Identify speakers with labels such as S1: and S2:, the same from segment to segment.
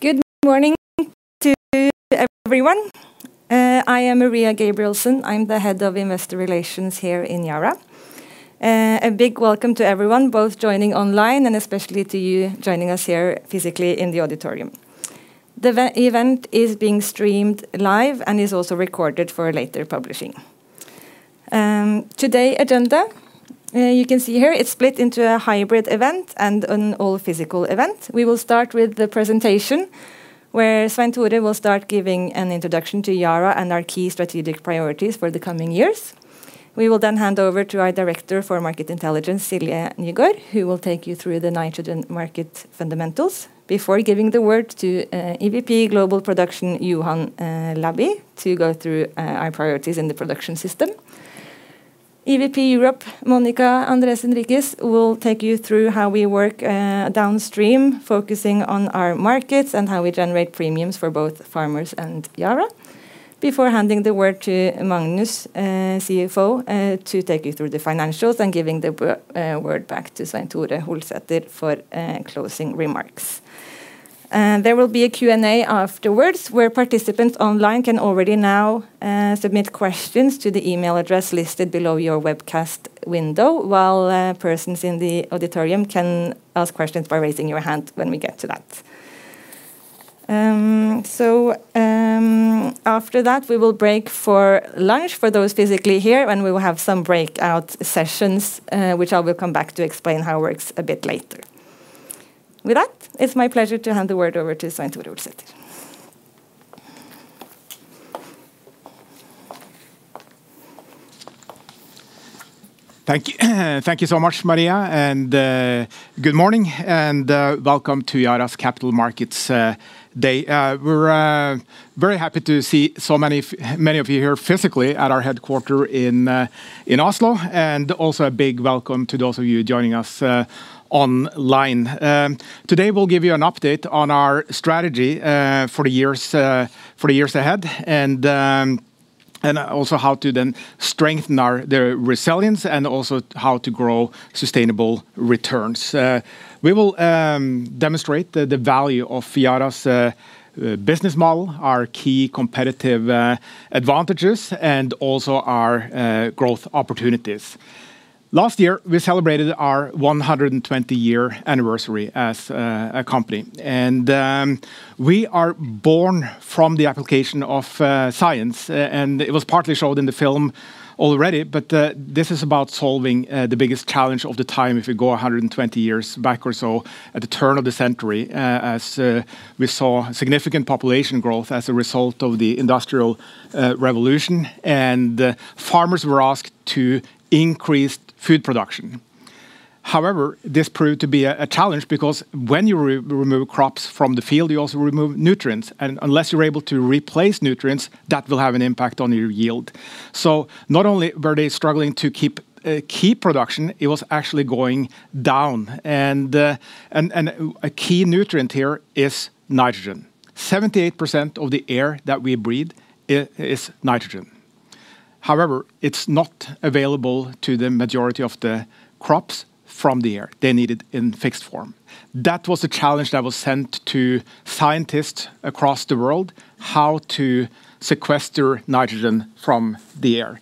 S1: Good morning to everyone. I am Maria Gabrielsen. I'm the Head of Investor Relations here in Yara. A big welcome to everyone, both joining online and especially to you joining us here physically in the auditorium. The event is being streamed live and is also recorded for later publishing. Today's agenda, you can see here, it's split into a hybrid event and an all-physical event. We will start with the presentation where Svein Tore will start giving an introduction to Yara and our key strategic priorities for the coming years. We will then hand over to our Director for Market Intelligence, Silje Nygaard, who will take you through the nitrogen market fundamentals. Before giving the word to EVP Global Production, Johan Labby, to go through our priorities in the production system. EVP Europe, Mónica Andrés Enríquez, will take you through how we work downstream, focusing on our markets and how we generate premiums for both farmers and Yara. Before handing the word to Magnus, CFO, to take you through the financials and giving the word back to Svein Tore Holsether for closing remarks. There will be a Q&A afterwards where participants online can already now submit questions to the email address listed below your webcast window, while persons in the auditorium can ask questions by raising your hand when we get to that. So after that, we will break for lunch for those physically here, and we will have some breakout sessions, which I will come back to explain how it works a bit later. With that, it's my pleasure to hand the word over to Svein Tore Holsether.
S2: Thank you. Thank you so much, Maria, and good morning, and welcome to Yara's Capital Markets Day. We're very happy to see so many of you here physically at our headquarters in Oslo, and also a big welcome to those of you joining us online. Today, we'll give you an update on our strategy for the years ahead and also how to then strengthen the resilience and also how to grow sustainable returns. We will demonstrate the value of Yara's business model, our key competitive advantages, and also our growth opportunities. Last year, we celebrated our 120-year anniversary as a company, and we are born from the application of science, and it was partly showed in the film already, but this is about solving the biggest challenge of the time if we go 120 years back or so at the turn of the century, as we saw significant population growth as a result of the Industrial Revolution, and farmers were asked to increase food production. However, this proved to be a challenge because when you remove crops from the field, you also remove nutrients, and unless you're able to replace nutrients, that will have an impact on your yield. So not only were they struggling to keep production, it was actually going down, and a key nutrient here is nitrogen. 78% of the air that we breathe is nitrogen. However, it's not available to the majority of the crops from the air. They need it in fixed form. That was the challenge that was sent to scientists across the world, how to sequester nitrogen from the air.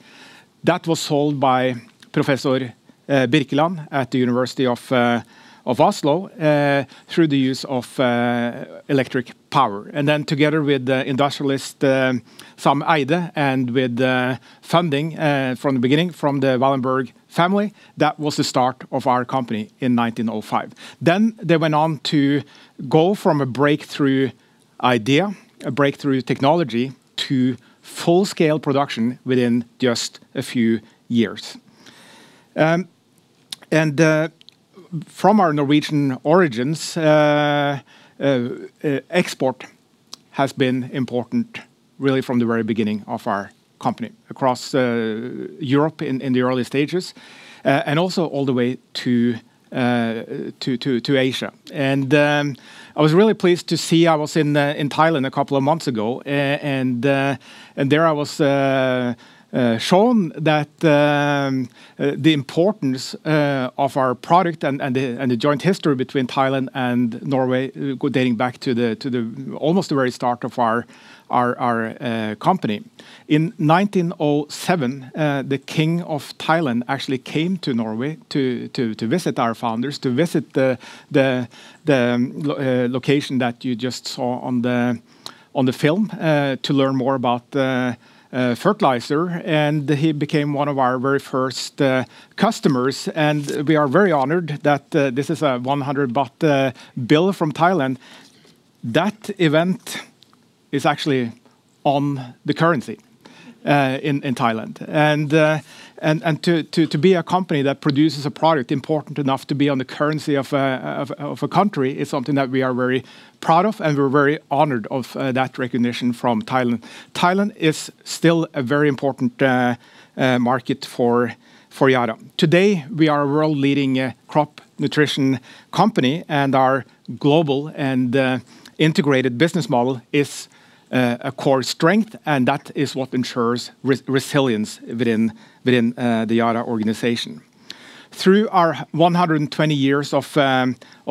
S2: That was solved by Professor Birkeland at the University of Oslo through the use of electric power, and then together with the industrialist Sam Eyde and with funding from the beginning from the Wallenberg family, that was the start of our company in 1905, then they went on to go from a breakthrough idea, a breakthrough technology, to full-scale production within just a few years, and from our Norwegian origins, export has been important really from the very beginning of our company across Europe in the early stages and also all the way to Asia. I was really pleased to see I was in Thailand a couple of months ago, and there I was shown that the importance of our product and the joint history between Thailand and Norway dating back to almost the very start of our company. In 1907, the King of Thailand actually came to Norway to visit our founders, to visit the location that you just saw on the film to learn more about fertilizer, and he became one of our very first customers. We are very honored that this is a 100 baht bill from Thailand. That event is actually on the currency in Thailand. To be a company that produces a product important enough to be on the currency of a country is something that we are very proud of, and we're very honored of that recognition from Thailand. Thailand is still a very important market for Yara. Today, we are a world-leading crop nutrition company, and our global and integrated business model is a core strength, and that is what ensures resilience within the Yara organization. Through our 120 years of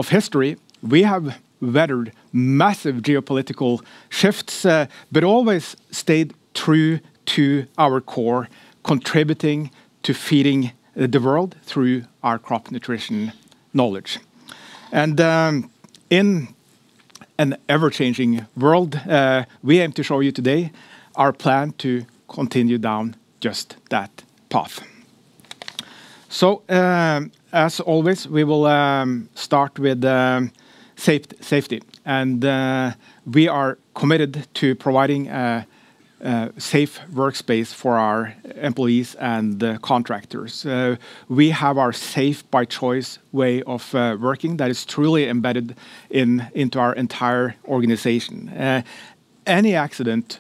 S2: history, we have weathered massive geopolitical shifts, but always stayed true to our core, contributing to feeding the world through our crop nutrition knowledge, and in an ever-changing world, we aim to show you today our plan to continue down just that path, so as always, we will start with safety, and we are committed to providing a safe workspace for our employees and contractors. We have our Safe by Choice way of working that is truly embedded into our entire organization. Any accident,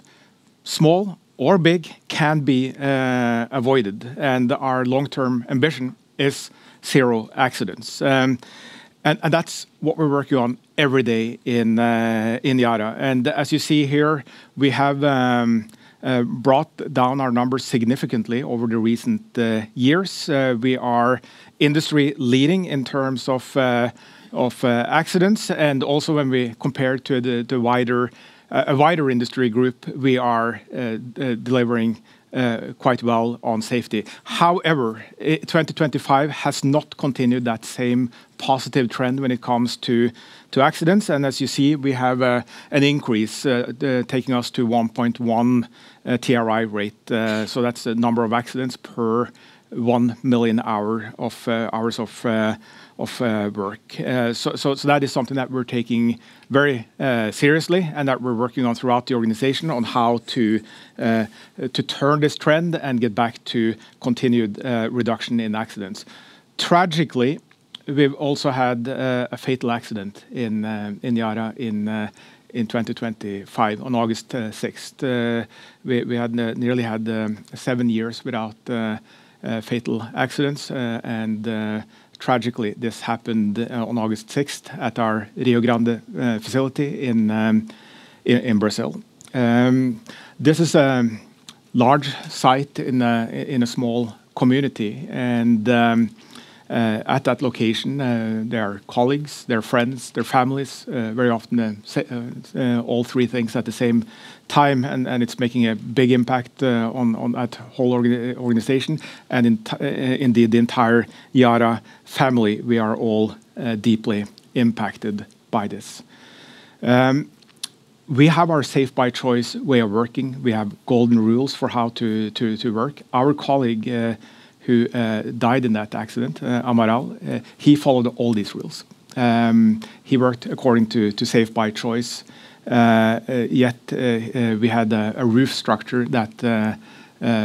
S2: small or big, can be avoided, and our long-term ambition is zero accidents, and that's what we're working on every day in Yara. As you see here, we have brought down our numbers significantly over the recent years. We are industry-leading in terms of accidents, and also when we compare to a wider industry group, we are delivering quite well on safety. However, 2025 has not continued that same positive trend when it comes to accidents, and as you see, we have an increase taking us to 1.1 TRI rate. So that's the number of accidents per 1 million hours of work. So that is something that we're taking very seriously and that we're working on throughout the organization on how to turn this trend and get back to continued reduction in accidents. Tragically, we've also had a fatal accident in Yara in 2025 on August 6th. We had nearly had seven years without fatal accidents, and tragically, this happened on August 6th at our Rio Grande facility in Brazil. This is a large site in a small community, and at that location, there are colleagues, there are friends, there are families, very often all three things at the same time, and it's making a big impact on that whole organization. Indeed, the entire Yara family, we are all deeply impacted by this. We have our Safe by Choice way of working. We have Golden Rules for how to work. Our colleague who died in that accident, Amaral, he followed all these rules. He worked according to Safe by Choice, yet we had a roof structure that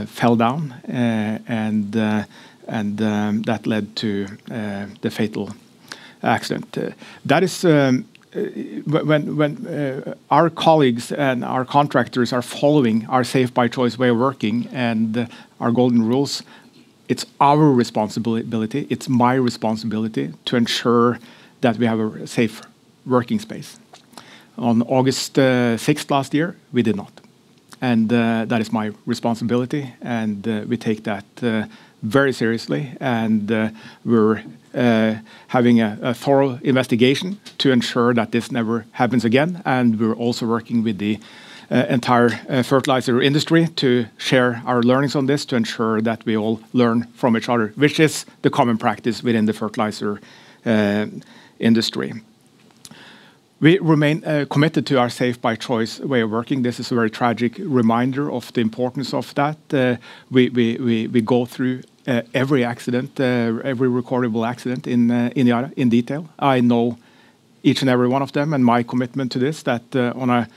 S2: fell down, and that led to the fatal accident. That is when our colleagues and our contractors are following our Safe by Choice way of working and our Golden Rules, it's our responsibility, it's my responsibility to ensure that we have a safe working space. On August 6th last year, we did not, and that is my responsibility, and we take that very seriously, and we're having a thorough investigation to ensure that this never happens again, and we're also working with the entire fertilizer industry to share our learnings on this to ensure that we all learn from each other, which is the common practice within the fertilizer industry. We remain committed to our Safe by Choice way of working. This is a very tragic reminder of the importance of that. We go through every accident, every recordable accident in Yara in detail. I know each and every one of them and my commitment to this that on a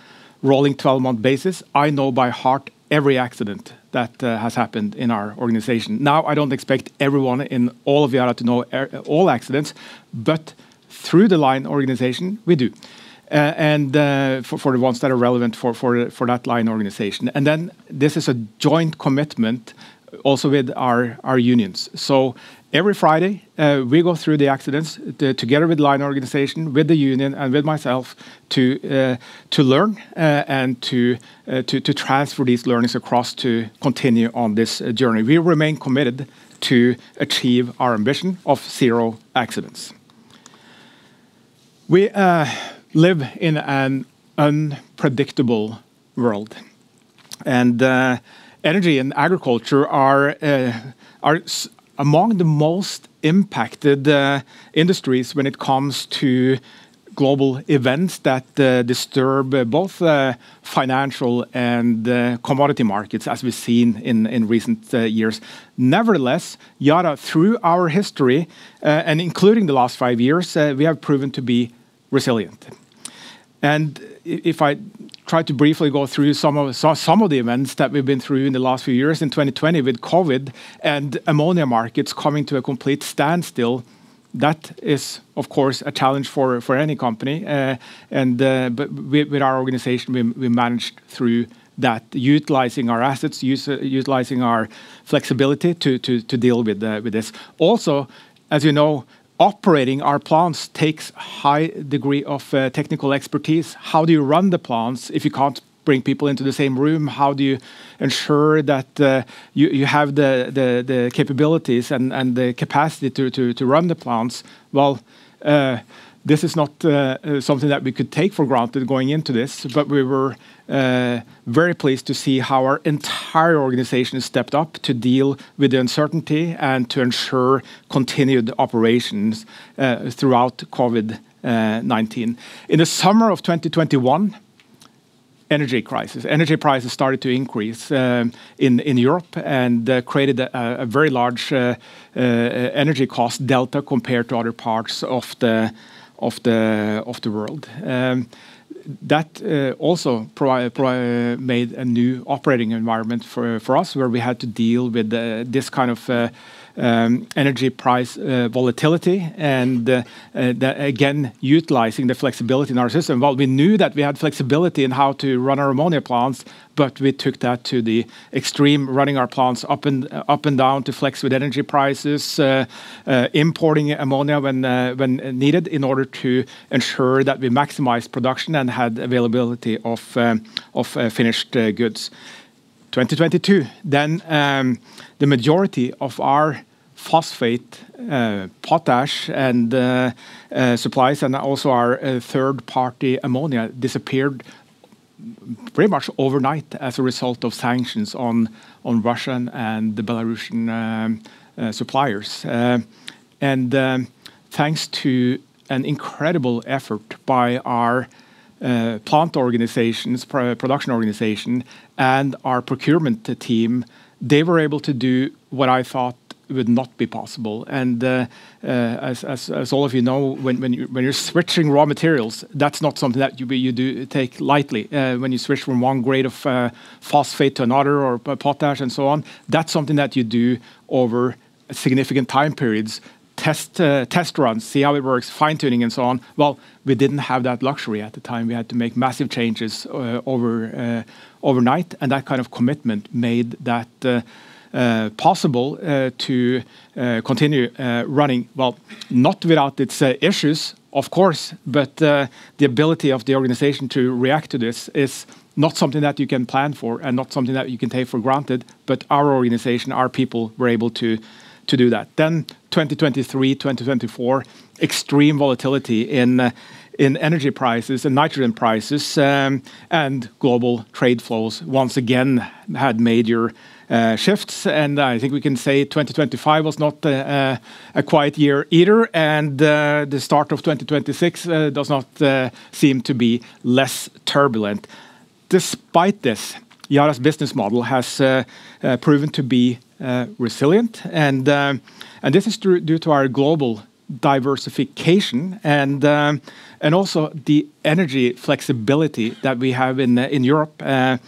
S2: rolling 12-month basis, I know by heart every accident that has happened in our organization. Now, I don't expect everyone in all of Yara to know all accidents, but through the line organization, we do, and for the ones that are relevant for that line organization, and then this is a joint commitment also with our unions, so every Friday, we go through the accidents together with the line organization, with the union, with myself to learn and to transfer these learnings across to continue on this journey. We remain committed to achieve our ambition of zero accidents. We live in an unpredictable world, and energy and agriculture are among the most impacted industries when it comes to global events that disturb both financial and commodity markets, as we've seen in recent years. Nevertheless, Yara, through our history, and including the last five years, we have proven to be resilient. And if I try to briefly go through some of the events that we've been through in the last few years in 2020 with COVID and ammonia markets coming to a complete standstill, that is, of course, a challenge for any company. And with our organization, we managed through that, utilizing our assets, utilizing our flexibility to deal with this. Also, as you know, operating our plants takes a high degree of technical expertise. How do you run the plants if you can't bring people into the same room? How do you ensure that you have the capabilities and the capacity to run the plants? Well, this is not something that we could take for granted going into this, but we were very pleased to see how our entire organization stepped up to deal with the uncertainty and to ensure continued operations throughout COVID-19. In the summer of 2021, energy crisis. Energy prices started to increase in Europe and created a very large energy cost delta compared to other parts of the world. That also made a new operating environment for us where we had to deal with this kind of energy price volatility and, again, utilizing the flexibility in our system. Well, we knew that we had flexibility in how to run our ammonia plants, but we took that to the extreme, running our plants up and down to flex with energy prices, importing ammonia when needed in order to ensure that we maximized production and had availability of finished goods. In 2022, then the majority of our phosphate, potash, and supplies, and also our third-party ammonia disappeared pretty much overnight as a result of sanctions on Russian and Belarusian suppliers. Thanks to an incredible effort by our plant organizations, production organization, and our procurement team, they were able to do what I thought would not be possible. As all of you know, when you're switching raw materials, that's not something that you take lightly. When you switch from one grade of phosphate to another or potash and so on, that's something that you do over significant time periods, test runs, see how it works, fine-tuning, and so on. We didn't have that luxury at the time. We had to make massive changes overnight, and that kind of commitment made that possible to continue running. Not without its issues, of course, but the ability of the organization to react to this is not something that you can plan for and not something that you can take for granted. Our organization, our people were able to do that. 2023, 2024, extreme volatility in energy prices and nitrogen prices and global trade flows once again had major shifts. I think we can say 2025 was not a quiet year either, and the start of 2026 does not seem to be less turbulent. Despite this, Yara's business model has proven to be resilient, and this is due to our global diversification and also the energy flexibility that we have in Europe. When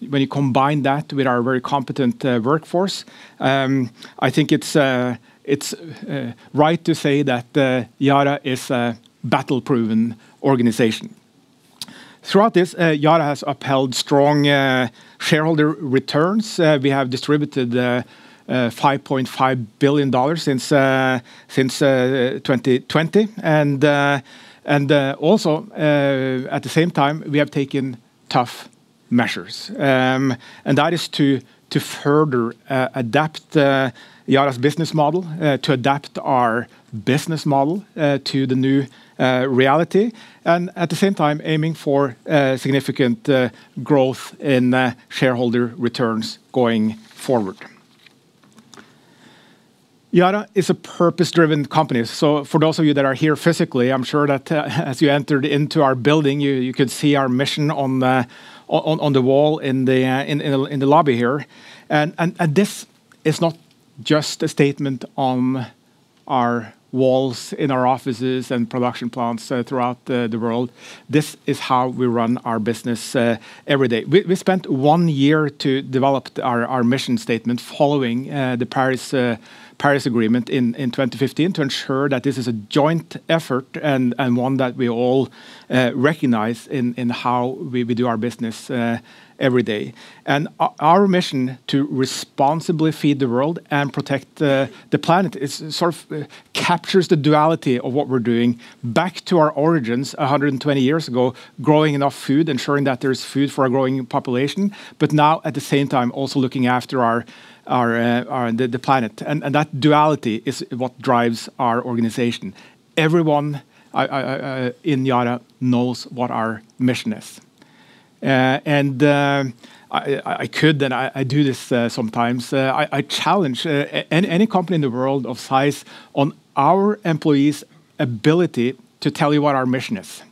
S2: you combine that with our very competent workforce, I think it's right to say that Yara is a battle-proven organization. Throughout this, Yara has upheld strong shareholder returns. We have distributed $5.5 billion since 2020, and also, at the same time, we have taken tough measures. That is to further adapt Yara's business model, to adapt our business model to the new reality, and at the same time, aiming for significant growth in shareholder returns going forward. Yara is a purpose-driven company. For those of you that are here physically, I'm sure that as you entered into our building, you could see our mission on the wall in the lobby here. This is not just a statement on our walls in our offices and production plants throughout the world. This is how we run our business every day. We spent one year to develop our mission statement following the Paris Agreement in 2015 to ensure that this is a joint effort and one that we all recognize in how we do our business every day. And our mission to responsibly feed the world and protect the planet sort of captures the duality of what we're doing back to our origins 120 years ago, growing enough food, ensuring that there's food for a growing population, but now, at the same time, also looking after the planet. And that duality is what drives our organization. Everyone in Yara knows what our mission is. And I could, and I do this sometimes, I challenge any company in the world of size on our employees' ability to tell you what our mission is.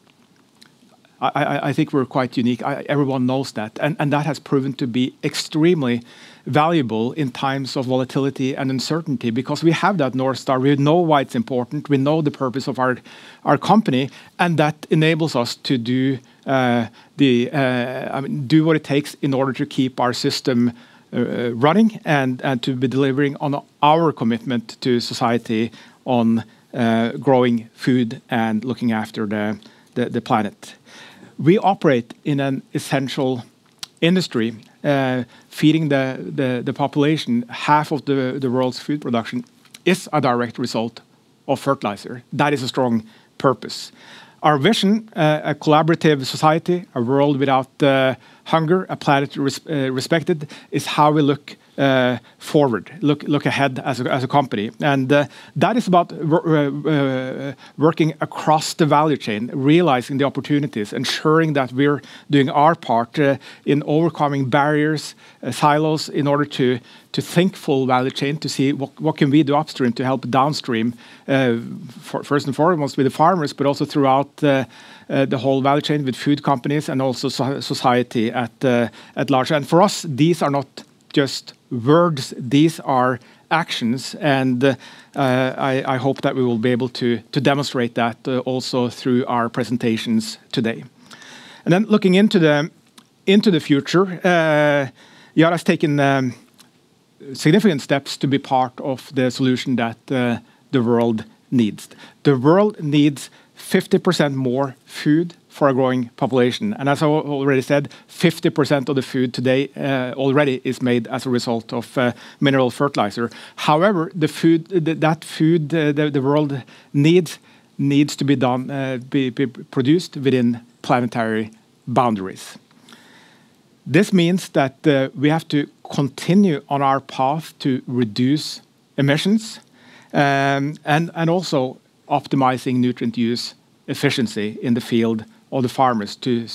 S2: I think we're quite unique. Everyone knows that, and that has proven to be extremely valuable in times of volatility and uncertainty because we have that North Star. We know why it's important. We know the purpose of our company, and that enables us to do what it takes in order to keep our system running and to be delivering on our commitment to society on growing food and looking after the planet. We operate in an essential industry feeding the population. Half of the world's food production is a direct result of fertilizer. That is a strong purpose. Our vision, a collaborative society, a world without hunger, a planet respected, is how we look forward, look ahead as a company, and that is about working across the value chain, realizing the opportunities, ensuring that we're doing our part in overcoming barriers, silos in order to think full value chain, to see what can we do upstream to help downstream, first and foremost with the farmers, but also throughout the whole value chain with food companies and also society at large. For us, these are not just words. These are actions, and I hope that we will be able to demonstrate that also through our presentations today. Then looking into the future, Yara has taken significant steps to be part of the solution that the world needs. The world needs 50% more food for a growing population. As I already said, 50% of the food today already is made as a result of mineral fertilizer. However, that food the world needs to be produced within planetary boundaries. This means that we have to continue on our path to reduce emissions and also optimizing nutrient use efficiency in the field of the farmers to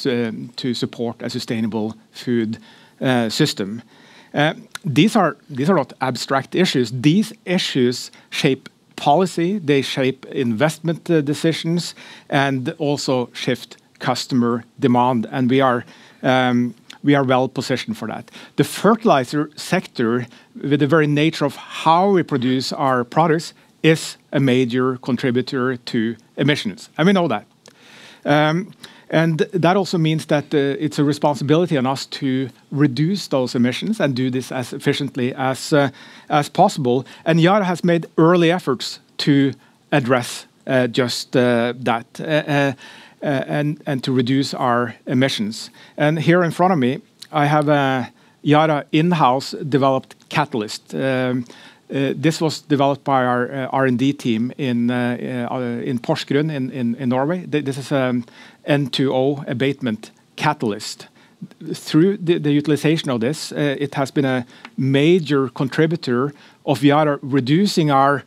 S2: support a sustainable food system. These are not abstract issues. These issues shape policy. They shape investment decisions and also shift customer demand. We are well positioned for that. The fertilizer sector, with the very nature of how we produce our products, is a major contributor to emissions. And we know that. And that also means that it's a responsibility on us to reduce those emissions and do this as efficiently as possible. And Yara has made early efforts to address just that and to reduce our emissions. And here in front of me, I have a Yara in-house developed catalyst. This was developed by our R&D team in Porsgrunn in Norway. This is an N2O abatement catalyst. Through the utilization of this, it has been a major contributor of Yara reducing our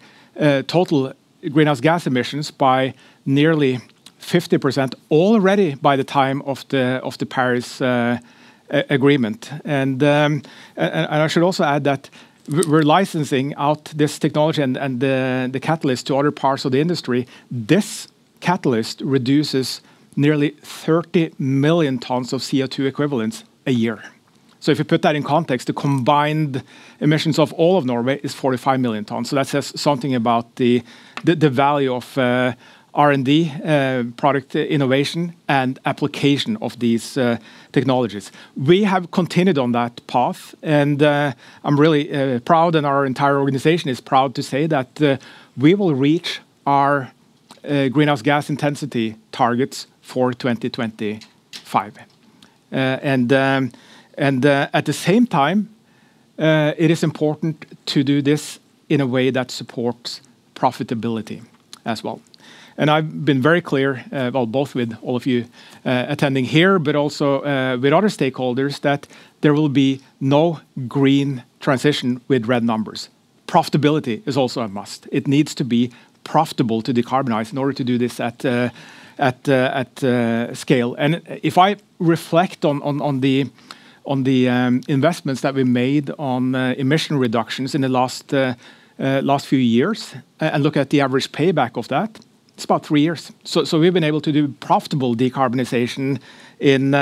S2: total greenhouse gas emissions by nearly 50% already by the time of the Paris Agreement. And I should also add that we're licensing out this technology and the catalyst to other parts of the industry. This catalyst reduces nearly 30 million tons of CO2 equivalents a year, so if you put that in context, the combined emissions of all of Norway is 45 million tons, so that says something about the value of R&D, product innovation, and application of these technologies. We have continued on that path, and I'm really proud, and our entire organization is proud to say that we will reach our greenhouse gas intensity targets for 2025, and at the same time, it is important to do this in a way that supports profitability as well. And I've been very clear, both with all of you attending here, but also with other stakeholders, that there will be no green transition with red numbers. Profitability is also a must. It needs to be profitable to decarbonize in order to do this at scale. If I reflect on the investments that we made on emissions reductions in the last few years and look at the average payback of that, it's about three years. We've been able to do profitable decarbonization in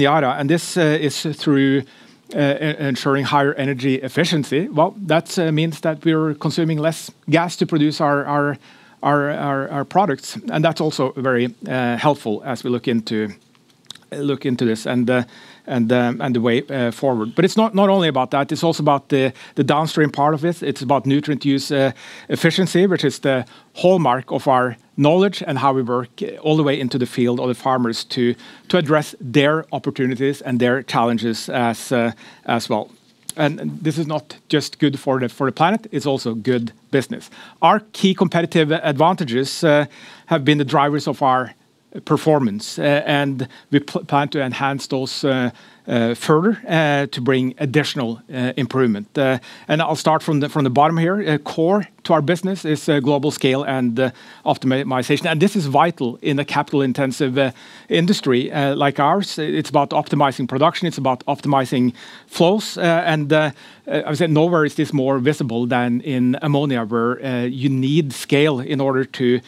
S2: Yara. This is through ensuring higher energy efficiency. That means that we're consuming less gas to produce our products. That's also very helpful as we look into this and the way forward. It's not only about that. It's also about the downstream part of it. It's about nutrient use efficiency, which is the hallmark of our knowledge and how we work all the way into the field of the farmers to address their opportunities and their challenges as well. This is not just good for the planet. It's also good business. Our key competitive advantages have been the drivers of our performance, and we plan to enhance those further to bring additional improvement, and I'll start from the bottom here. Core to our business is global scale and optimization, and this is vital in a capital-intensive industry like ours. It's about optimizing production. It's about optimizing flows, and I would say nowhere is this more visible than in ammonia, where you need scale in order to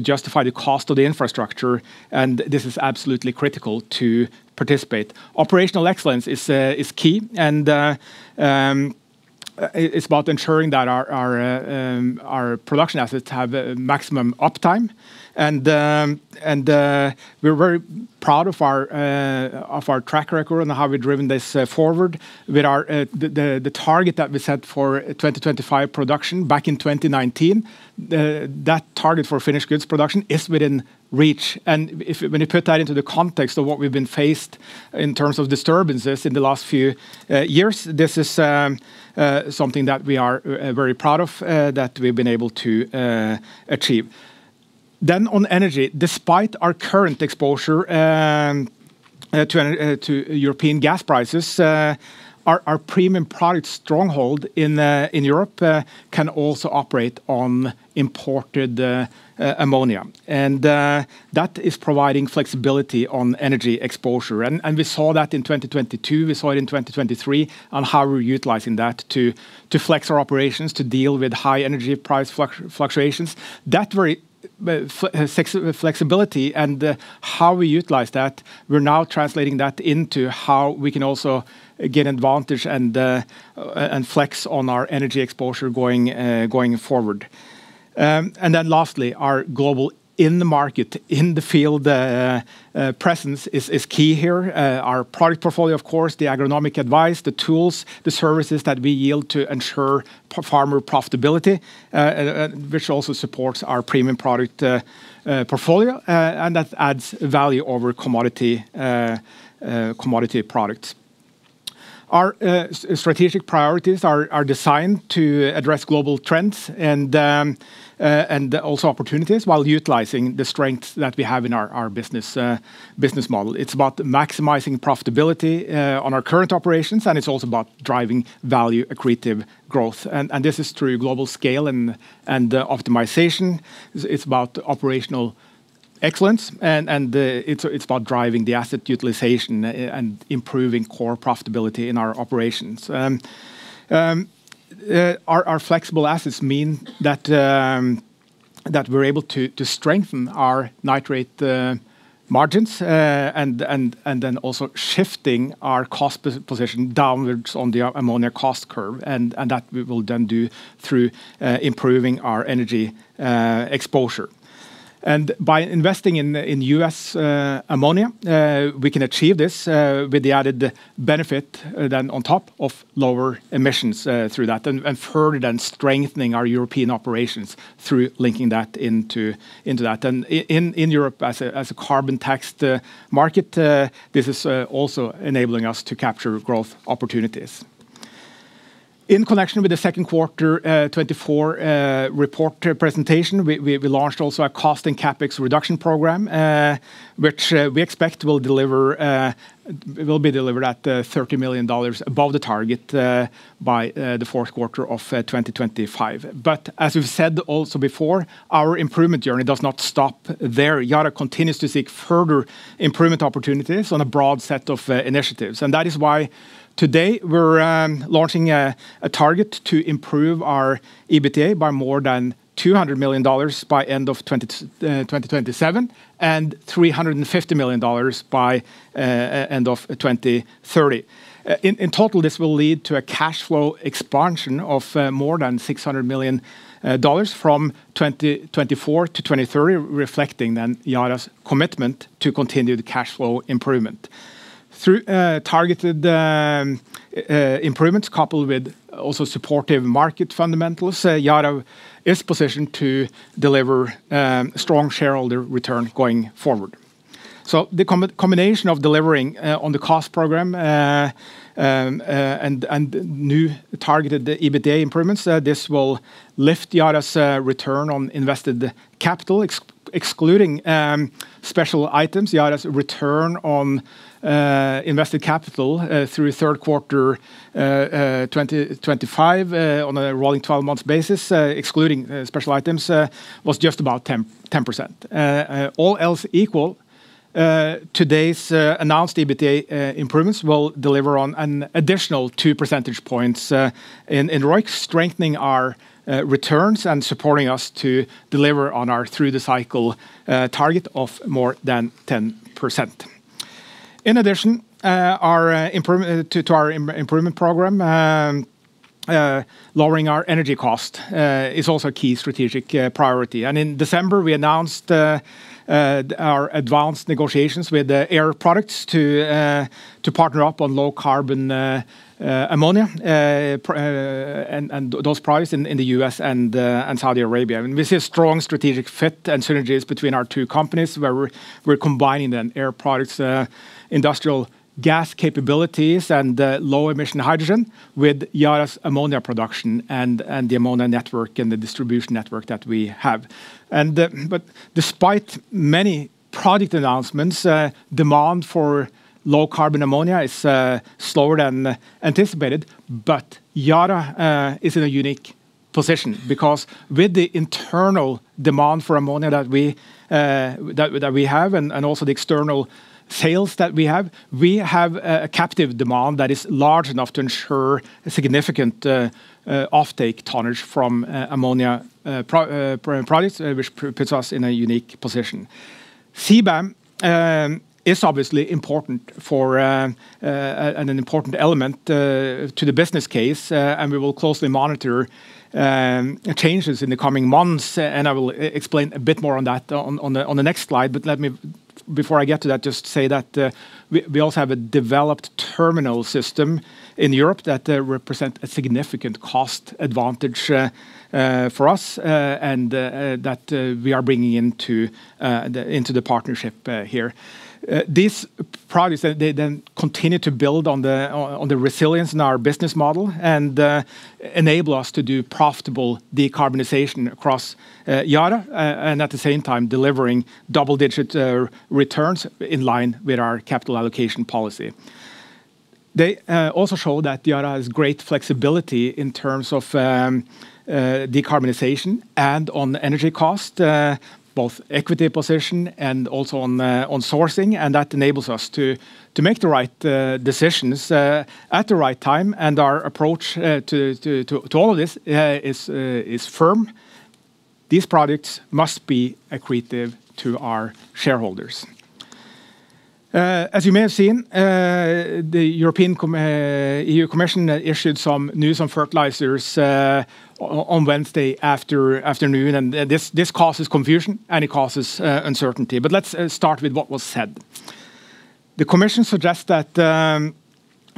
S2: justify the cost of the infrastructure, and this is absolutely critical to participate. Operational excellence is key, and it's about ensuring that our production assets have maximum uptime, and we're very proud of our track record and how we've driven this forward with the target that we set for 2025 production back in 2019. That target for finished goods production is within reach. And when you put that into the context of what we've been faced in terms of disturbances in the last few years, this is something that we are very proud of that we've been able to achieve. Then on energy, despite our current exposure to European gas prices, our premium product stronghold in Europe can also operate on imported ammonia. And that is providing flexibility on energy exposure. And we saw that in 2022. We saw it in 2023 on how we're utilizing that to flex our operations to deal with high energy price fluctuations. That flexibility and how we utilize that, we're now translating that into how we can also get advantage and flex on our energy exposure going forward. And then lastly, our global in-market, in-the-field presence is key here. Our product portfolio, of course, the agronomic advice, the tools, the services that we yield to ensure farmer profitability, which also supports our premium product portfolio. And that adds value over commodity products. Our strategic priorities are designed to address global trends and also opportunities while utilizing the strengths that we have in our business model. It's about maximizing profitability on our current operations, and it's also about driving value, accretive growth. And this is true global scale and optimization. It's about operational excellence, and it's about driving the asset utilization and improving core profitability in our operations. Our flexible assets mean that we're able to strengthen our nitrate margins and then also shifting our cost position downwards on the ammonia cost curve. And that we will then do through improving our energy exposure. By investing in U.S. ammonia, we can achieve this with the added benefit then on top of lower emissions through that and further than strengthening our European operations through linking that into that. In Europe, as a carbon tax market, this is also enabling us to capture growth opportunities. In connection with the second quarter 2024 report presentation, we launched also a cost and CapEx reduction program, which we expect will be delivered at $30 million above the target by the fourth quarter of 2025. But as we've said also before, our improvement journey does not stop there. Yara continues to seek further improvement opportunities on a broad set of initiatives. That is why today we're launching a target to improve our EBITDA by more than $200 million by end of 2027 and $350 million by end of 2030. In total, this will lead to a cash flow expansion of more than $600 million from 2024 to 2030, reflecting then Yara's commitment to continued cash flow improvement. Through targeted improvements coupled with also supportive market fundamentals, Yara is positioned to deliver strong shareholder return going forward, so the combination of delivering on the cost program and new targeted EBITDA improvements will lift Yara's return on invested capital, excluding special items. Yara's return on invested capital through third quarter 2025 on a rolling 12-month basis, excluding special items, was just about 10%. All else equal, today's announced EBITDA improvements will deliver on an additional 2 percentage points in ROIC, strengthening our returns and supporting us to deliver on our through-the-cycle target of more than 10%. In addition to our improvement program, lowering our energy cost is also a key strategic priority. In December, we announced our advanced negotiations with Air Products to partner up on low carbon ammonia and those products in the U.S. and Saudi Arabia. We see a strong strategic fit and synergies between our two companies where we're combining Air Products' industrial gas capabilities, and low emission hydrogen with Yara's ammonia production and the ammonia network and the distribution network that we have. Despite many project announcements, demand for low carbon ammonia is slower than anticipated, but Yara is in a unique position because with the internal demand for ammonia that we have and also the external sales that we have, we have a captive demand that is large enough to ensure significant offtake tonnage from ammonia products, which puts us in a unique position. CBAM is obviously important and an important element to the business case, and we will closely monitor changes in the coming months, and I will explain a bit more on that on the next slide, but before I get to that, just say that we also have a developed terminal system in Europe that represents a significant cost advantage for us and that we are bringing into the partnership here. These products, they then continue to build on the resilience in our business model and enable us to do profitable decarbonization across Yara and at the same time delivering double-digit returns in line with our capital allocation policy. They also show that Yara has great flexibility in terms of decarbonization and on energy cost, both equity position and also on sourcing, and that enables us to make the right decisions at the right time. Our approach to all of this is firm. These products must be accretive to our shareholders. As you may have seen, the European Commission issued some news on fertilizers on Wednesday afternoon. This causes confusion and it causes uncertainty. Let's start with what was said. The Commission suggests that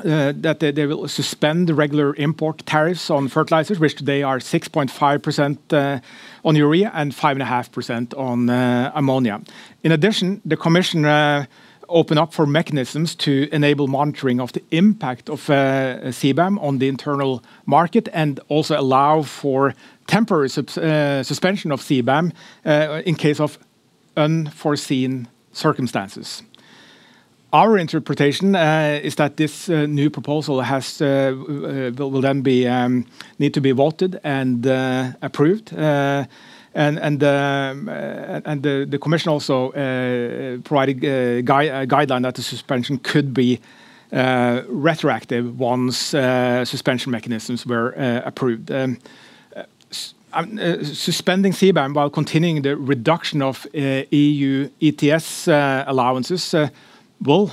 S2: they will suspend regular import tariffs on fertilizers, which they are 6.5% on urea and 5.5% on ammonia. In addition, the Commission opened up for mechanisms to enable monitoring of the impact of CBAM on the internal market and also allow for temporary suspension of CBAM in case of unforeseen circumstances. Our interpretation is that this new proposal will then need to be voted and approved. The Commission also provided a guideline that the suspension could be retroactive once suspension mechanisms were approved. Suspending CBAM while continuing the reduction of EU ETS allowances will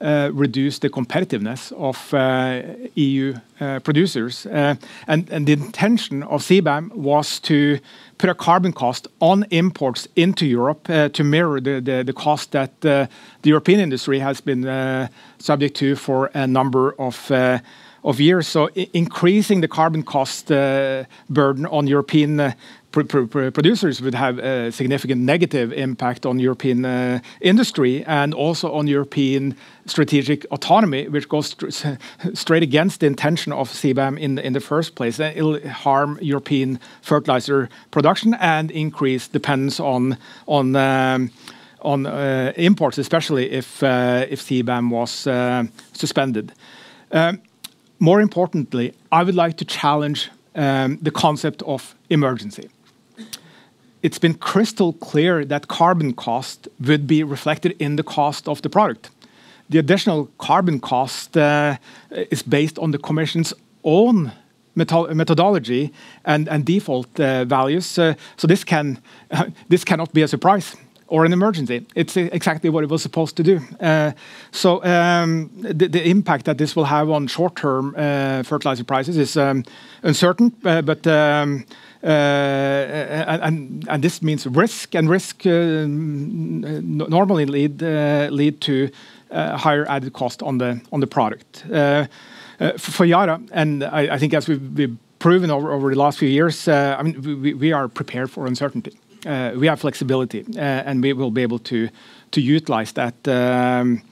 S2: reduce the competitiveness of EU producers. The intention of CBAM was to put a carbon cost on imports into Europe to mirror the cost that the European industry has been subject to for a number of years. Increasing the carbon cost burden on European producers would have a significant negative impact on European industry and also on European strategic autonomy, which goes straight against the intention of CBAM in the first place. It will harm European fertilizer production and increase dependence on imports, especially if CBAM was suspended. More importantly, I would like to challenge the concept of emergency. It's been crystal clear that carbon cost would be reflected in the cost of the product. The additional carbon cost is based on the Commission's own methodology and default values. This cannot be a surprise or an emergency. It's exactly what it was supposed to do. The impact that this will have on short-term fertilizer prices is uncertain. This means risk, and risk normally lead to higher added cost on the product. For Yara, I think as we've proven over the last few years, we are prepared for uncertainty. We have flexibility, and we will be able to utilize that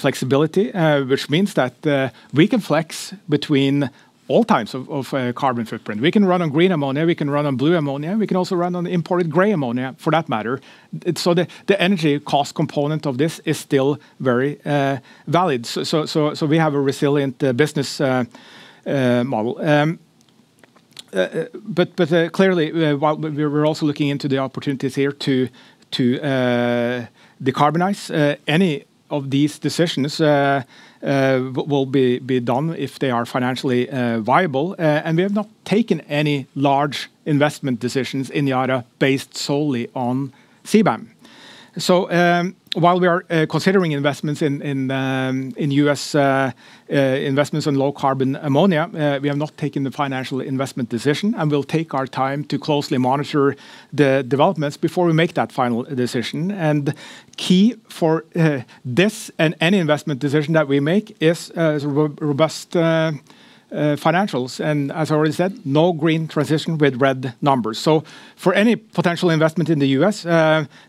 S2: flexibility, which means that we can flex between all types of carbon footprint. We can run on green ammonia. We can run on blue ammonia. We can also run on imported gray ammonia, for that matter. The energy cost component of this is still very valid. We have a resilient business model. Clearly, we're also looking into the opportunities here to decarbonize. Any of these decisions will be done if they are financially viable. And we have not taken any large investment decisions in Yara based solely on CBAM. So while we are considering investments in U.S. investments on low carbon ammonia, we have not taken the financial investment decision. And we'll take our time to closely monitor the developments before we make that final decision. And key for this and any investment decision that we make is robust financials. And as I already said, no green transition with red numbers. So for any potential investment in the U.S.,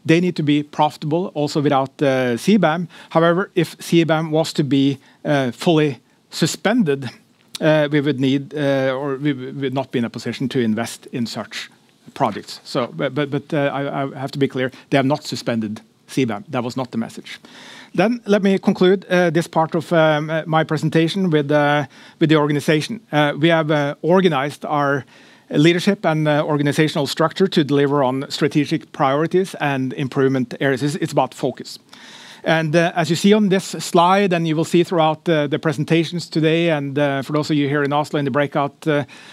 S2: they need to be profitable also without CBAM. However, if CBAM was to be fully suspended, we would not be in a position to invest in such projects. But I have to be clear, they have not suspended CBAM. That was not the message. Then let me conclude this part of my presentation with the organization. We have organized our leadership and organizational structure to deliver on strategic priorities and improvement areas. It's about focus. And as you see on this slide, and you will see throughout the presentations today and for those of you here in Oslo in the breakout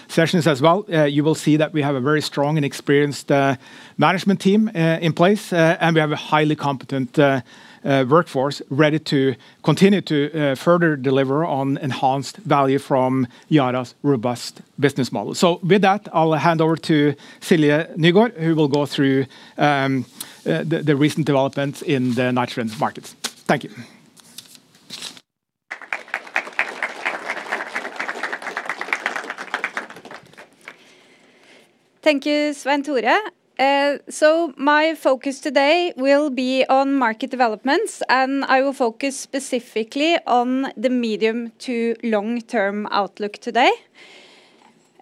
S2: sessions as well, you will see that we have a very strong and experienced management team in place. And we have a highly competent workforce ready to continue to further deliver on enhanced value from Yara's robust business model. So with that, I'll hand over to Silje Nygaard, who will go through the recent developments in the nitrogen markets. Thank you.
S3: Thank you, Svein Tore. So my focus today will be on market developments, and I will focus specifically on the medium to long-term outlook today.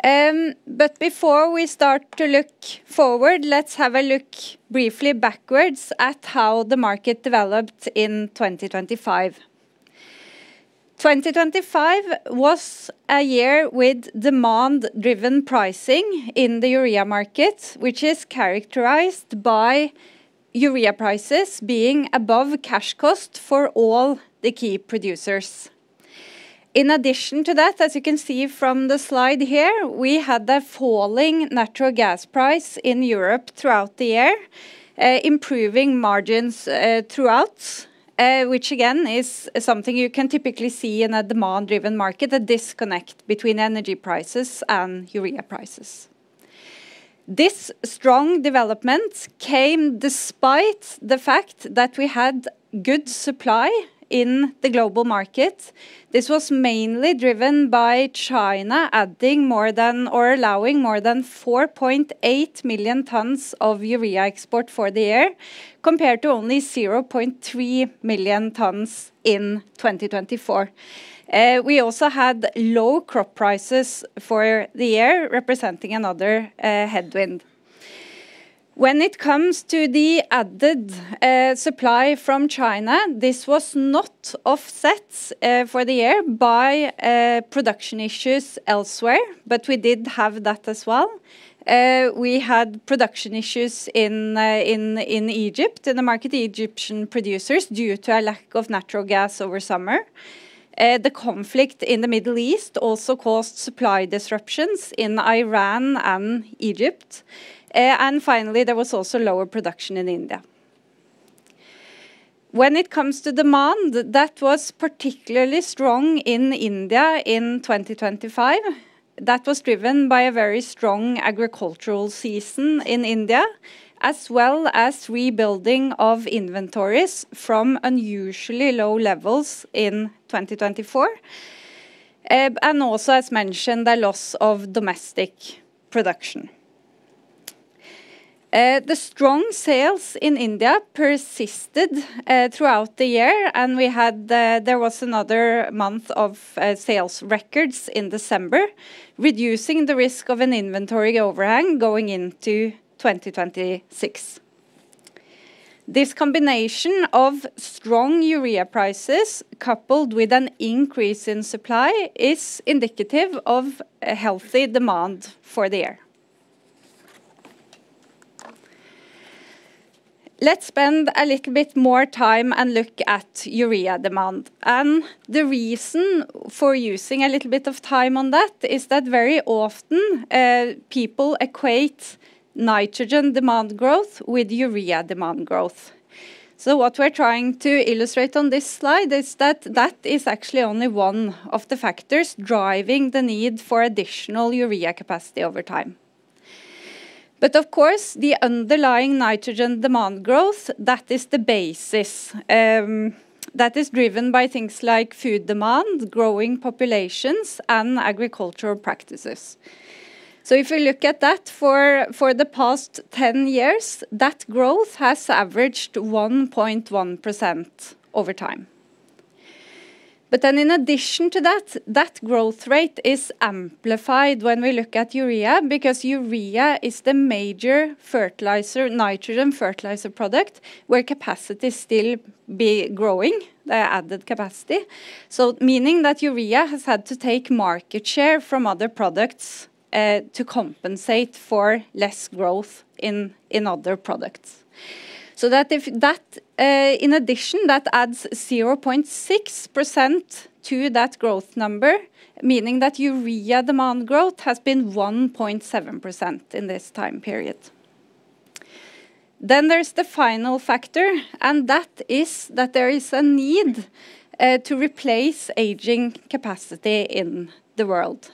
S3: But before we start to look forward, let's have a look briefly backwards at how the market developed in 2025. 2025 was a year with demand-driven pricing in the urea market, which is characterized by urea prices being above cash cost for all the key producers. In addition to that, as you can see from the slide here, we had a falling natural gas price in Europe throughout the year, improving margins throughout, which again is something you can typically see in a demand-driven market, a disconnect between energy prices and urea prices. This strong development came despite the fact that we had good supply in the global market. This was mainly driven by China adding more than or allowing more than 4.8 million tons of urea export for the year, compared to only 0.3 million tons in 2024. We also had low crop prices for the year, representing another headwind. When it comes to the added supply from China, this was not offset for the year by production issues elsewhere, but we did have that as well. We had production issues in Egypt, in the market, Egyptian producers due to a lack of natural gas over summer. The conflict in the Middle East also caused supply disruptions in Iran and Egypt. And finally, there was also lower production in India. When it comes to demand, that was particularly strong in India in 2025. That was driven by a very strong agricultural season in India, as well as rebuilding of inventories from unusually low levels in 2024. And also, as mentioned, the loss of domestic production. The strong sales in India persisted throughout the year, and we had another month of sales records in December, reducing the risk of an inventory overhang going into 2026. This combination of strong urea prices coupled with an increase in supply is indicative of healthy demand for the year. Let's spend a little bit more time and look at urea demand. The reason for using a little bit of time on that is that very often people equate nitrogen demand growth with urea demand growth. So what we're trying to illustrate on this slide is that that is actually only one of the factors driving the need for additional urea capacity over time. But of course, the underlying nitrogen demand growth, that is the basis that is driven by things like food demand, growing populations, and agricultural practices. So if we look at that for the past 10 years, that growth has averaged 1.1% over time. But then in addition to that, that growth rate is amplified when we look at urea because urea is the major fertilizer, nitrogen fertilizer product where capacity still be growing, the added capacity. So meaning that urea has had to take market share from other products to compensate for less growth in other products. So that in addition, that adds 0.6% to that growth number, meaning that urea demand growth has been 1.7% in this time period. Then there's the final factor, and that is that there is a need to replace aging capacity in the world.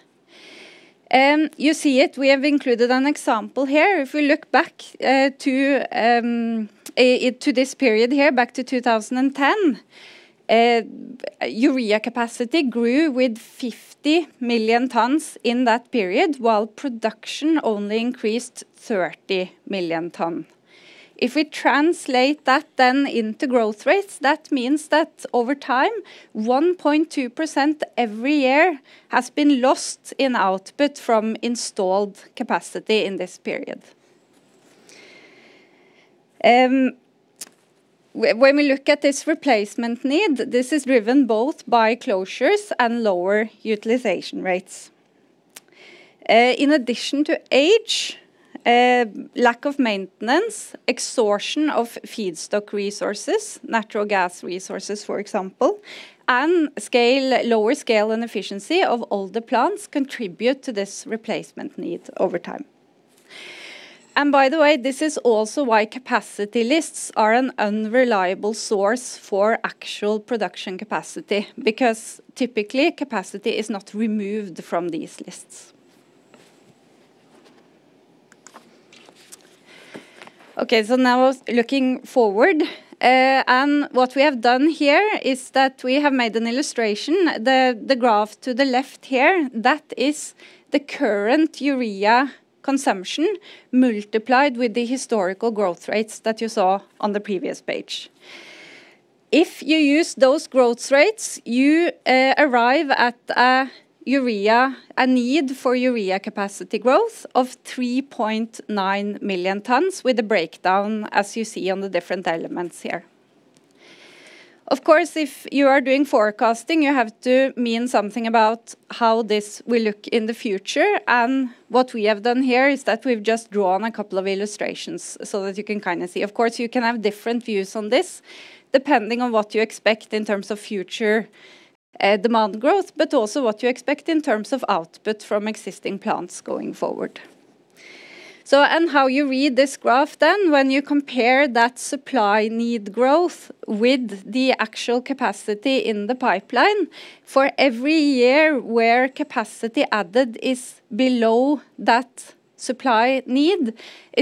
S3: You see it, we have included an example here. If we look back to this period here, back to 2010, urea capacity grew with 50 million tons in that period while production only increased 30 million tons. If we translate that then into growth rates, that means that over time, 1.2% every year has been lost in output from installed capacity in this period. When we look at this replacement need, this is driven both by closures and lower utilization rates. In addition to age, lack of maintenance, exhaustion of feedstock resources, natural gas resources, for example, and lower scale and efficiency of all the plants contribute to this replacement need over time. By the way, this is also why capacity lists are an unreliable source for actual production capacity because typically capacity is not removed from these lists. Okay, so now looking forward, and what we have done here is that we have made an illustration, the graph to the left here, that is the current urea consumption multiplied with the historical growth rates that you saw on the previous page. If you use those growth rates, you arrive at a need for urea capacity growth of 3.9 million tons with a breakdown as you see on the different elements here. Of course, if you are doing forecasting, you have to mean something about how this will look in the future, and what we have done here is that we've just drawn a couple of illustrations so that you can kind of see. Of course, you can have different views on this depending on what you expect in terms of future demand growth, but also what you expect in terms of output from existing plants going forward. How you read this graph then: when you compare that demand growth with the actual capacity in the pipeline for every year where capacity added is below that demand,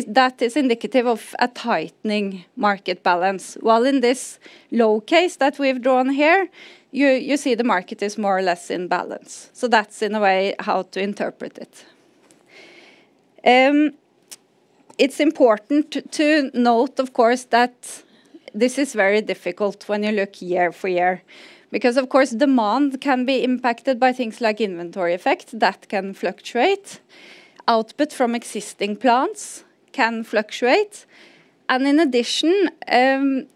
S3: that is indicative of a tightening market balance. While in this low case that we've drawn here, you see the market is more or less in balance. That's in a way how to interpret it. It's important to note, of course, that this is very difficult when you look year for year because, of course, demand can be impacted by things like inventory effect that can fluctuate. Output from existing plants can fluctuate. In addition, the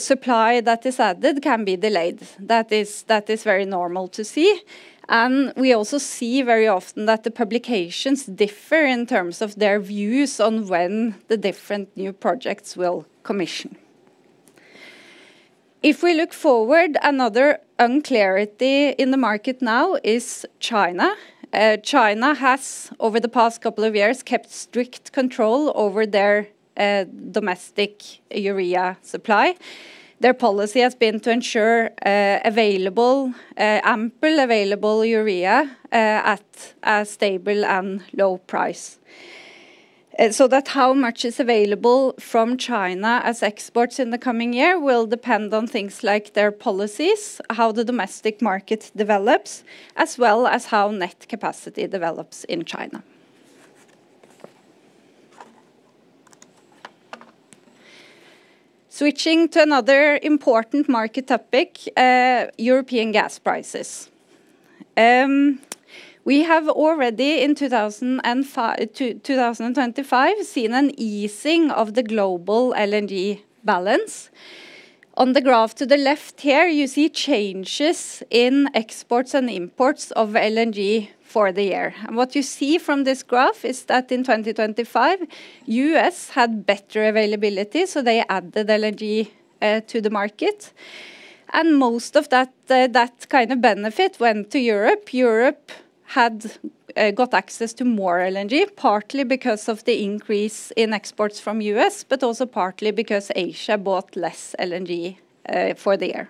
S3: supply that is added can be delayed. That is very normal to see. We also see very often that the publications differ in terms of their views on when the different new projects will commission. If we look forward, another unclarity in the market now is China. China has, over the past couple of years, kept strict control over their domestic urea supply. Their policy has been to ensure ample available urea at a stable and low price. So that how much is available from China as exports in the coming year will depend on things like their policies, how the domestic market develops, as well as how net capacity develops in China. Switching to another important market topic, European gas prices. We have already in 2025 seen an easing of the global LNG balance. On the graph to the left here, you see changes in exports and imports of LNG for the year, and what you see from this graph is that in 2025, U.S. had better availability, so they added LNG to the market. Most of that kind of benefit went to Europe. Europe had got access to more LNG, partly because of the increase in exports from U.S., but also partly because Asia bought less LNG for the year.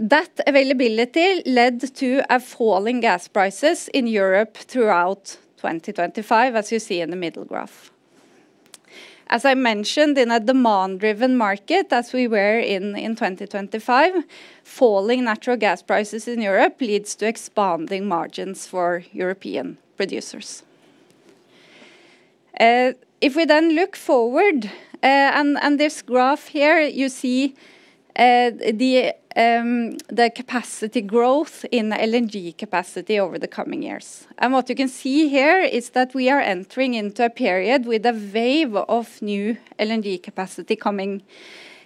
S3: That availability led to a falling gas prices in Europe throughout 2025, as you see in the middle graph. As I mentioned, in a demand-driven market, as we were in 2025, falling natural gas prices in Europe leads to expanding margins for European producers. If we then look forward, and this graph here, you see the capacity growth in LNG capacity over the coming years. What you can see here is that we are entering into a period with a wave of new LNG capacity coming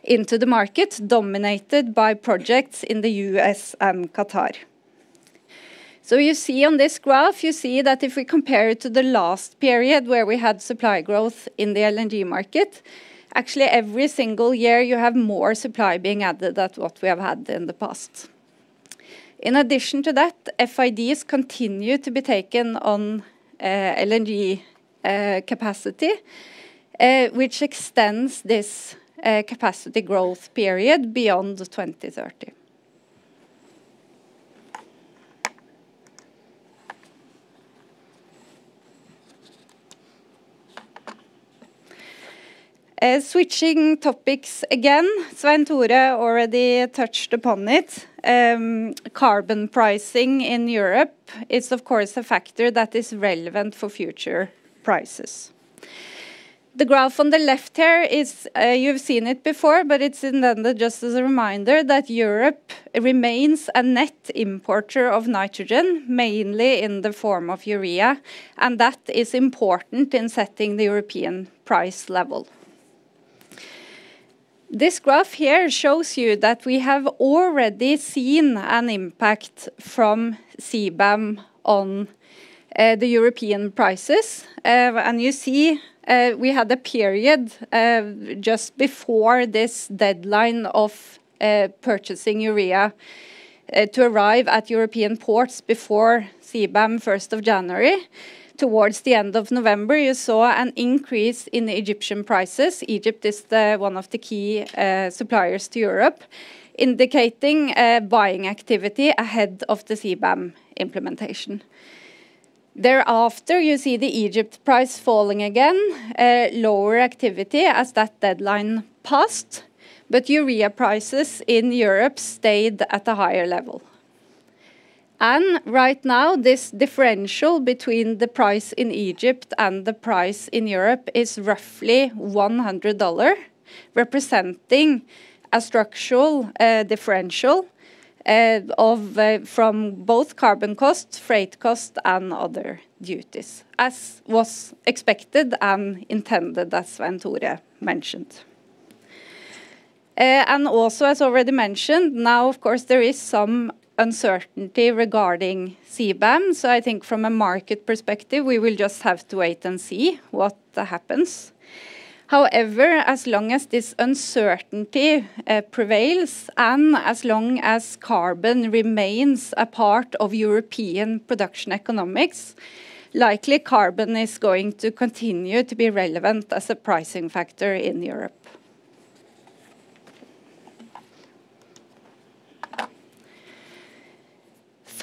S3: into the market, dominated by projects in the U.S. and Qatar. You see on this graph, you see that if we compare it to the last period where we had supply growth in the LNG market, actually every single year you have more supply being added than what we have had in the past. In addition to that, FIDs continue to be taken on LNG capacity, which extends this capacity growth period beyond 2030. Switching topics again, Svein Tore already touched upon it. Carbon pricing in Europe is, of course, a factor that is relevant for future prices. The graph on the left here is, you've seen it before, but it's intended just as a reminder that Europe remains a net importer of nitrogen, mainly in the form of urea, and that is important in setting the European price level. This graph here shows you that we have already seen an impact from CBAM on the European prices. You see we had a period just before this deadline of purchasing urea to arrive at European ports before CBAM, 1st of January. Towards the end of November, you saw an increase in Egyptian prices. Egypt is one of the key suppliers to Europe, indicating buying activity ahead of the CBAM implementation. Thereafter, you see the Egypt price falling again, lower activity as that deadline passed, but urea prices in Europe stayed at a higher level. Right now, this differential between the price in Egypt and the price in Europe is roughly $100, representing a structural differential from both carbon costs, freight costs, and other duties, as was expected and intended, as Svein Tore mentioned. Also, as already mentioned, now, of course, there is some uncertainty regarding CBAM. I think from a market perspective, we will just have to wait and see what happens. However, as long as this uncertainty prevails and as long as carbon remains a part of European production economics, likely carbon is going to continue to be relevant as a pricing factor in Europe.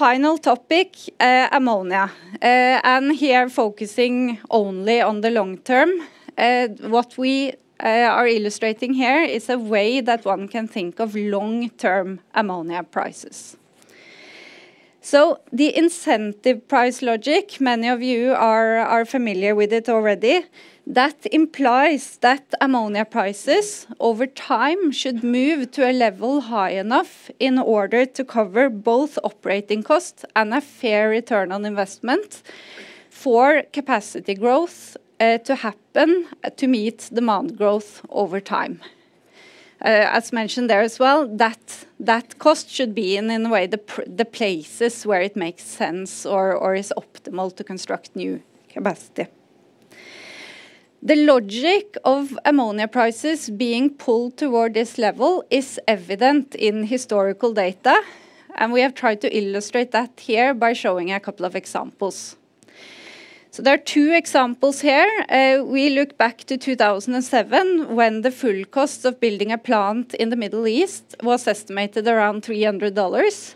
S3: Final topic, ammonia and here focusing only on the long term, what we are illustrating here is a way that one can think of long-term ammonia prices, so the incentive price logic, many of you are familiar with it already, that implies that ammonia prices over time should move to a level high enough in order to cover both operating costs and a fair return on investment for capacity growth to happen to meet demand growth over time. As mentioned there as well, that cost should be in a way the places where it makes sense or is optimal to construct new capacity. The logic of ammonia prices being pulled toward this level is evident in historical data, and we have tried to illustrate that here by showing a couple of examples, so there are two examples here. We look back to 2007 when the full cost of building a plant in the Middle East was estimated around $300,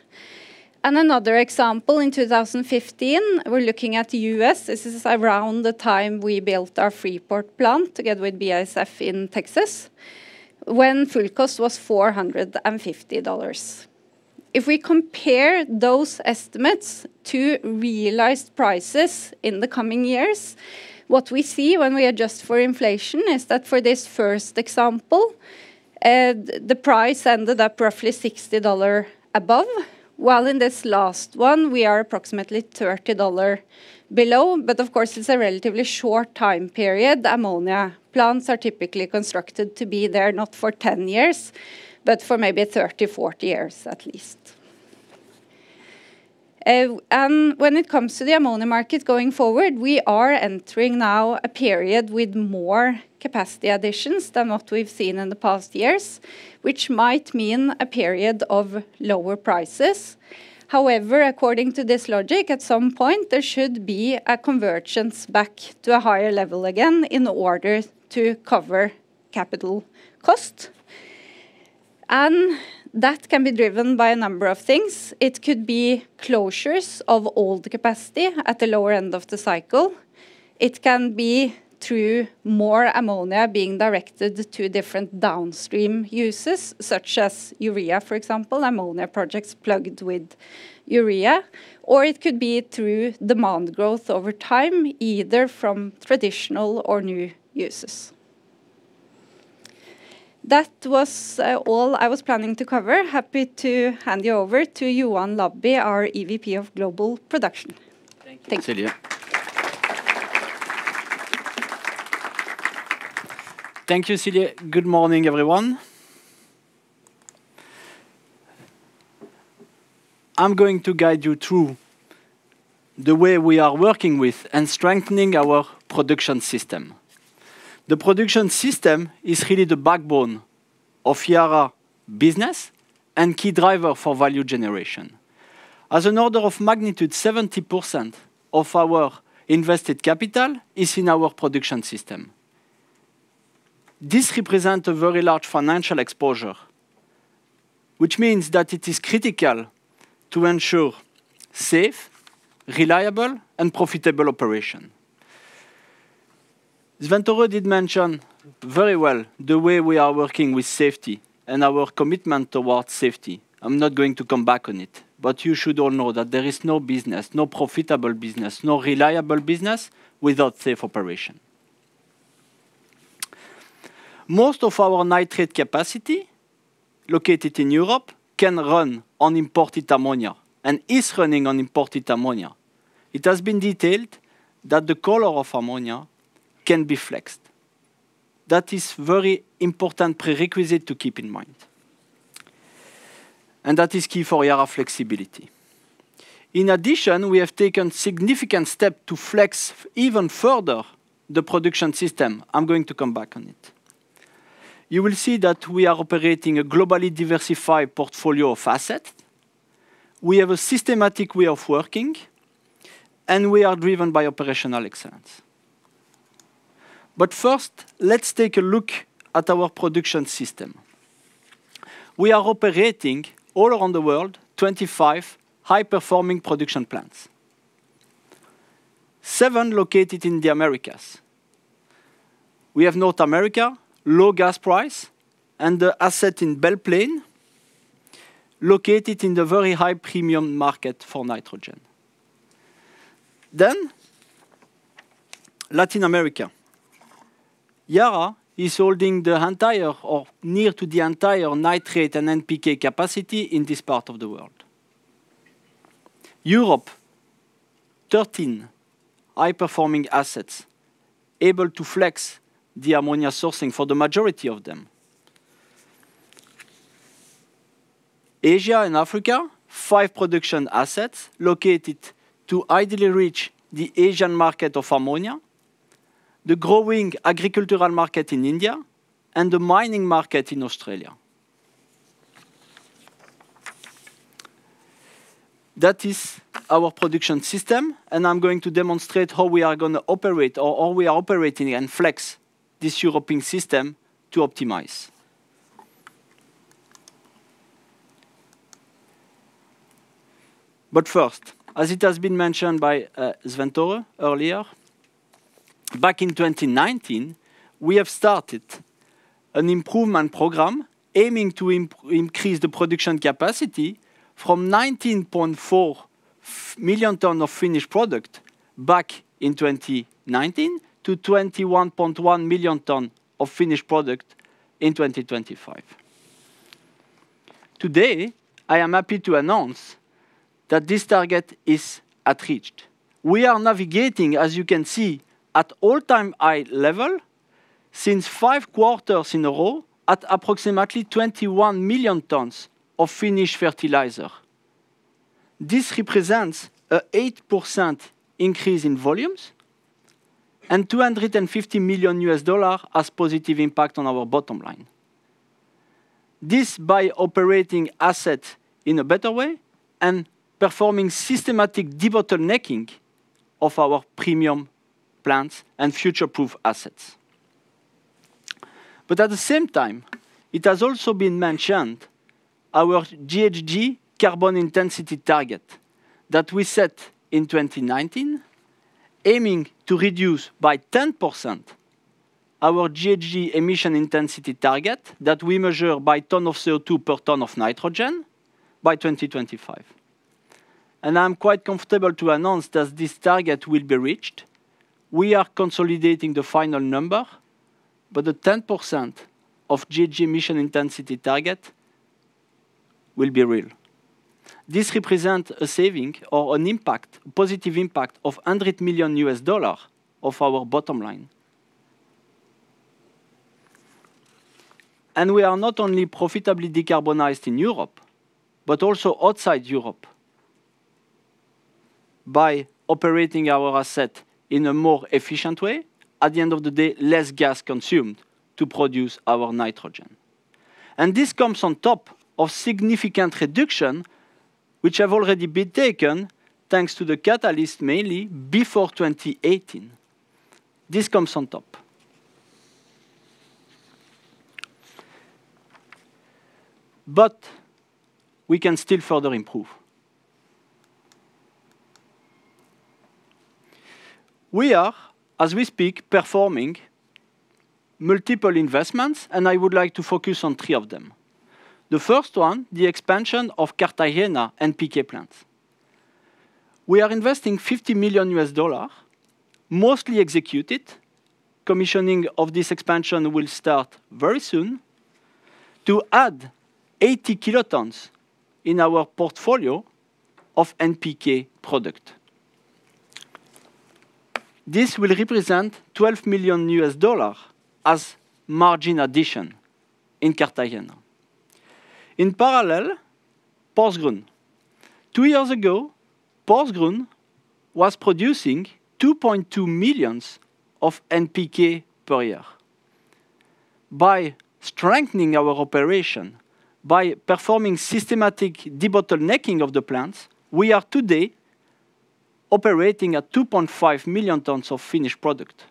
S3: and another example in 2015, we're looking at the U.S., this is around the time we built our Freeport plant together with BASF in Texas, when full cost was $450. If we compare those estimates to realized prices in the coming years, what we see when we adjust for inflation is that for this first example, the price ended up roughly $60 above, while in this last one, we are approximately $30 below, but of course, it's a relatively short time period. Ammonia plants are typically constructed to be there not for 10 years, but for maybe 30, 40 years at least. And when it comes to the ammonia market going forward, we are entering now a period with more capacity additions than what we've seen in the past years, which might mean a period of lower prices. However, according to this logic, at some point, there should be a convergence back to a higher level again in order to cover capital costs. And that can be driven by a number of things. It could be closures of old capacity at the lower end of the cycle. It can be through more ammonia being directed to different downstream uses, such as urea, for example, ammonia projects plugged with urea. Or it could be through demand growth over time, either from traditional or new uses. That was all I was planning to cover. Happy to hand you over to Johan Labby, our EVP of Global Production. Thank you.
S4: Thank you, Silje. Thank you, Silje. Good morning, everyone. I'm going to guide you through the way we are working with and strengthening our production system. The production system is really the backbone of Yara business and key driver for value generation. As an order of magnitude, 70% of our invested capital is in our production system. This represents a very large financial exposure, which means that it is critical to ensure safe, reliable, and profitable operation. Svein Tore did mention very well the way we are working with safety and our commitment towards safety. I'm not going to come back on it, but you should all know that there is no business, no profitable business, no reliable business without safe operation. Most of our nitrate capacity located in Europe can run on imported ammonia and is running on imported ammonia. It has been detailed that the color of ammonia can be flexed. That is a very important prerequisite to keep in mind, and that is key for Yara flexibility. In addition, we have taken significant steps to flex even further the production system. I'm going to come back on it. You will see that we are operating a globally diversified portfolio of assets. We have a systematic way of working, and we are driven by operational excellence, but first, let's take a look at our production system. We are operating all around the world, 25 high-performing production plants, seven located in the Americas. We have North America, low gas price, and the asset in Belle Plaine, located in the very high premium market for nitrogen. Then Latin America. Yara is holding the entire or near to the entire nitrate and NPK capacity in this part of the world. Europe, 13 high-performing assets able to flex the ammonia sourcing for the majority of them. Asia and Africa, five production assets located to ideally reach the Asian market of ammonia, the growing agricultural market in India, and the mining market in Australia. That is our production system, and I'm going to demonstrate how we are going to operate or how we are operating and flex this European system to optimize. But first, as it has been mentioned by Svein Tore earlier, back in 2019, we have started an improvement program aiming to increase the production capacity from 19.4 million tons of finished product back in 2019 to 21.1 million tons of finished product in 2025. Today, I am happy to announce that this target is achieved. We are navigating, as you can see, at all-time high level since five quarters in a row at approximately 21 million tons of finished fertilizer. This represents an 8% increase in volumes and $250 million U.S. dollars as positive impact on our bottom line. This is by operating assets in a better way and performing systematic de-bottlenecking of our premium plants and future-proof assets. At the same time, it has also been mentioned our GHG carbon intensity target that we set in 2019, aiming to reduce by 10% our GHG emission intensity target that we measure by ton of CO2 per ton of nitrogen by 2025. And I'm quite comfortable to announce that this target will be reached. We are consolidating the final number, but the 10% of GHG emission intensity target will be real. This represents a saving or an impact, a positive impact of $100 million U.S. dollars of our bottom line. And we are not only profitably decarbonized in Europe, but also outside Europe by operating our asset in a more efficient way. At the end of the day, less gas consumed to produce our nitrogen. And this comes on top of significant reduction, which have already been taken thanks to the catalyst mainly before 2018. This comes on top. But we can still further improve. We are, as we speak, performing multiple investments, and I would like to focus on three of them. The first one, the expansion of Cartagena NPK plants. We are investing $50 million U.S. dollars, mostly executed. Commissioning of this expansion will start very soon to add 80 kilotons in our portfolio of NPK product. This will represent $12 million as margin addition in Cartagena. In parallel, Porsgrunn. Two years ago, Porsgrunn was producing 2.2 million tons of NPK per year. By strengthening our operation, by performing systematic de-bottlenecking of the plants, we are today operating at 2.5 million tons of finished product.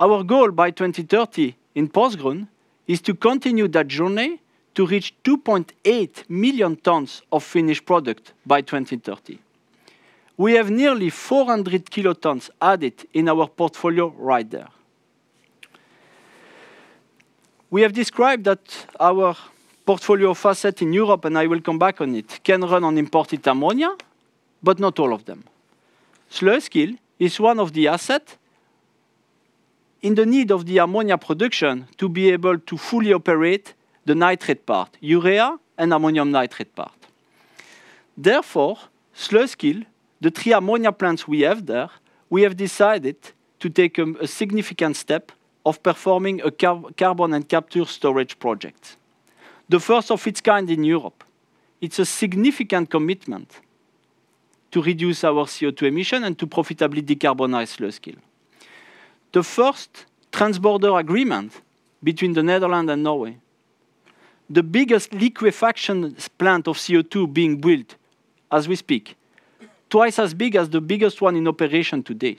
S4: Our goal by 2030 in Porsgrunn is to continue that journey to reach 2.8 million tons of finished product by 2030. We have nearly 400 kilotons added in our portfolio right there. We have described that our portfolio of assets in Europe, and I will come back on it, can run on imported ammonia, but not all of them. Sluiskil is one of the assets in the need of the ammonia production to be able to fully operate the nitrate part, urea and ammonium nitrate part. Therefore, Sluiskil, the three ammonia plants we have there, we have decided to take a significant step of performing a carbon capture and storage project, the first of its kind in Europe. It's a significant commitment to reduce our CO2 emissions and to profitably decarbonize Sluiskil. The first transborder agreement between the Netherlands and Norway, the biggest liquefaction plant of CO2 being built as we speak, twice as big as the biggest one in operation today.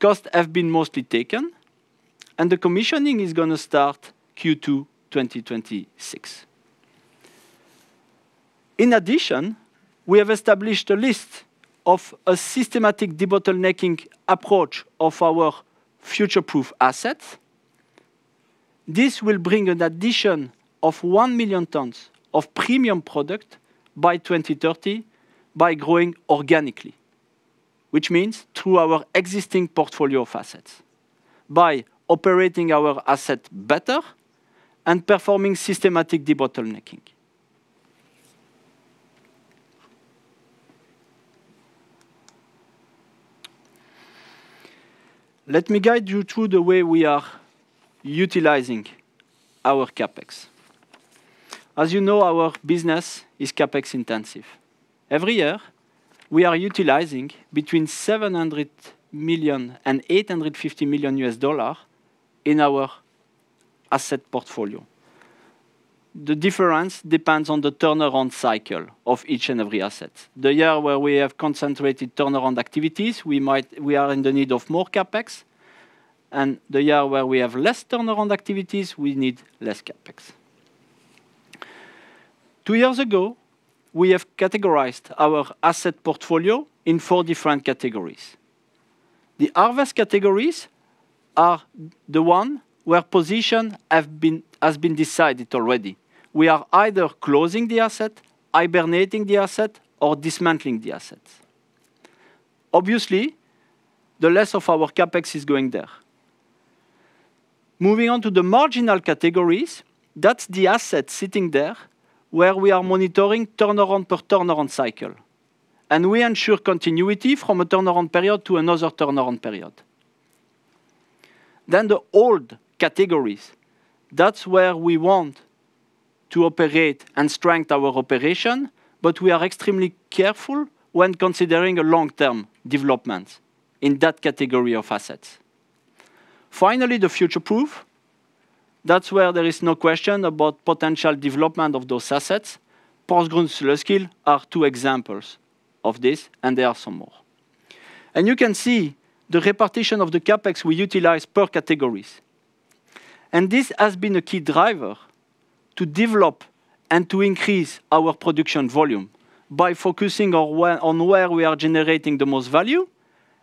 S4: Costs have been mostly taken, and the commissioning is going to start Q2 2026. In addition, we have established a list of a systematic de-bottlenecking approach of our future-proof assets. This will bring an addition of one million tons of premium product by 2030 by growing organically, which means through our existing portfolio of assets, by operating our asset better and performing systematic de-bottlenecking. Let me guide you through the way we are utilizing our CapEx. As you know, our business is CapEx intensive. Every year, we are utilizing between $700 million-$850 million U.S. dollars in our asset portfolio. The difference depends on the turnaround cycle of each and every asset. The year where we have concentrated turnaround activities, we are in the need of more CapEx, and the year where we have less turnaround activities, we need less CapEx. Two years ago, we have categorized our asset portfolio in four different categories. The harvest categories are the one where position has been decided already. We are either closing the asset, hibernating the asset, or dismantling the assets. Obviously, the less of our CapEx is going there. Moving on to the marginal categories, that's the asset sitting there where we are monitoring turnaround per turnaround cycle, and we ensure continuity from a turnaround period to another turnaround period. Then the Hold categories, that's where we want to operate and strengthen our operation, but we are extremely careful when considering long-term developments in that category of assets. Finally, the future-proof, that's where there is no question about potential development of those assets. Porsgrunn, Sluiskil are two examples of this, and there are some more. And you can see the repartition of the CapEx we utilize per categories. And this has been a key driver to develop and to increase our production volume by focusing on where we are generating the most value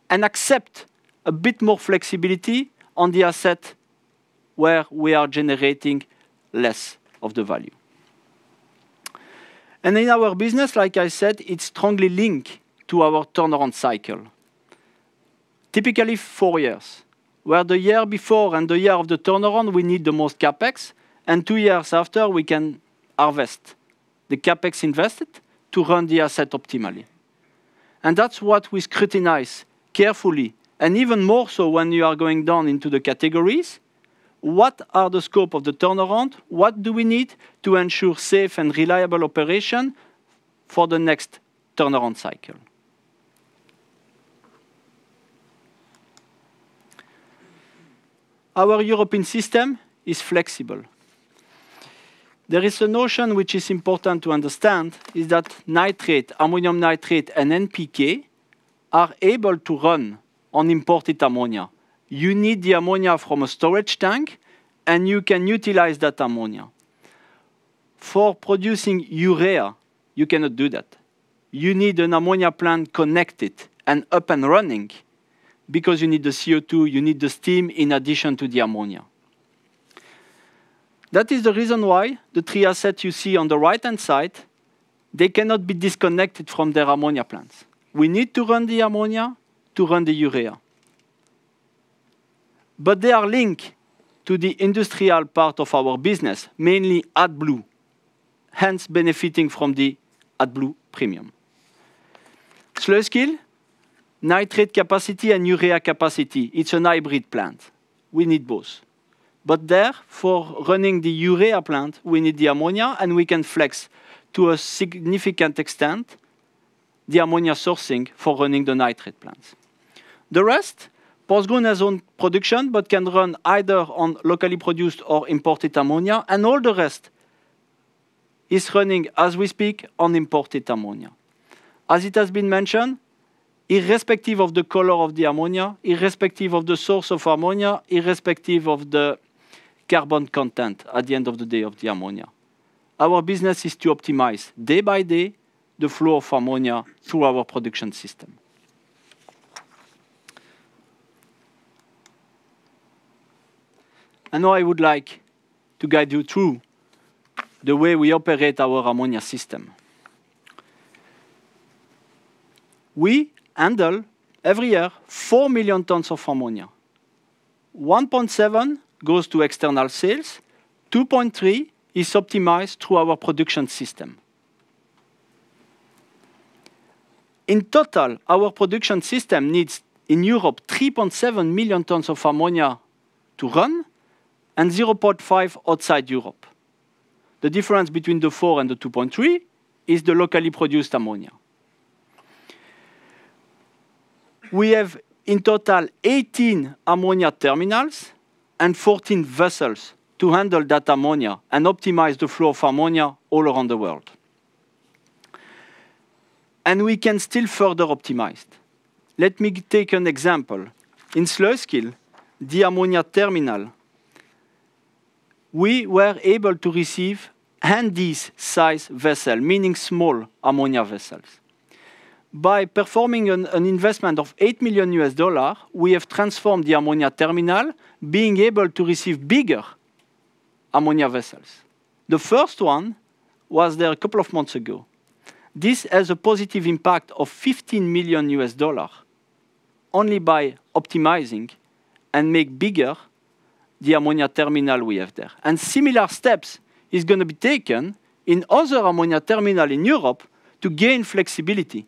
S4: and accept a bit more flexibility on the asset where we are generating less of the value. In our business, like I said, it's strongly linked to our turnaround cycle, typically four years, where the year before and the year of the turnaround, we need the most CapEx, and two years after, we can harvest the CapEx invested to run the asset optimally. That's what we scrutinize carefully, and even more so when you are going down into the categories. What are the scope of the turnaround? What do we need to ensure safe and reliable operation for the next turnaround cycle? Our European system is flexible. There is a notion which is important to understand, is that nitrates, ammonium nitrate, and NPK are able to run on imported ammonia. You need the ammonia from a storage tank, and you can utilize that ammonia. For producing urea, you cannot do that. You need an ammonia plant connected and up and running because you need the CO2, you need the steam in addition to the ammonia. That is the reason why the three assets you see on the right-hand side, they cannot be disconnected from their ammonia plants. We need to run the ammonia to run the urea. But they are linked to the industrial part of our business, mainly AdBlue, hence benefiting from the AdBlue premium. Sluiskil, nitrate capacity and urea capacity, it's a hybrid plant. We need both. But there, for running the urea plant, we need the ammonia, and we can flex to a significant extent the ammonia sourcing for running the nitrate plants. The rest, Porsgrunn has own production, but can run either on locally produced or imported ammonia, and all the rest is running, as we speak, on imported ammonia. As it has been mentioned, irrespective of the color of the ammonia, irrespective of the source of ammonia, irrespective of the carbon content at the end of the day of the ammonia, our business is to optimize day by day the flow of ammonia through our production system. And now I would like to guide you through the way we operate our ammonia system. We handle every year 4 million tons of ammonia. 1.7 million goes to external sales. 2.3 million is optimized through our production system. In total, our production system needs in Europe 3.7 million tons of ammonia to run and 0.5 million outside Europe. The difference between the 4 million and the 2.3 million is the locally produced ammonia. We have in total 18 ammonia terminals and 14 vessels to handle that ammonia and optimize the flow of ammonia all around the world. And we can still further optimize. Let me take an example. In Sluiskil, the ammonia terminal, we were able to receive Handysize vessels, meaning small ammonia vessels. By performing an investment of $8 million, we have transformed the ammonia terminal, being able to receive bigger ammonia vessels. The first one was there a couple of months ago. This has a positive impact of $15 million only by optimizing and making bigger the ammonia terminal we have there. And similar steps are going to be taken in other ammonia terminals in Europe to gain flexibility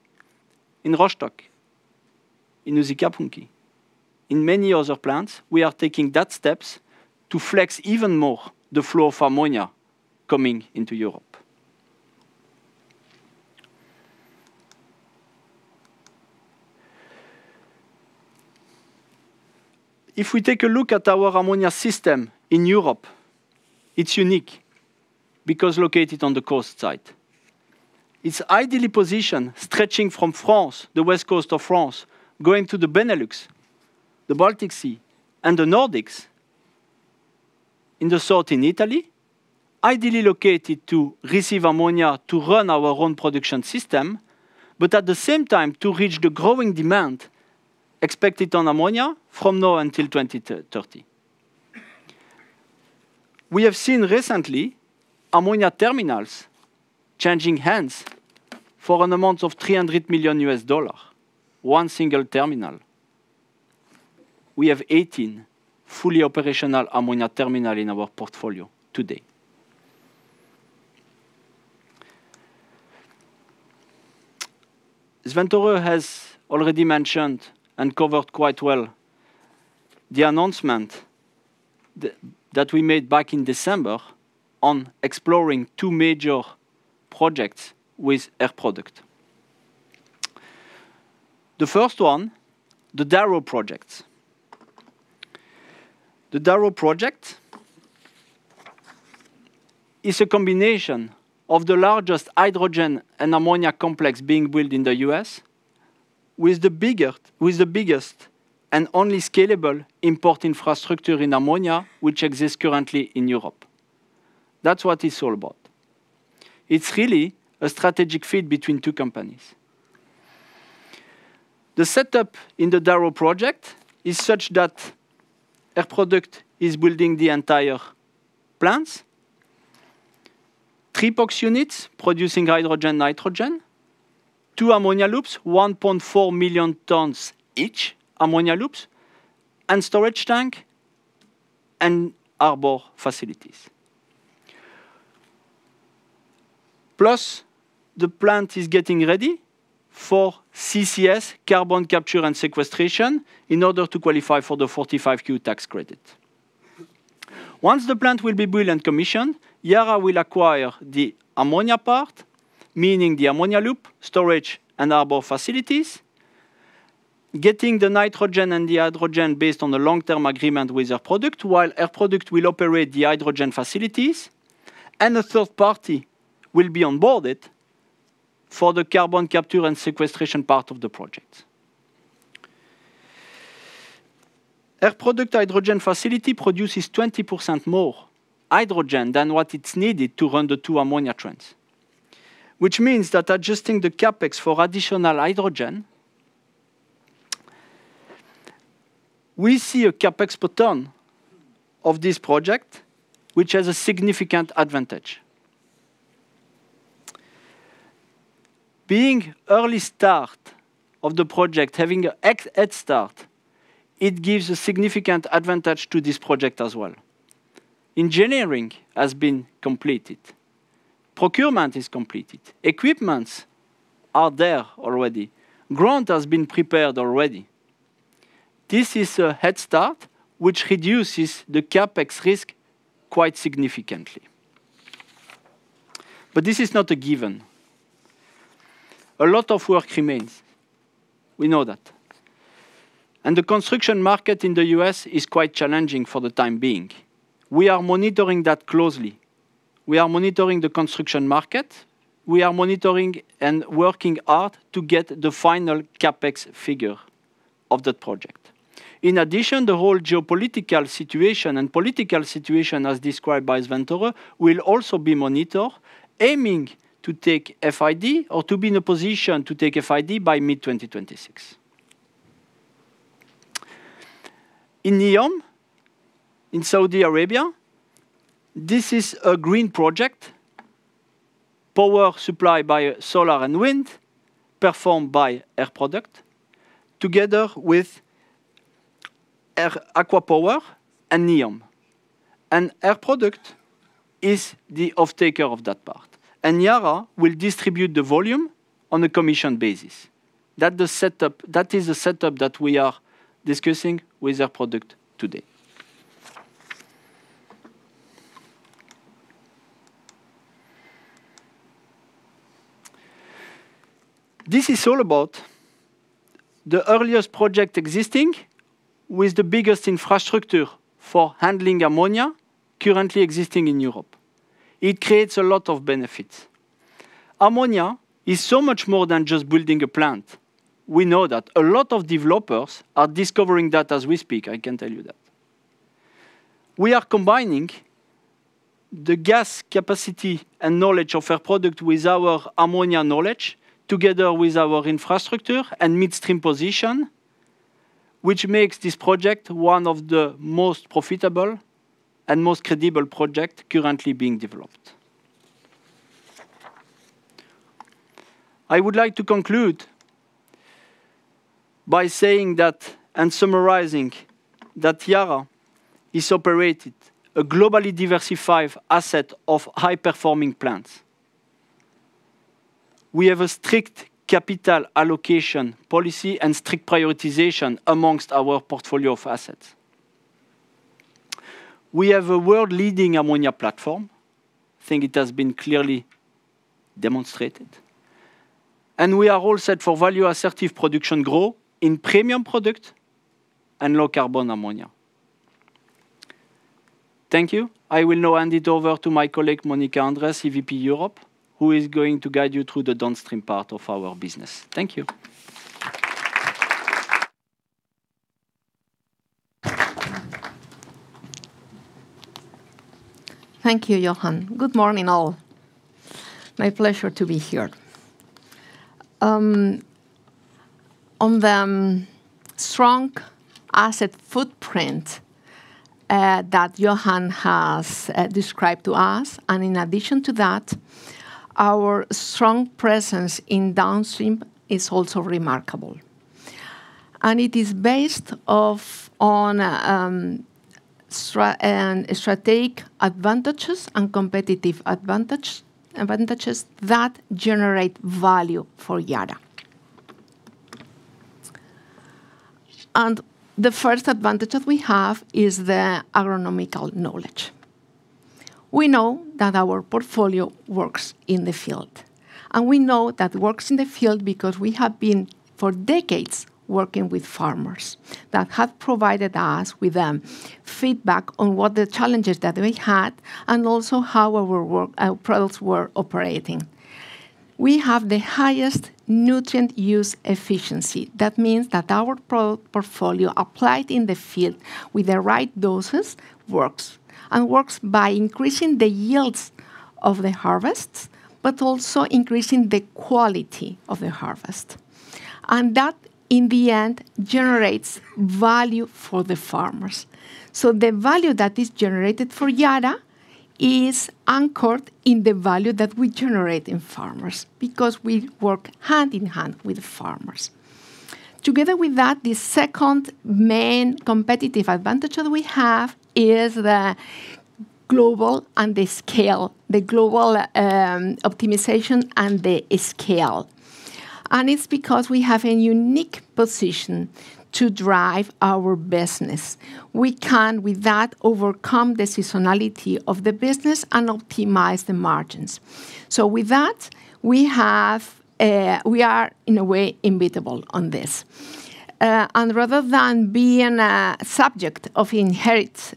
S4: in Rostock, in Uusikaupunki, in many other plants. We are taking that steps to flex even more the flow of ammonia coming into Europe. If we take a look at our ammonia system in Europe, it's unique because it's located on the coast side. It's ideally positioned stretching from France, the west coast of France, going to the Benelux, the Baltic Sea, and the Nordics in the south in Italy, ideally located to receive ammonia to run our own production system, but at the same time to reach the growing demand expected on ammonia from now until 2030. We have seen recently ammonia terminals changing hands for an amount of $300 million, one single terminal. We have 18 fully operational ammonia terminals in our portfolio today. Svein Tore has already mentioned and covered quite well the announcement that we made back in December on exploring two major projects with Air Products. The first one, the Darrow project. The Darrow project is a combination of the largest hydrogen and ammonia complex being built in the U.S. with the biggest and only scalable import infrastructure in ammonia, which exists currently in Europe. That's what it's all about. It's really a strategic feat between two companies. The setup in the Darrow project is such that Air Products is building the entire plants, three box units producing hydrogen nitrogen, two ammonia loops, 1.4 million tons each ammonia loops, and storage tank and harbor facilities. Plus, the plant is getting ready for CCS, carbon capture and sequestration, in order to qualify for the 45Q tax credit. Once the plant will be built and commissioned, Yara will acquire the ammonia part, meaning the ammonia loop, storage, and harbor facilities, getting the nitrogen and the hydrogen based on a long-term agreement with Air Products, while Air Products will operate the hydrogen facilities, and a third party will be on board it for the carbon capture and sequestration part of the project. Air Products hydrogen facility produces 20% more hydrogen than what it's needed to run the two ammonia plants, which means that adjusting the CapEx for additional hydrogen, we see a CapEx per ton of this project, which has a significant advantage. Being early start of the project, having a head start, it gives a significant advantage to this project as well. Engineering has been completed. Procurement is completed. Equipment is there already. Grant has been prepared already. This is a head start which reduces the CapEx risk quite significantly, but this is not a given. A lot of work remains. We know that, and the construction market in the U.S. is quite challenging for the time being. We are monitoring that closely. We are monitoring the construction market. We are monitoring and working hard to get the final CapEx figure of that project. In addition, the whole geopolitical situation and political situation, as described by Svein Tore, will also be monitored, aiming to take FID or to be in a position to take FID by mid-2026. In NEOM, in Saudi Arabia, this is a green project, power supplied by solar and wind, performed by Air Products, together with ACWA Power and NEOM. And Air Products is the off taker of that part. And Yara will distribute the volume on a commissioned basis. That is the setup that we are discussing with Air Products today. This is all about the earliest project existing with the biggest infrastructure for handling ammonia currently existing in Europe. It creates a lot of benefits. Ammonia is so much more than just building a plant. We know that a lot of developers are discovering that as we speak. I can tell you that. We are combining the gas capacity and knowledge of Air Products with our ammonia knowledge, together with our infrastructure and midstream position, which makes this project one of the most profitable and most credible projects currently being developed. I would like to conclude by saying that and summarizing that Yara is operated a globally diversified asset of high-performing plants. We have a strict capital allocation policy and strict prioritization amongst our portfolio of assets. We have a world-leading ammonia platform. I think it has been clearly demonstrated. And we are all set for value-assertive production growth in premium product and low-carbon ammonia. Thank you. I will now hand it over to my colleague, Mónica Andrés, EVP Europe, who is going to guide you through the downstream part of our business. Thank you.
S5: Thank you, Johan. Good morning, all. My pleasure to be here. On the strong asset footprint that Johan has described to us, and in addition to that, our strong presence in downstream is also remarkable, and it is based on strategic advantages and competitive advantages that generate value for Yara, and the first advantage that we have is the agronomical knowledge. We know that our portfolio works in the field, and we know that it works in the field because we have been for decades working with farmers that have provided us with feedback on what the challenges that we had and also how our products were operating. We have the highest nutrient use efficiency. That means that our portfolio applied in the field with the right doses works and works by increasing the yields of the harvests, but also increasing the quality of the harvest, and that, in the end, generates value for the farmers. So the value that is generated for Yara is anchored in the value that we generate in farmers because we work hand in hand with farmers. Together with that, the second main competitive advantage that we have is the global and the scale, the global optimization and the scale. And it's because we have a unique position to drive our business. We can, with that, overcome the seasonality of the business and optimize the margins. So with that, we are, in a way, unbeatable on this. And rather than being a subject of inherent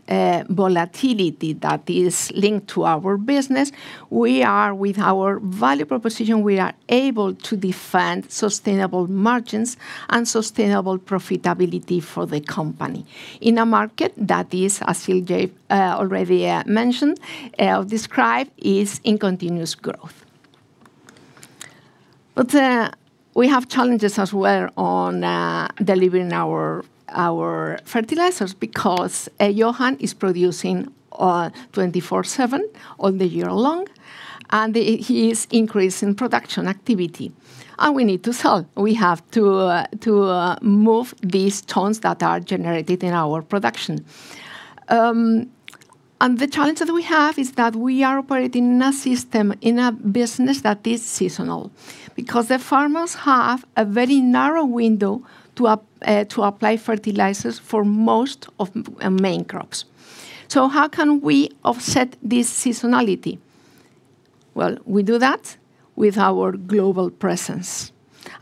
S5: volatility that is linked to our business, we are, with our value proposition, we are able to defend sustainable margins and sustainable profitability for the company in a market that is, as Silje already mentioned, described, is in continuous growth. But we have challenges as well on delivering our fertilizers because Johan is producing 24/7, all year long, and he is increasing production activity. And we need to sell. We have to move these tons that are generated in our production. And the challenge that we have is that we are operating in a system, in a business that is seasonal because the farmers have a very narrow window to apply fertilizers for most of the main crops. So how can we offset this seasonality? Well, we do that with our global presence.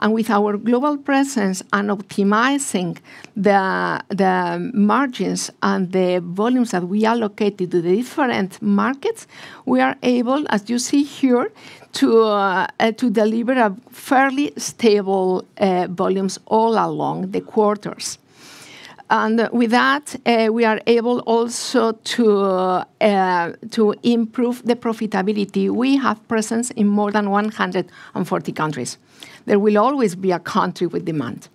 S5: And with our global presence and optimizing the margins and the volumes that we allocate to the different markets, we are able, as you see here, to deliver fairly stable volumes all along the quarters. And with that, we are able also to improve the profitability. We have presence in more than 140 countries. There will always be a country with demand.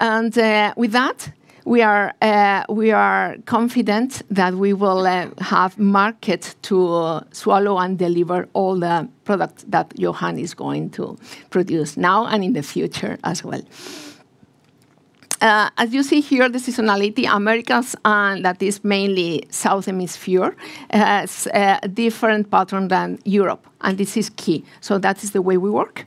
S5: With that, we are confident that we will have markets to swallow and deliver all the products that Johan is going to produce now and, in the future, as well. As you see here, the seasonality in the Americas, and that is mainly the Southern Hemisphere, has a different pattern than Europe. This is key. That is the way we work.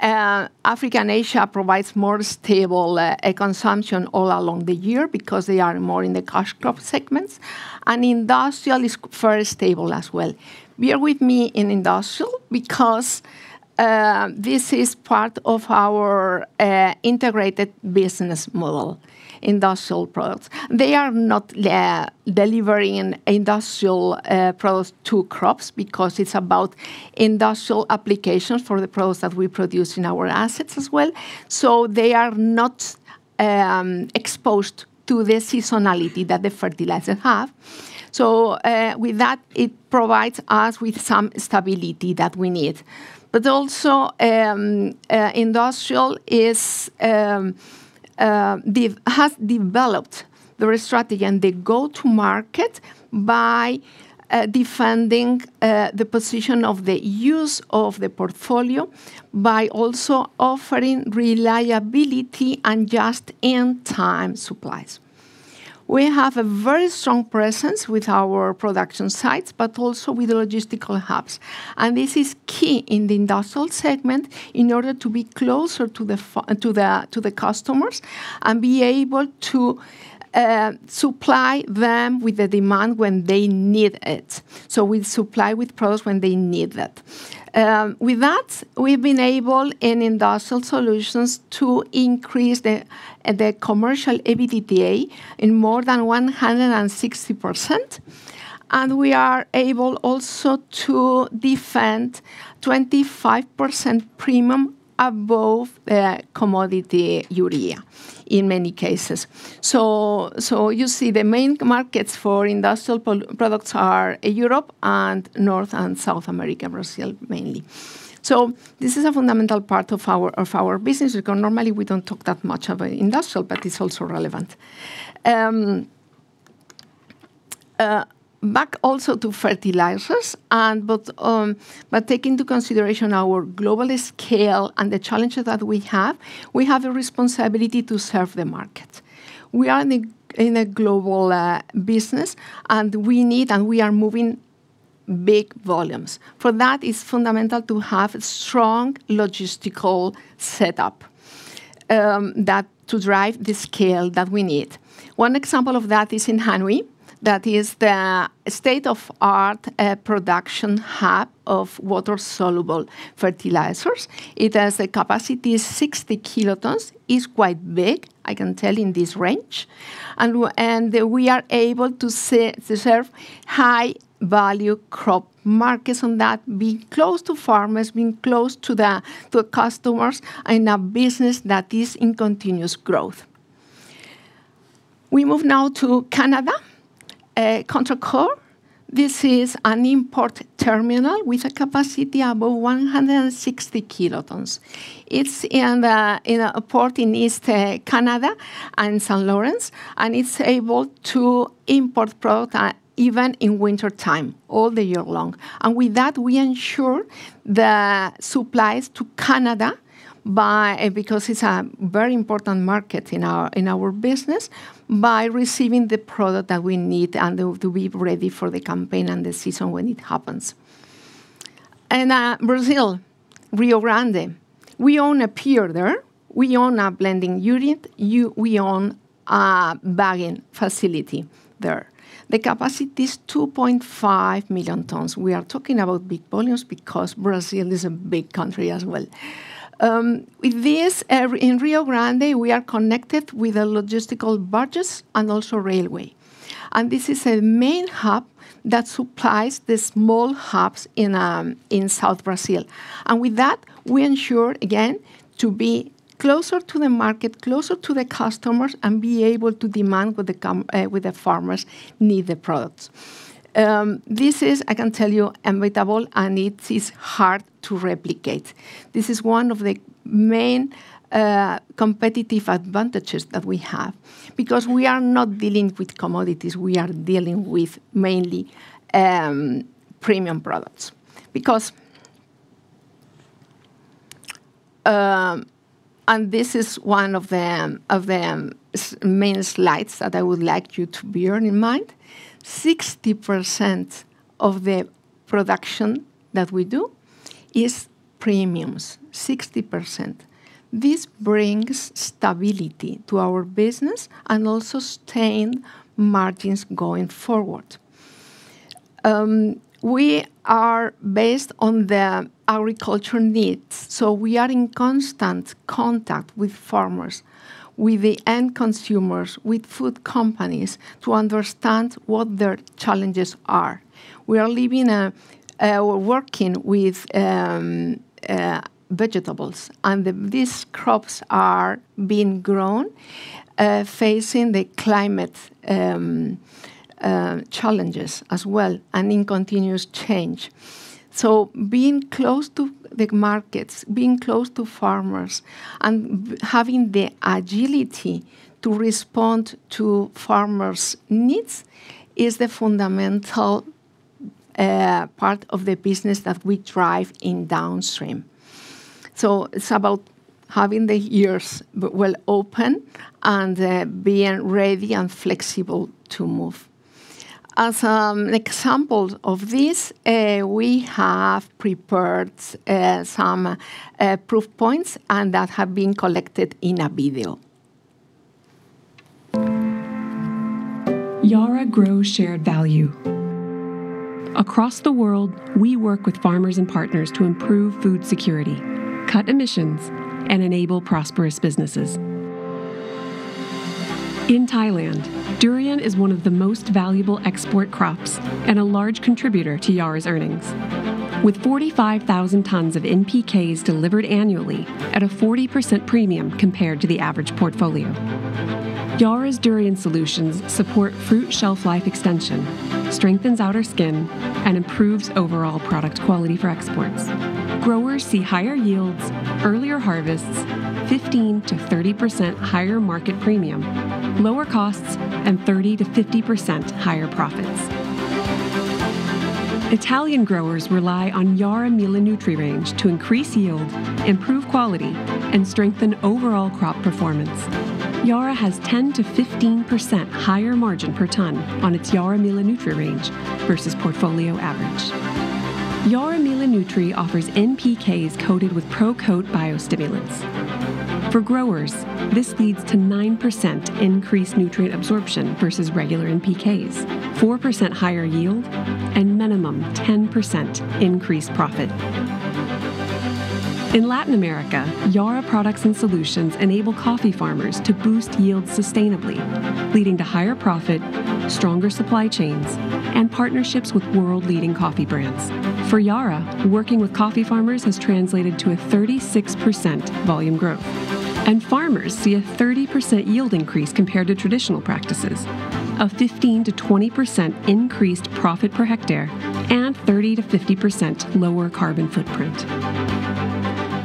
S5: Africa and Asia provide more stable consumption all along the year because they are more in the cash crop segments. Industrial is very stable as well. Bear with me in industrial because this is part of our integrated business model, industrial products. They are not delivering industrial products to crops because it's about industrial applications for the products that we produce in our assets as well. They are not exposed to the seasonality that the fertilizers have. So with that, it provides us with some stability that we need. But also, industrial has developed their strategy and their go-to-market by defending the position of the use of the portfolio by also offering reliability and just-in-time supplies. We have a very strong presence with our production sites, but also with the logistical hubs. And this is key in the industrial segment in order to be closer to the customers and be able to supply them with the demand when they need it. So we supply with products when they need that. With that, we've been able in industrial solutions to increase the commercial EBITDA in more than 160%. And we are able also to defend 25% premium above the commodity urea in many cases. So you see the main markets for industrial products are Europe and North and South America, Brazil mainly. This is a fundamental part of our business. Normally, we don't talk that much about industrial, but it's also relevant. Back also to fertilizers. But taking into consideration our global scale and the challenges that we have, we have a responsibility to serve the market. We are in a global business, and we need and we are moving big volumes. For that, it's fundamental to have a strong logistical setup to drive the scale that we need. One example of that is in Hanoi. That is the state-of-the-art production hub of water-soluble fertilizers. It has a capacity of 60 kilotons. It's quite big, I can tell, in this range. And we are able to serve high-value crop markets on that, being close to farmers, being close to customers in a business that is in continuous growth. We move now to Canada, Contrecoeur. This is an import terminal with a capacity of 160 kilotons. It's in a port in eastern Canada and the St. Lawrence. It's able to import product even in wintertime, all year long. With that, we ensure the supplies to Canada because it's a very important market in our business, by receiving the product that we need and to be ready for the campaign and the season when it happens. Brazil, Rio Grande. We own a pier there. We own a blending unit. We own a bagging facility there. The capacity is 2.5 million tons. We are talking about big volumes because Brazil is a big country as well. With this, in Rio Grande, we are connected with logistical barges and also railway. This is a main hub that supplies the small hubs in South Brazil. And with that, we ensure, again, to be closer to the market, closer to the customers, and be able to demand what the farmers need, the products. This is, I can tell you, unbeatable, and it is hard to replicate. This is one of the main competitive advantages that we have because we are not dealing with commodities. We are dealing with mainly premium products. And this is one of the main slides that I would like you to bear in mind. 60% of the production that we do is premiums, 60%. This brings stability to our business and also sustained margins going forward. We are based on the agriculture needs. So we are in constant contact with farmers, with the end consumers, with food companies to understand what their challenges are. We are living and working with vegetables. These crops are being grown, facing the climate challenges as well and in continuous change. Being close to the markets, being close to farmers, and having the agility to respond to farmers' needs is the fundamental part of the business that we drive in downstream. It's about having the ears well open and being ready and flexible to move. As an example of this, we have prepared some proof points that have been collected in a video. Yara grows shared value. Across the world, we work with farmers and partners to improve food security, cut emissions, and enable prosperous businesses. In Thailand, durian is one of the most valuable export crops and a large contributor to Yara's earnings, with 45,000 tons of NPKs delivered annually at a 40% premium compared to the average portfolio. Yara's durian solutions support fruit shelf-life extension, strengthens outer skin, and improves overall product quality for exports. Growers see higher yields, earlier harvests, 15%-30% higher market premium, lower costs, and 30%-50% higher profits. Italian growers rely on YaraMila Nutri range to increase yield, improve quality, and strengthen overall crop performance. Yara has 10%-15% higher margin per ton on its YaraMila Nutri range versus portfolio average. YaraMila Nutri offers NPKs coated with Procote biostimulants. For growers, this leads to 9% increased nutrient absorption versus regular NPKs, 4% higher yield, and minimum 10% increased profit. In Latin America, Yara products and solutions enable coffee farmers to boost yields sustainably, leading to higher profit, stronger supply chains, and partnerships with world-leading coffee brands. For Yara, working with coffee farmers has translated to a 36% volume growth, and farmers see a 30% yield increase compared to traditional practices, a 15%-20% increased profit per hectare, and 30%-50% lower carbon footprint.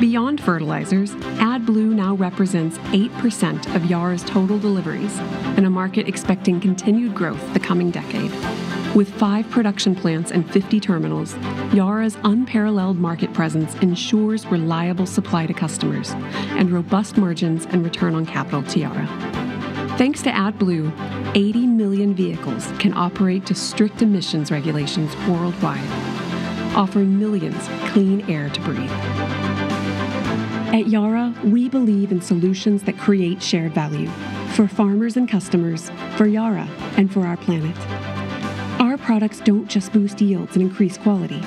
S5: Beyond fertilizers, AdBlue now represents 8% of Yara's total deliveries in a market expecting continued growth the coming decade. With five production plants and 50 terminals, Yara's unparalleled market presence ensures reliable supply to customers and robust margins and return on capital to Yara. Thanks to AdBlue, 80 million vehicles can operate to strict emissions regulations worldwide, offering millions clean air to breathe. At Yara, we believe in solutions that create shared value for farmers and customers, for Yara, and for our planet. Our products don't just boost yields and increase quality.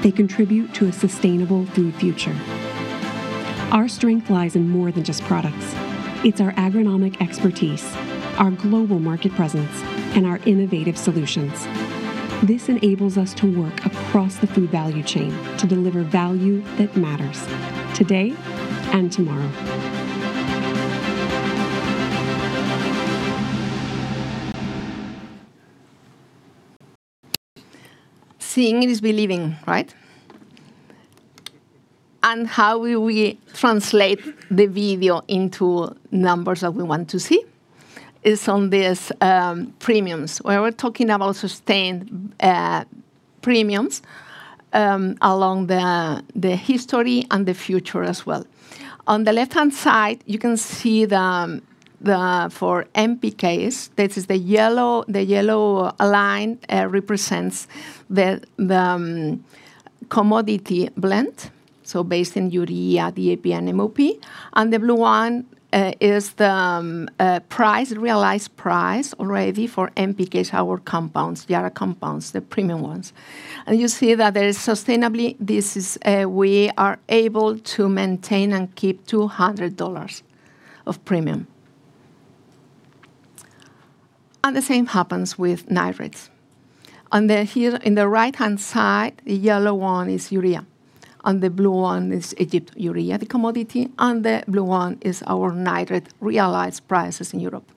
S5: They contribute to a sustainable food future. Our strength lies in more than just products. It's our agronomic expertise, our global market presence, and our innovative solutions. This enables us to work across the food value chain to deliver value that matters today and tomorrow. Seeing it is believing, right? And how will we translate the video into numbers that we want to see? It's on these premiums. We were talking about sustained premiums along the history and the future as well. On the left-hand side, you can see for NPKs, this is the yellow line represents the commodity blend, so based in urea, DAP, and MOP. And the blue one is the realized price already for NPKs, our compounds, Yara compounds, the premium ones. And you see that there is sustainably we are able to maintain and keep $200 of premium. And the same happens with nitrates. And here in the right-hand side, the yellow one is urea. And the blue one is Egypt urea, the commodity. And the blue one is our nitrate realized prices in Europe.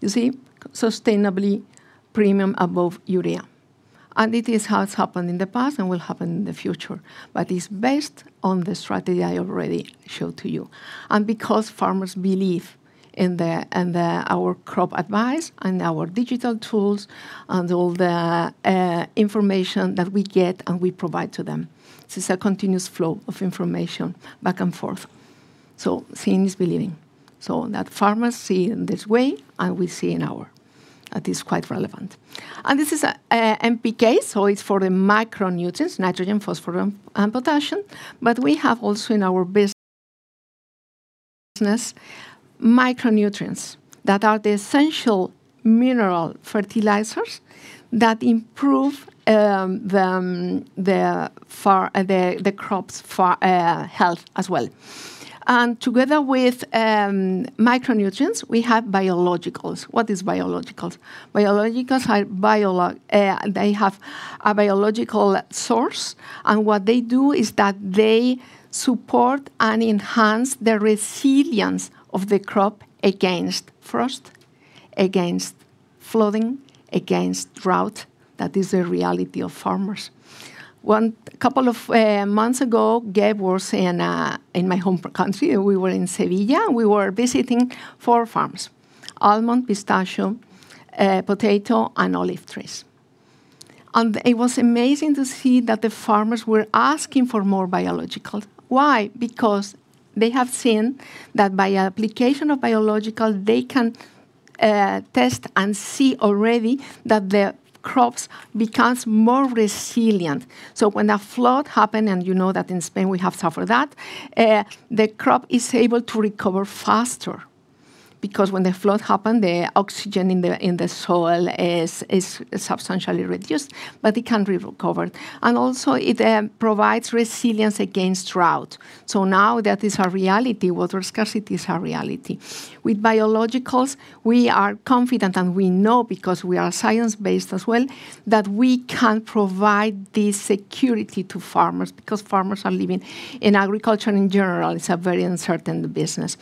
S5: You see? Sustainably premium above urea. It is how it's happened in the past and will happen in the future. But it's based on the strategy I already showed to you. Because farmers believe in our crop advice and our digital tools and all the information that we get and we provide to them, this is a continuous flow of information back and forth. Seeing is believing. That farmers see in this way, and we see in our data that is quite relevant. This is NPK, so it's for the micronutrients, nitrogen, phosphorus, and potassium. We have also in our business micronutrients that are the essential mineral fertilizers that improve the crop's health as well. Together with micronutrients, we have biologicals. What is biologicals? Biologicals, they have a biological source. What they do is that they support and enhance the resilience of the crop against frost, against flooding, against drought. That is the reality of farmers. A couple of months ago, Gabe was in my home country. We were in Seville. We were visiting four farms: almond, pistachio, potato, and olive trees. It was amazing to see that the farmers were asking for more biologicals. Why? Because they have seen that by application of biologicals, they can test and see already that the crops become more resilient. When a flood happens, and you know that in Spain, we have suffered that, the crop is able to recover faster because when the flood happens, the oxygen in the soil is substantially reduced, but it can be recovered. Also, it provides resilience against drought. Now that is a reality. Water scarcity is a reality. With biologicals, we are confident, and we know because we are science-based as well, that we can provide this security to farmers because farmers are living in agriculture in general. It's a very uncertain business.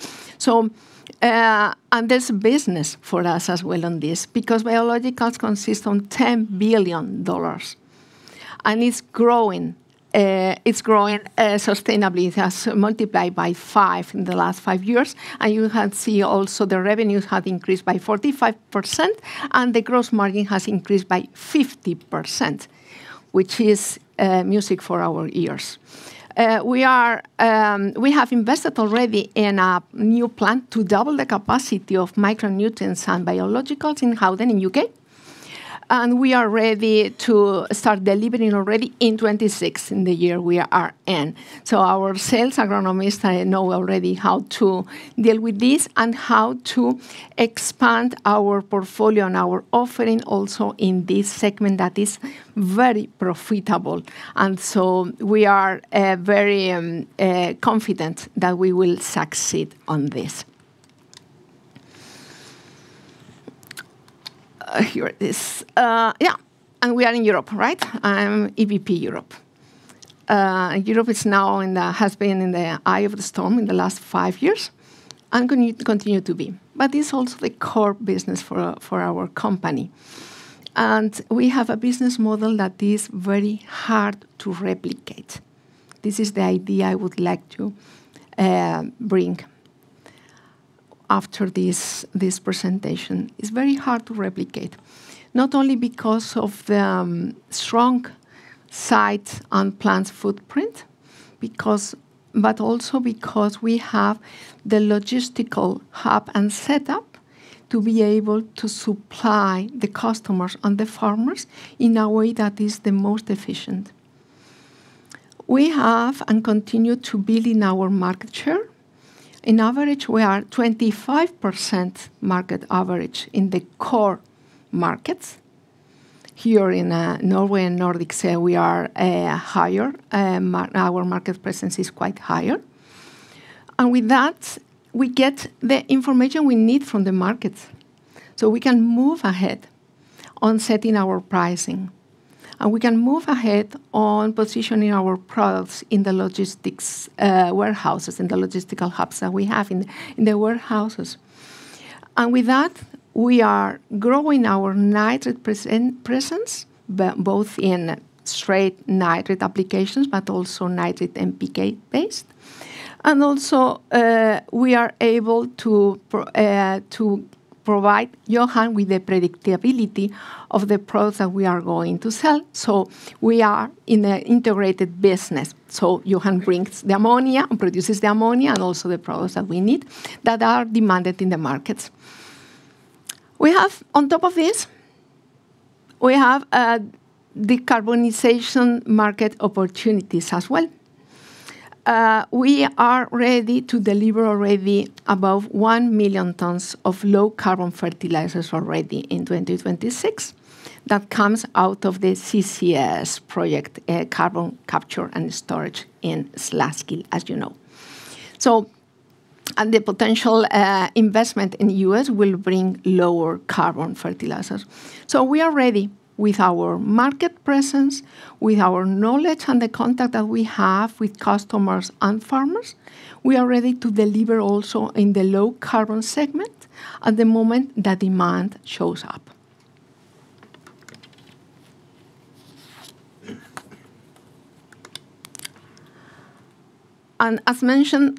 S5: And there's a business for us as well on this because biologicals consist of $10 billion. And it's growing. It's growing sustainably. It has multiplied by five in the last five years. And you can see also the revenues have increased by 45%, and the gross margin has increased by 50%, which is music for our ears. We have invested already in a new plant to double the capacity of micronutrients and biologicals in Pocklington in the U.K. And we are ready to start delivering already in 2026 in the year we are in. Our sales agronomists know already how to deal with this and how to expand our portfolio and our offering also in this segment that is very profitable. And so we are very confident that we will succeed on this. Here it is. Yeah. And we are in Europe, right? I'm EVP Europe. Europe has been in the eye of the storm in the last five years and continue to be. But it's also the core business for our company. And we have a business model that is very hard to replicate. This is the idea I would like to bring after this presentation. It's very hard to replicate, not only because of the strong site and plant footprint, but also because we have the logistical hub and setup to be able to supply the customers and the farmers in a way that is the most efficient. We have and continue to build in our market share. In average, we are 25% market average in the core markets. Here in Norway and Nordic sales, we are higher. Our market presence is quite higher. And with that, we get the information we need from the markets so we can move ahead on setting our pricing. And we can move ahead on positioning our products in the logistics warehouses, in the logistical hubs that we have in the warehouses. And with that, we are growing our nitrate presence, both in straight nitrate applications, but also nitrate NPK-based. And also, we are able to provide Johan with the predictability of the products that we are going to sell. So we are in an integrated business. So Johan brings the ammonia and produces the ammonia and also the products that we need that are demanded in the markets. On top of this, we have decarbonization market opportunities as well. We are ready to deliver already above one million tons of low-carbon fertilizers already in 2026 that comes out of the CCS project, carbon capture and storage in Sluiskil, as you know, so the potential investment in the U.S. will bring lower carbon fertilizers. So we are ready with our market presence, with our knowledge and the contact that we have with customers and farmers. We are ready to deliver also in the low-carbon segment at the moment that demand shows up, and as mentioned,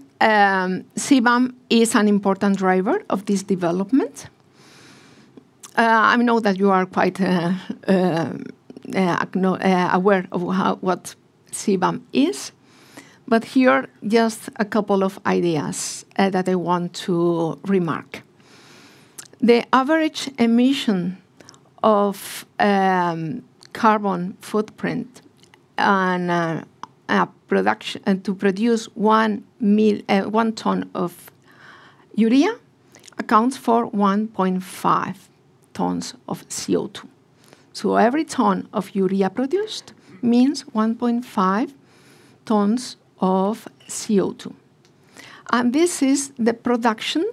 S5: CBAM is an important driver of this development. I know that you are quite aware of what CBAM is. But here, just a couple of ideas that I want to remark. The average emission of carbon footprint to produce one ton of urea accounts for 1.5 tons of CO2. Every ton of urea produced means 1.5 tons of CO2. And this is the production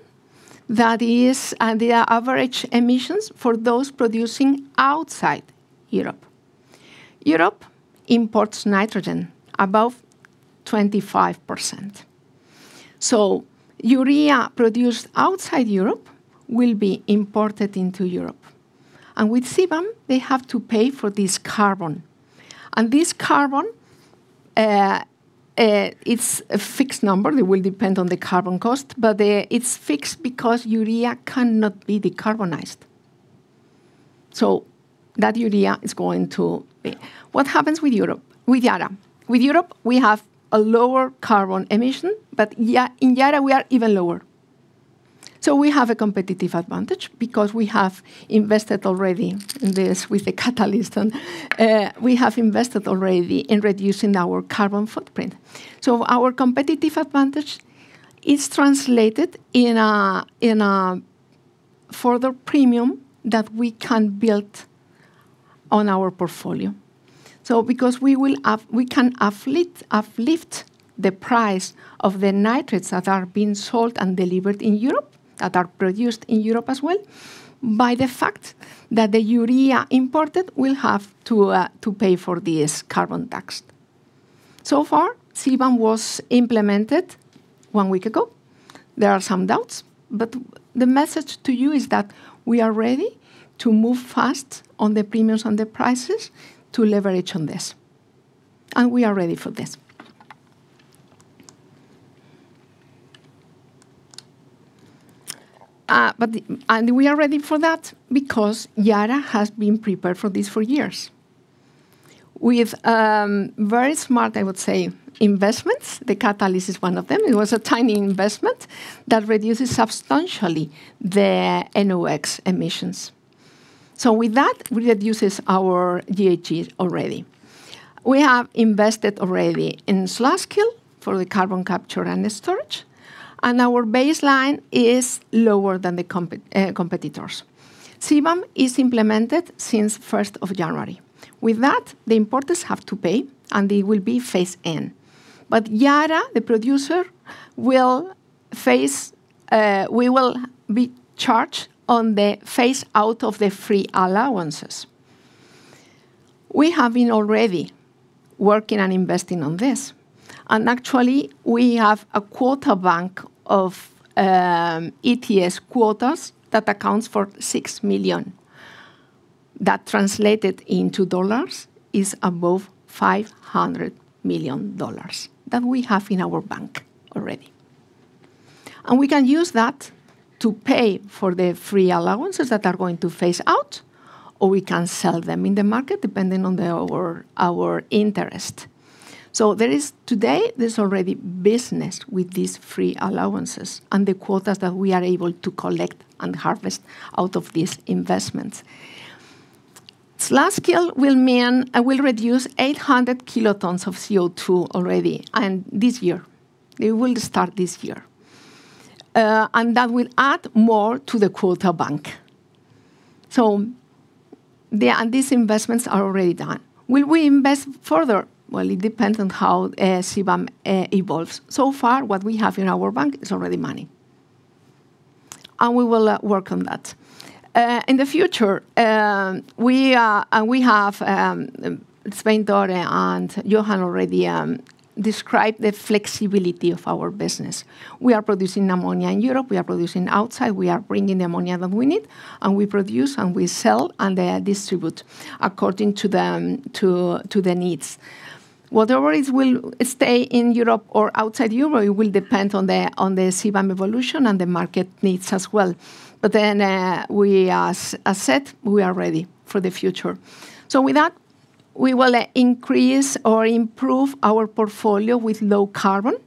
S5: that is the average emissions for those producing outside Europe. Europe imports nitrogen above 25%. So urea produced outside Europe will be imported into Europe. And with CBAM, they have to pay for this carbon. And this carbon, it's a fixed number. It will depend on the carbon cost. But it's fixed because urea cannot be decarbonized. So that urea is going to be. What happens with Europe? With Yara. With Europe, we have a lower carbon emission, but in Yara, we are even lower. So we have a competitive advantage because we have invested already in this with the catalyst. We have invested already in reducing our carbon footprint. So our competitive advantage is translated in a further premium that we can build on our portfolio. So because we can uplift the price of the nitrates that are being sold and delivered in Europe, that are produced in Europe as well, by the fact that the urea imported will have to pay for this carbon tax. So far, CBAM was implemented one week ago. There are some doubts. But the message to you is that we are ready to move fast on the premiums and the prices to leverage on this. And we are ready for this. And we are ready for that because Yara has been prepared for this for years with very smart, I would say, investments. The catalyst is one of them. It was a tiny investment that reduces substantially the NOx emissions. So with that, we reduced our GHG already. We have invested already in Sluiskil for the carbon capture and the storage. And our baseline is lower than the competitors. CBAM is implemented since 1st of January. With that, the importers have to pay, and they will be phased in. Yara, the producer, will be charged on the phase out of the free allowances. We have been already working and investing on this. Actually, we have a quota bank of ETS quotas that accounts for six million. That translated into dollars is above $500 million that we have in our bank already. We can use that to pay for the free allowances that are going to phase out, or we can sell them in the market depending on our interest. Today, there's already business with these free allowances and the quotas that we are able to collect and harvest out of these investments. Sluiskil will reduce 800 kilotons of CO2 already this year. It will start this year. And that will add more to the quota bank. So these investments are already done. Will we invest further? Well, it depends on how CBAM evolves. So far, what we have in our bank is already money. And we will work on that. In the future, we have Svein Tore and Johan already described the flexibility of our business. We are producing ammonia in Europe. We are producing outside. We are bringing the ammonia that we need. And we produce and we sell and distribute according to the needs. Whether it will stay in Europe or outside Europe, it will depend on the CBAM evolution and the market needs as well. But then, as I said, we are ready for the future. So with that, we will increase or improve our portfolio with low-carbon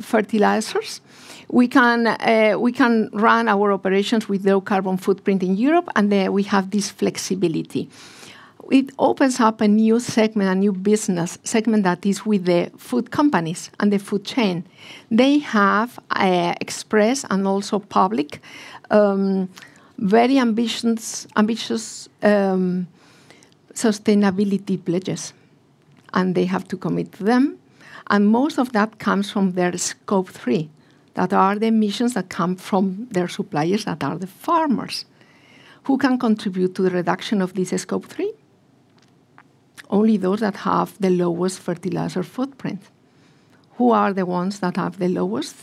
S5: fertilizers. We can run our operations with low-carbon footprint in Europe, and we have this flexibility. It opens up a new segment, a new business segment that is with the food companies and the food chain. They have expressed and also publicly very ambitious sustainability pledges. And they have to commit to them. And most of that comes from their Scope 3, that are the emissions that come from their suppliers, that are the farmers who can contribute to the reduction of this Scope 3. Only those that have the lowest fertilizer footprint. Who are the ones that have the lowest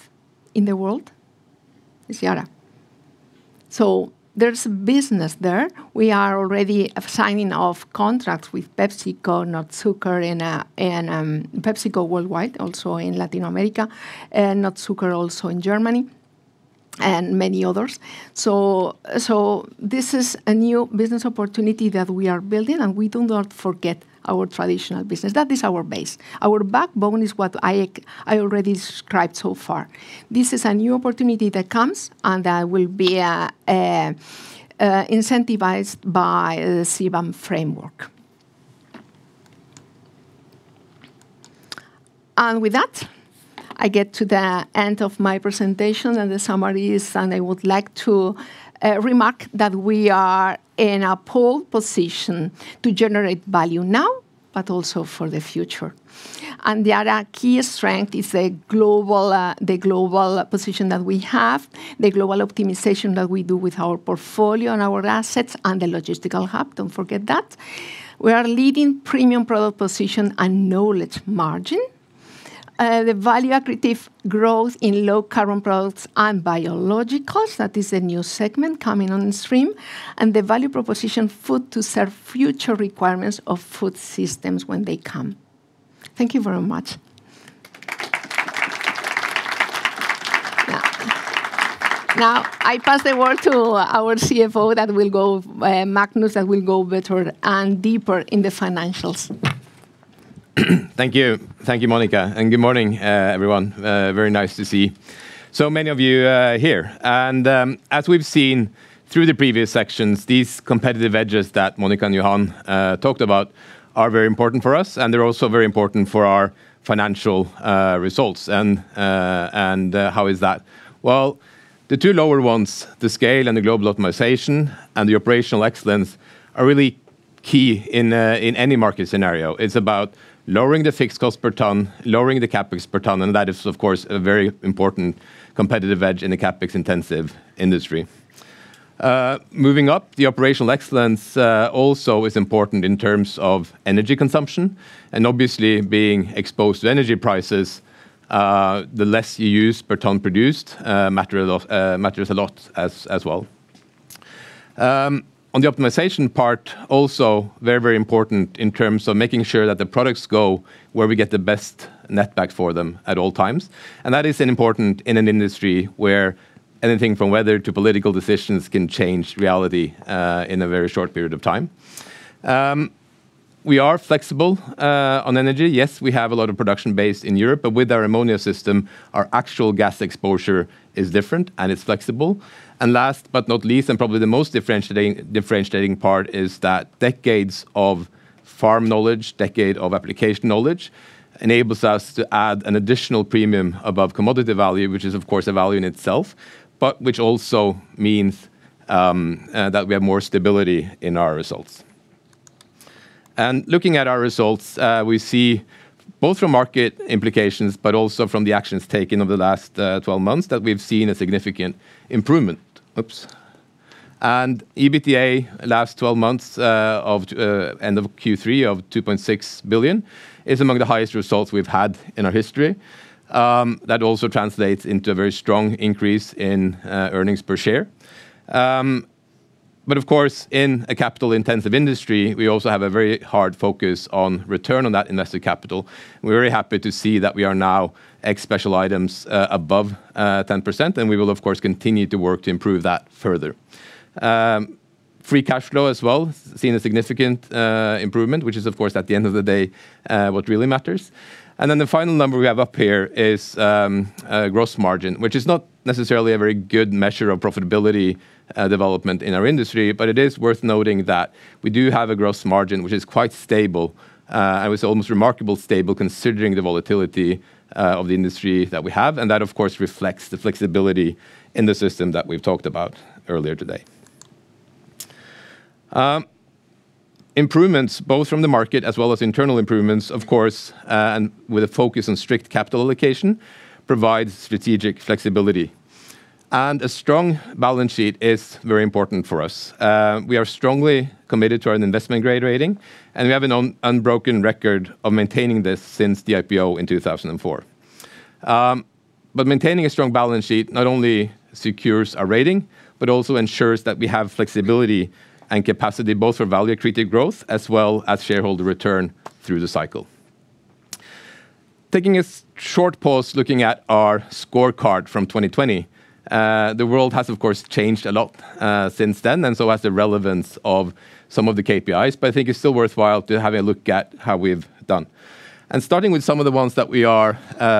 S5: in the world? It's Yara. So there's business there. We are already signing off contracts with PepsiCo, Nordzucker and PepsiCo worldwide, also in Latin America, Nordzucker also in Germany, and many others. So this is a new business opportunity that we are building. And we do not forget our traditional business. That is our base. Our backbone is what I already described so far. This is a new opportunity that comes and that will be incentivized by the CBAM framework. With that, I get to the end of my presentation and the summaries. I would like to remark that we are in a pole position to generate value now, but also for the future. The other key strength is the global position that we have, the global optimization that we do with our portfolio and our assets and the logistical hub. Don't forget that. We are leading premium product position and knowledge margin, the value-aggressive growth in low-carbon products and biologicals. That is the new segment coming on stream. The value proposition food to serve future requirements of food systems when they come. Thank you very much. Now, I pass the word to our CFO that will go Magnus, that will go better and deeper in the financials.
S6: Thank you. Thank you, Mónica. And good morning, everyone. Very nice to see so many of you here. And as we've seen through the previous sections, these competitive edges that Mónica and Johan talked about are very important for us. And they're also very important for our financial results. And how is that? Well, the two lower ones, the scale and the global optimization and the operational excellence, are really key in any market scenario. It's about lowering the fixed cost per ton, lowering the CapEx per ton. And that is, of course, a very important competitive edge in the CapEx-intensive industry. Moving up, the operational excellence also is important in terms of energy consumption. And obviously, being exposed to energy prices, the less you use per ton produced matters a lot as well. On the optimization part, also very, very important in terms of making sure that the products go where we get the best netback for them at all times. And that is important in an industry where anything from weather to political decisions can change reality in a very short period of time. We are flexible on energy. Yes, we have a lot of production base in Europe. But with our ammonia system, our actual gas exposure is different and it's flexible. And last but not least, and probably the most differentiating part is that decades of farm knowledge, decades of application knowledge enables us to add an additional premium above commodity value, which is, of course, a value in itself, but which also means that we have more stability in our results. Looking at our results, we see both from market implications, but also from the actions taken over the last 12 months that we've seen a significant improvement. EBITDA last 12 months of end of Q3 of 2.6 billion is among the highest results we've had in our history. That also translates into a very strong increase in earnings per share. Of course, in a capital-intensive industry, we also have a very hard focus on return on that invested capital. We're very happy to see that we are now at special items above 10%. We will, of course, continue to work to improve that further. Free cash flow as well, seen a significant improvement, which is, of course, at the end of the day, what really matters. Then the final number we have up here is gross margin, which is not necessarily a very good measure of profitability development in our industry. It is worth noting that we do have a gross margin which is quite stable. I would say almost remarkably stable considering the volatility of the industry that we have. That, of course, reflects the flexibility in the system that we've talked about earlier today. Improvements, both from the market as well as internal improvements, of course, and with a focus on strict capital allocation provide strategic flexibility. A strong balance sheet is very important for us. We are strongly committed to our investment-grade rating. We have an unbroken record of maintaining this since the IPO in 2004. But maintaining a strong balance sheet not only secures our rating, but also ensures that we have flexibility and capacity both for value-aggressive growth as well as shareholder return through the cycle. Taking a short pause, looking at our scorecard from 2020, the world has, of course, changed a lot since then, and so has the relevance of some of the KPIs. But I think it's still worthwhile to have a look at how we've done. And starting with some of the ones that we are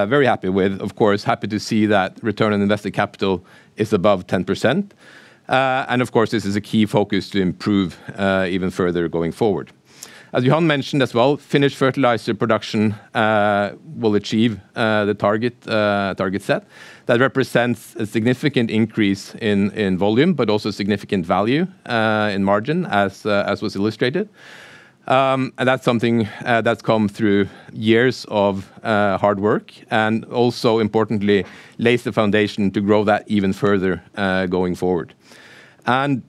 S6: very happy with, of course, happy to see that Return on Invested Capital is above 10%. And of course, this is a key focus to improve even further going forward. As Johan mentioned as well, finished fertilizer production will achieve the target set that represents a significant increase in volume, but also significant value in margin, as was illustrated. And that's something that's come through years of hard work and also, importantly, lays the foundation to grow that even further going forward. And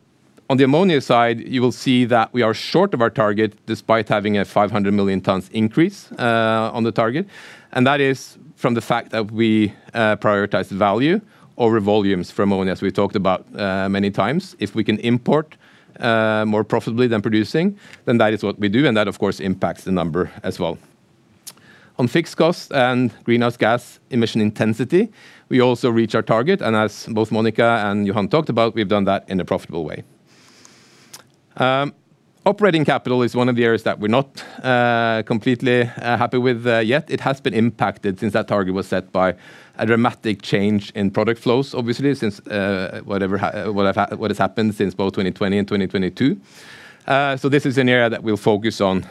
S6: on the ammonia side, you will see that we are short of our target despite having a 500 million tons increase on the target. And that is from the fact that we prioritize value over volumes for ammonia, as we've talked about many times. If we can import more profitably than producing, then that is what we do. And that, of course, impacts the number as well. On fixed cost and greenhouse gas emission intensity, we also reach our target. And as both Mónica and Johan talked about, we've done that in a profitable way. Operating capital is one of the areas that we're not completely happy with yet. It has been impacted since that target was set by a dramatic change in product flows, obviously, since what has happened since both 2020 and 2022. So this is an area that we'll focus on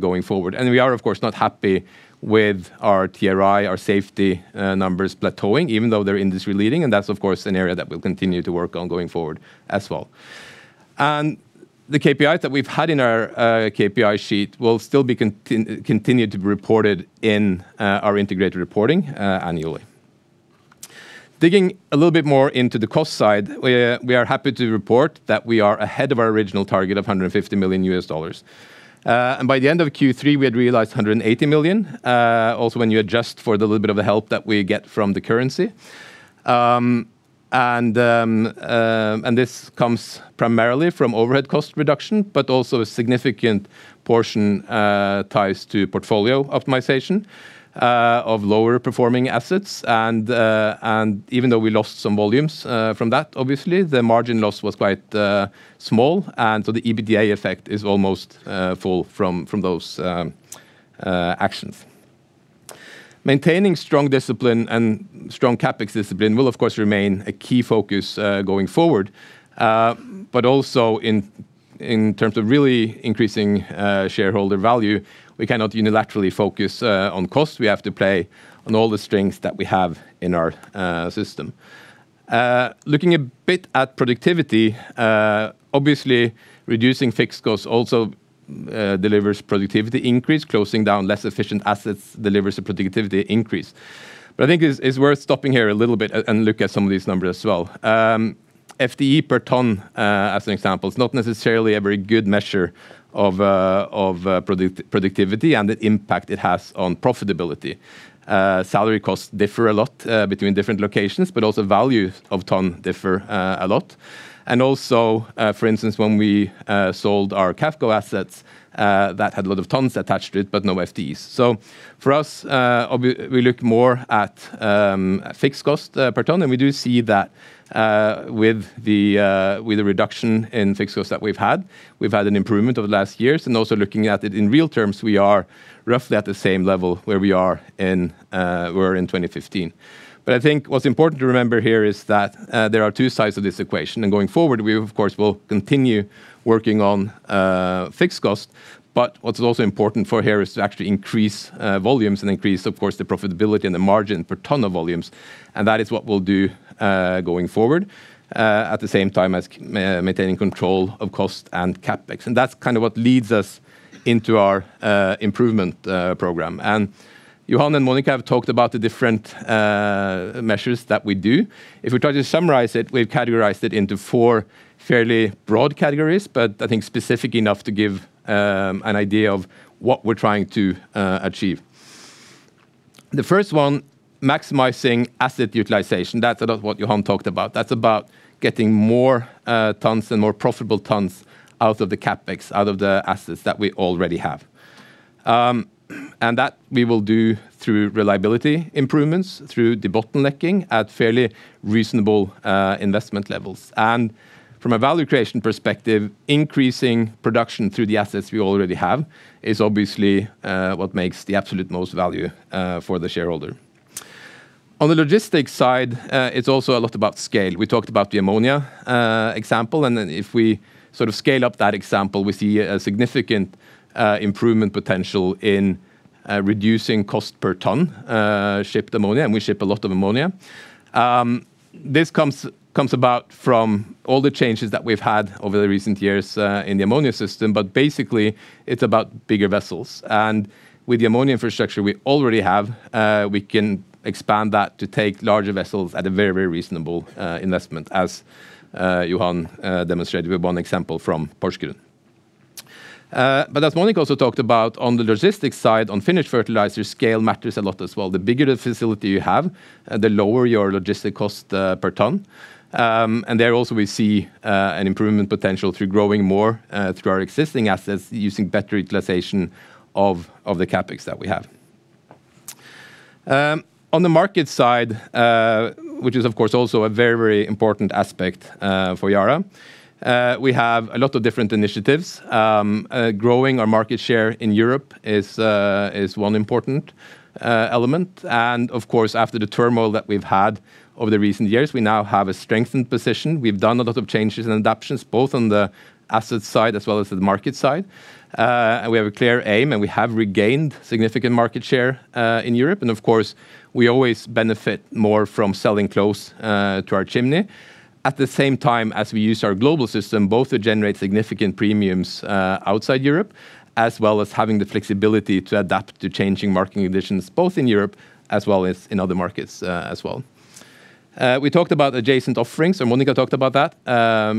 S6: going forward. And we are, of course, not happy with our TRI, our safety numbers plateauing, even though they're industry-leading. And that's, of course, an area that we'll continue to work on going forward as well. And the KPIs that we've had in our KPI sheet will still be continued to be reported in our integrated reporting annually. Digging a little bit more into the cost side, we are happy to report that we are ahead of our original target of $150 million. And by the end of Q3, we had realized $180 million, also when you adjust for the little bit of the help that we get from the currency. This comes primarily from overhead cost reduction, but also a significant portion ties to portfolio optimization of lower-performing assets. Even though we lost some volumes from that, obviously, the margin loss was quite small. So the EBITDA effect is almost full from those actions. Maintaining strong discipline and strong CapEx discipline will, of course, remain a key focus going forward. Also in terms of really increasing shareholder value, we cannot unilaterally focus on cost. We have to play on all the strengths that we have in our system. Looking a bit at productivity, obviously, reducing fixed costs also delivers productivity increase. Closing down less efficient assets delivers a productivity increase. I think it's worth stopping here a little bit and look at some of these numbers as well. FTE per ton, as an example, is not necessarily a very good measure of productivity and the impact it has on profitability. Salary costs differ a lot between different locations, but also value of ton differ a lot. And also, for instance, when we sold our Qafco assets, that had a lot of tons attached to it, but no FTEs. So for us, we look more at fixed cost per ton. And we do see that with the reduction in fixed costs that we've had, we've had an improvement over the last years. And also looking at it in real terms, we are roughly at the same level where we were in 2015. But I think what's important to remember here is that there are two sides of this equation. And going forward, we, of course, will continue working on fixed cost. What's also important for here is to actually increase volumes and increase, of course, the profitability and the margin per ton of volumes. That is what we'll do going forward at the same time as maintaining control of cost and CapEx. That's kind of what leads us into our improvement program. Johan and Mónica have talked about the different measures that we do. If we try to summarize it, we've categorized it into four fairly broad categories, but I think specific enough to give an idea of what we're trying to achieve. The first one, maximizing asset utilization. That's what Johan talked about. That's about getting more tons and more profitable tons out of the CapEx, out of the assets that we already have. That we will do through reliability improvements, through de-bottlenecking at fairly reasonable investment levels. From a value creation perspective, increasing production through the assets we already have is obviously what makes the absolute most value for the shareholder. On the logistics side, it's also a lot about scale. We talked about the ammonia example. If we sort of scale up that example, we see a significant improvement potential in reducing cost per ton shipped ammonia. We ship a lot of ammonia. This comes about from all the changes that we've had over the recent years in the ammonia system. But basically, it's about bigger vessels. With the ammonia infrastructure we already have, we can expand that to take larger vessels at a very, very reasonable investment, as Johan demonstrated with one example from Porsgrunn. As Mónica also talked about, on the logistics side, on finished fertilizer, scale matters a lot as well. The bigger the facility you have, the lower your logistics cost per ton. And there also, we see an improvement potential through growing more through our existing assets, using better utilization of the CapEx that we have. On the market side, which is, of course, also a very, very important aspect for Yara, we have a lot of different initiatives. Growing our market share in Europe is one important element. And of course, after the turmoil that we've had over the recent years, we now have a strengthened position. We've done a lot of changes and adaptations, both on the asset side as well as the market side. And we have a clear aim. And we have regained significant market share in Europe. And of course, we always benefit more from selling close to our chimney. At the same time as we use our global system, both to generate significant premiums outside Europe, as well as having the flexibility to adapt to changing market conditions, both in Europe as well as in other markets as well. We talked about adjacent offerings, and Mónica talked about that: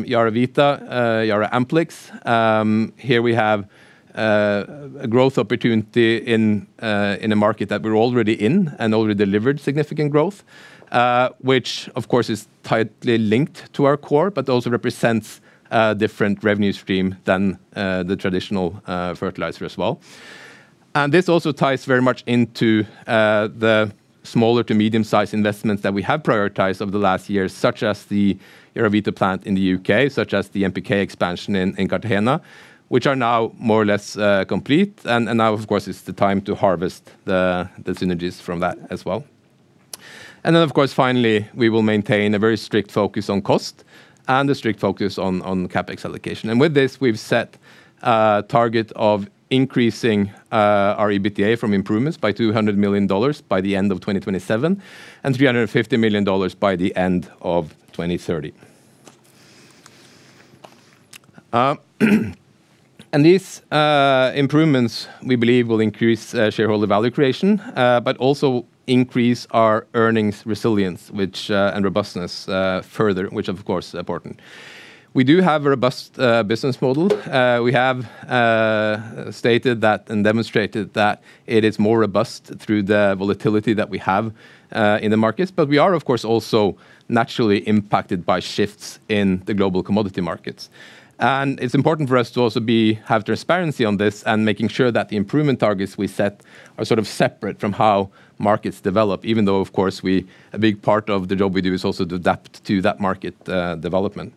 S6: YaraVita, YaraAmplix. Here we have a growth opportunity in a market that we're already in and already delivered significant growth, which, of course, is tightly linked to our core, but also represents a different revenue stream than the traditional fertilizer as well, and this also ties very much into the smaller to medium-sized investments that we have prioritized over the last years, such as the YaraVita plant in the U.K., such as the NPK expansion in Cartagena, which are now more or less complete. Now, of course, it's the time to harvest the synergies from that as well. Of course, finally, we will maintain a very strict focus on cost and a strict focus on CapEx allocation. With this, we've set a target of increasing our EBITDA from improvements by $200 million by the end of 2027 and $350 million by the end of 2030. These improvements, we believe, will increase shareholder value creation, but also increase our earnings resilience and robustness further, which, of course, is important. We do have a robust business model. We have stated that and demonstrated that it is more robust through the volatility that we have in the markets. We are, of course, also naturally impacted by shifts in the global commodity markets. It's important for us to also have transparency on this and making sure that the improvement targets we set are sort of separate from how markets develop, even though, of course, a big part of the job we do is also to adapt to that market development.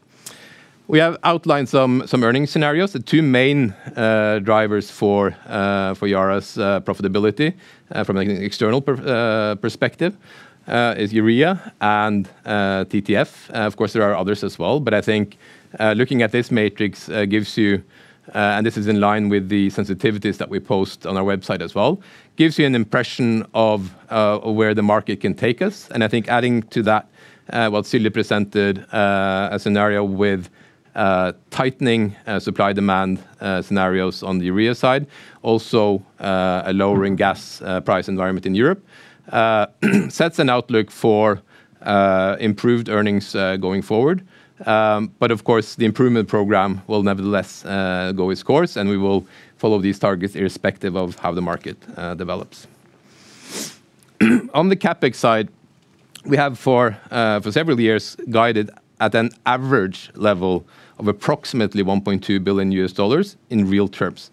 S6: We have outlined some earnings scenarios. The two main drivers for Yara's profitability from an external perspective are urea and TTF. Of course, there are others as well. But I think looking at this matrix gives you, and this is in line with the sensitivities that we post on our website as well, gives you an impression of where the market can take us. I think adding to that what Silje presented, a scenario with tightening supply demand scenarios on the urea side, also a lowering gas price environment in Europe, sets an outlook for improved earnings going forward. Of course, the improvement program will nevertheless go its course. We will follow these targets irrespective of how the market develops. On the CapEx side, we have for several years guided at an average level of approximately $1.2 billion in real terms.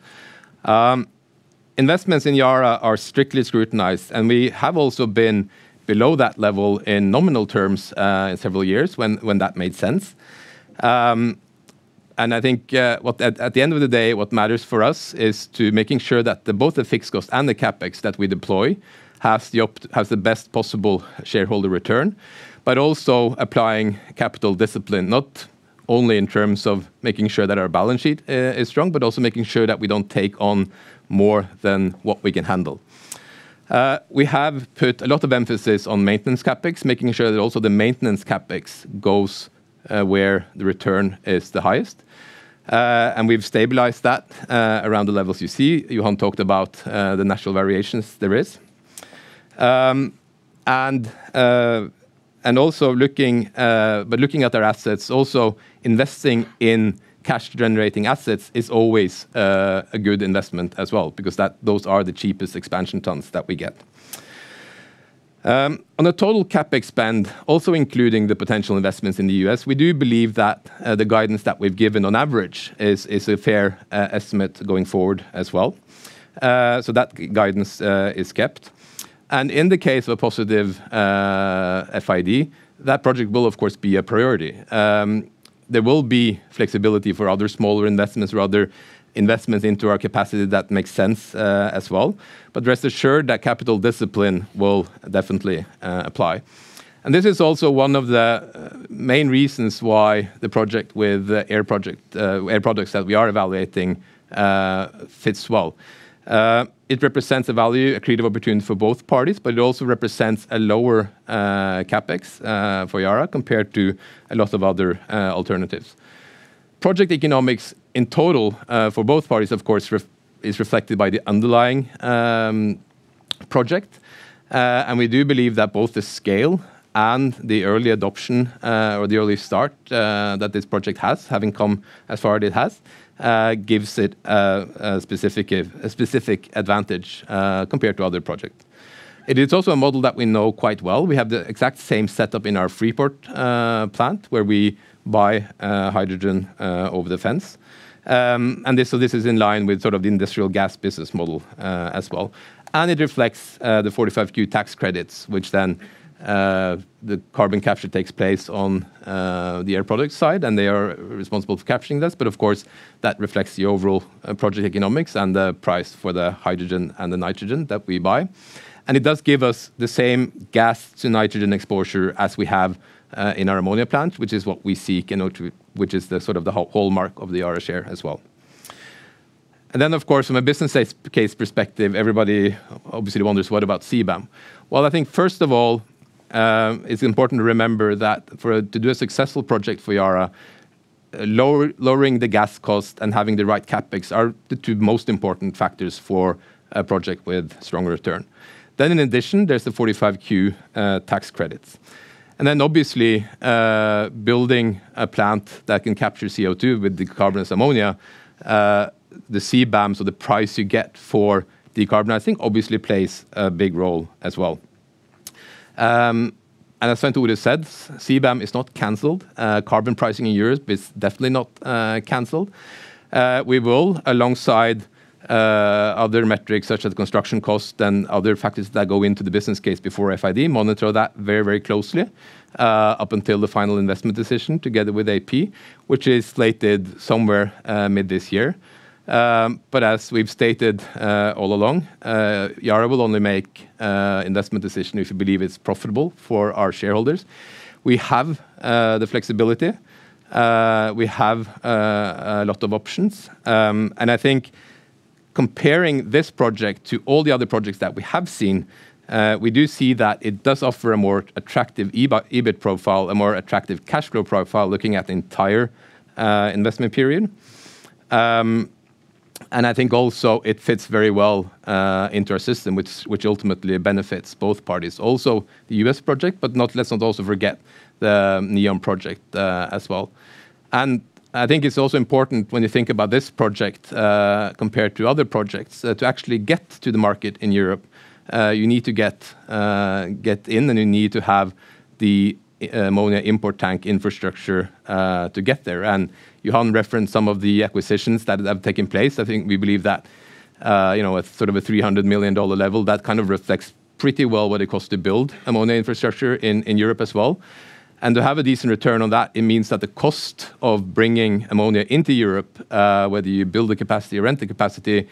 S6: Investments in Yara are strictly scrutinized. We have also been below that level in nominal terms in several years when that made sense. I think at the end of the day, what matters for us is to make sure that both the fixed cost and the CapEx that we deploy have the best possible shareholder return, but also applying capital discipline, not only in terms of making sure that our balance sheet is strong, but also making sure that we don't take on more than what we can handle. We have put a lot of emphasis on maintenance CapEx, making sure that also the maintenance CapEx goes where the return is the highest. And we've stabilized that around the levels you see. Johan talked about the natural variations there is. And also looking at our assets, also investing in cash-generating assets is always a good investment as well, because those are the cheapest expansion tons that we get. On the total CapEx spend, also including the potential investments in the U.S., we do believe that the guidance that we've given on average is a fair estimate going forward as well. So that guidance is kept. And in the case of a positive FID, that project will, of course, be a priority. There will be flexibility for other smaller investments, rather investments into our capacity that make sense as well. But rest assured that capital discipline will definitely apply. And this is also one of the main reasons why the project with Air Products that we are evaluating fits well. It represents a value, a creative opportunity for both parties, but it also represents a lower CapEx for Yara compared to a lot of other alternatives. Project economics in total for both parties, of course, is reflected by the underlying project. And we do believe that both the scale and the early adoption or the early start that this project has, having come as far as it has, gives it a specific advantage compared to other projects. It is also a model that we know quite well. We have the exact same setup in our Freeport plant where we buy hydrogen over the fence. And so this is in line with sort of the industrial gas business model as well. And it reflects the 45Q tax credits, which then the carbon capture takes place on the Air Products side. And they are responsible for capturing this. But of course, that reflects the overall project economics and the price for the hydrogen and the nitrogen that we buy. And it does give us the same gas-to-nitrogen exposure as we have in our ammonia plant, which is what we seek, which is the sort of the hallmark of the Yara share as well. And then, of course, from a business case perspective, everybody obviously wonders, what about CBAM? Well, I think first of all, it's important to remember that to do a successful project for Yara, lowering the gas cost and having the right CapEx are the two most important factors for a project with stronger return. Then in addition, there's the 45Q tax credits. Then obviously, building a plant that can capture CO2 with decarbonized ammonia, the CBAM, so the price you get for decarbonizing obviously plays a big role as well. As Svein Tore already said, CBAM is not canceled. Carbon pricing in Europe is definitely not canceled. We will, alongside other metrics such as construction costs and other factors that go into the business case before FID, monitor that very, very closely up until the final investment decision together with AP, which is slated somewhere mid this year. But as we've stated all along, Yara will only make investment decisions if we believe it's profitable for our shareholders. We have the flexibility. We have a lot of options. I think comparing this project to all the other projects that we have seen, we do see that it does offer a more attractive EBIT profile, a more attractive cash flow profile looking at the entire investment period. I think also it fits very well into our system, which ultimately benefits both parties. Also, the U.S. project, but let's not also forget the NEOM project as well. I think it's also important when you think about this project compared to other projects to actually get to the market in Europe. You need to get in, and you need to have the ammonia import tank infrastructure to get there. Johan referenced some of the acquisitions that have taken place. I think we believe that at sort of a $300 million level, that kind of reflects pretty well what it costs to build ammonia infrastructure in Europe as well. And to have a decent return on that, it means that the cost of bringing ammonia into Europe, whether you build the capacity or rent the capacity,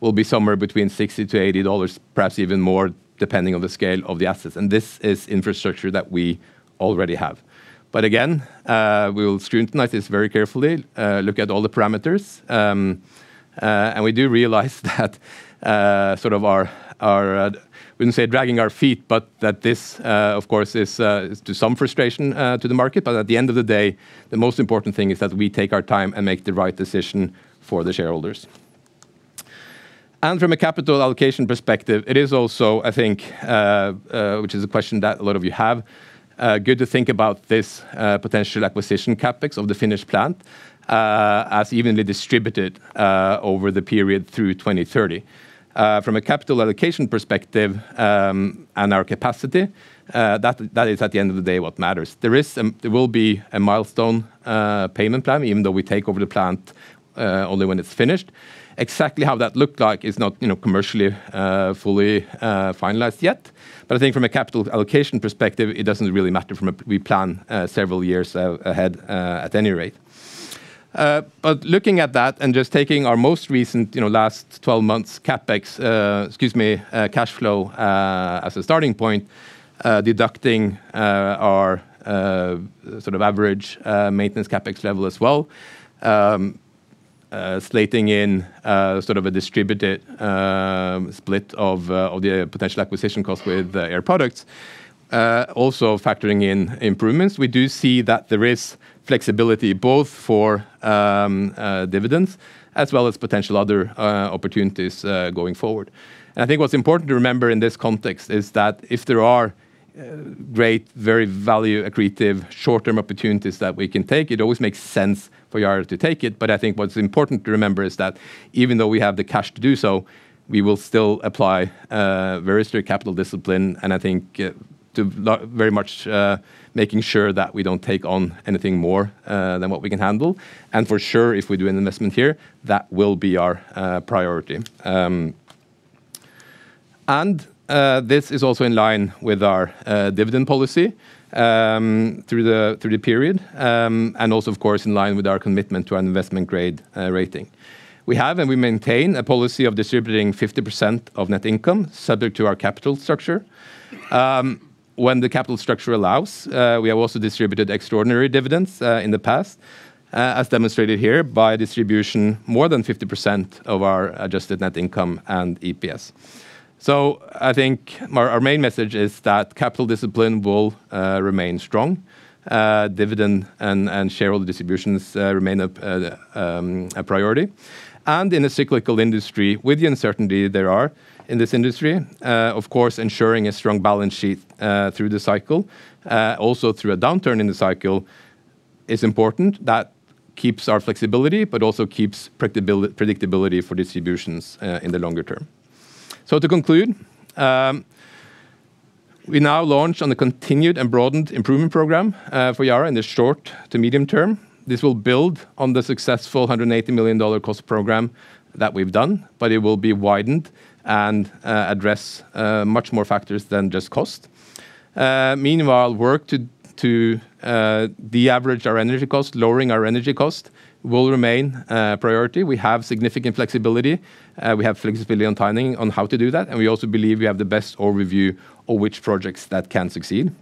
S6: will be somewhere between $60-$80, perhaps even more depending on the scale of the assets. And this is infrastructure that we already have. But again, we will scrutinize this very carefully, look at all the parameters. And we do realize that sort of our, I wouldn't say dragging our feet, but that this, of course, is to some frustration to the market. But at the end of the day, the most important thing is that we take our time and make the right decision for the shareholders. And from a capital allocation perspective, it is also, I think, which is a question that a lot of you have, good to think about this potential acquisition CapEx of the finished plant as evenly distributed over the period through 2030. From a capital allocation perspective and our capacity, that is at the end of the day what matters. There will be a milestone payment plan, even though we take over the plant only when it's finished. Exactly how that looked like is not commercially fully finalized yet. But I think from a capital allocation perspective, it doesn't really matter from a plan several years ahead at any rate. But looking at that and just taking our most recent last 12 months' CapEx, excuse me, cash flow as a starting point, deducting our sort of average maintenance CapEx level as well, slating in sort of a distributed split of the potential acquisition cost with Air Products, also factoring in improvements, we do see that there is flexibility both for dividends as well as potential other opportunities going forward. I think what's important to remember in this context is that if there are great, very value-accretive short-term opportunities that we can take, it always makes sense for Yara to take it. I think what's important to remember is that even though we have the cash to do so, we will still apply very strict capital discipline. I think very much making sure that we don't take on anything more than what we can handle. For sure, if we do an investment here, that will be our priority. This is also in line with our dividend policy through the period and also, of course, in line with our commitment to our investment grade rating. We have and we maintain a policy of distributing 50% of net income subject to our capital structure. When the capital structure allows, we have also distributed extraordinary dividends in the past, as demonstrated here by distribution more than 50% of our adjusted net income and EPS. I think our main message is that capital discipline will remain strong. Dividend and shareholder distributions remain a priority. In a cyclical industry with the uncertainty there are in this industry, of course, ensuring a strong balance sheet through the cycle, also through a downturn in the cycle is important. That keeps our flexibility, but also keeps predictability for distributions in the longer term, so to conclude, we now launch on a continued and broadened improvement program for Yara in the short to medium term. This will build on the successful $180 million cost program that we've done, but it will be widened and address much more factors than just cost. Meanwhile, work to de-average our energy cost, lowering our energy cost, will remain a priority. We have significant flexibility. We have flexibility on timing on how to do that, and we also believe we have the best overview of which projects that can succeed,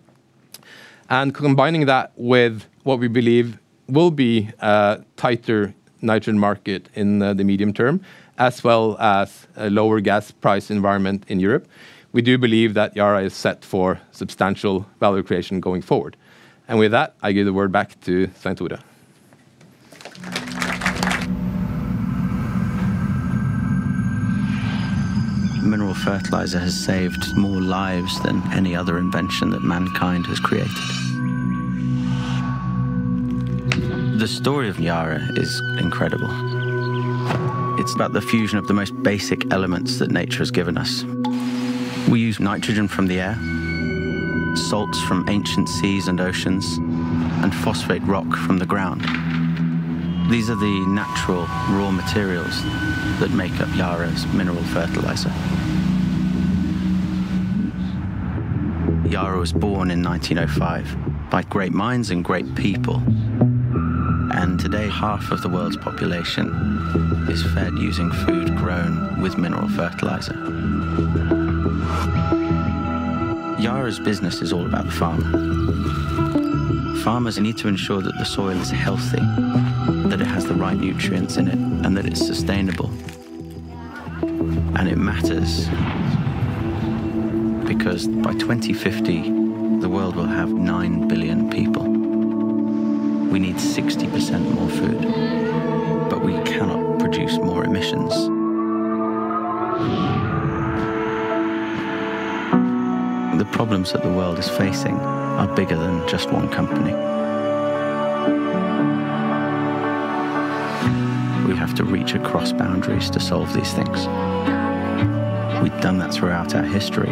S6: and combining that with what we believe will be a tighter nitrogen market in the medium term, as well as a lower gas price environment in Europe, we do believe that Yara is set for substantial value creation going forward. And with that, I give the word back to Svein Tore. Mineral fertilizer has saved more lives than any other invention that mankind has created. The story of Yara is incredible. It's about the fusion of the most basic elements that nature has given us. We use nitrogen from the air, salts from ancient seas and oceans, and phosphate rock from the ground. These are the natural raw materials that make up Yara's mineral fertilizer. Yara was born in 1905 by great minds and great people. And today, half of the world's population is fed using food grown with mineral fertilizer. Yara's business is all about the farmer. Farmers need to ensure that the soil is healthy, that it has the right nutrients in it, and that it's sustainable. And it matters because by 2050, the world will have nine billion people. We need 60% more food, but we cannot produce more emissions. The problems that the world is facing are bigger than just one company. We have to reach across boundaries to solve these things. We've done that throughout our history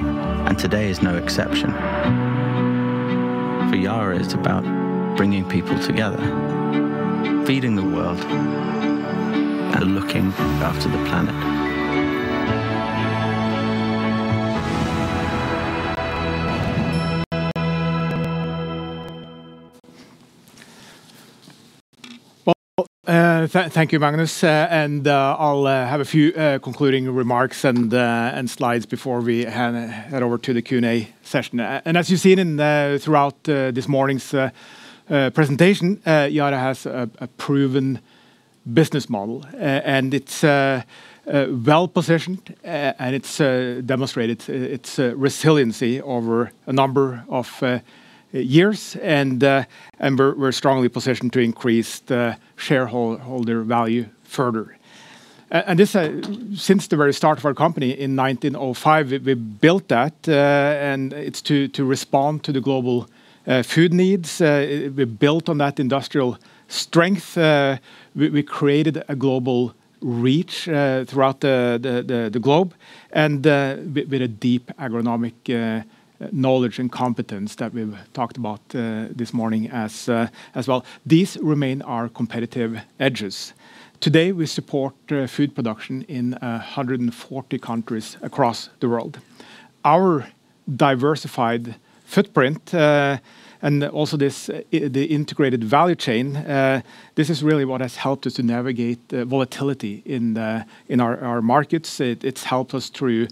S6: and today is no exception. For Yara, it's about bringing people together, feeding the world, and looking after the planet.
S2: Well, thank you, Magnus. And I'll have a few concluding remarks and slides before we head over to the Q&A session. And as you've seen throughout this morning's presentation, Yara has a proven business model. And it's well positioned, and it's demonstrated its resiliency over a number of years. And we're strongly positioned to increase the shareholder value further. And since the very start of our company in 1905, we built that. And it's to respond to the global food needs. We built on that industrial strength. We created a global reach throughout the globe, and with a deep agronomic knowledge and competence that we've talked about this morning as well. These remain our competitive edges. Today, we support food production in 140 countries across the world. Our diversified footprint and also the integrated value chain, this is really what has helped us to navigate volatility in our markets. It's helped us through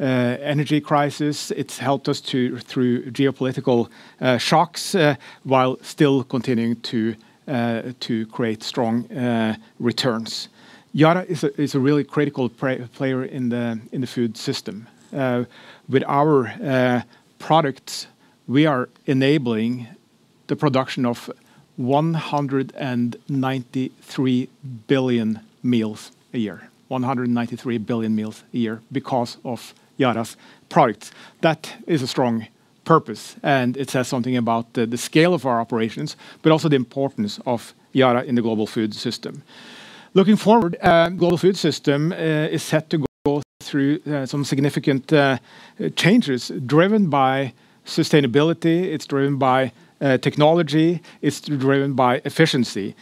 S2: energy crisis. It's helped us through geopolitical shocks while still continuing to create strong returns. Yara is a really critical player in the food system. With our products, we are enabling the production of 193 billion meals a year, 193 billion meals a year because of Yara's products. That is a strong purpose, and it says something about the scale of our operations, but also the importance of Yara in the global food system. Looking forward, the global food system is set to go through some significant changes driven by sustainability. It's driven by technology. It's driven by efficiency.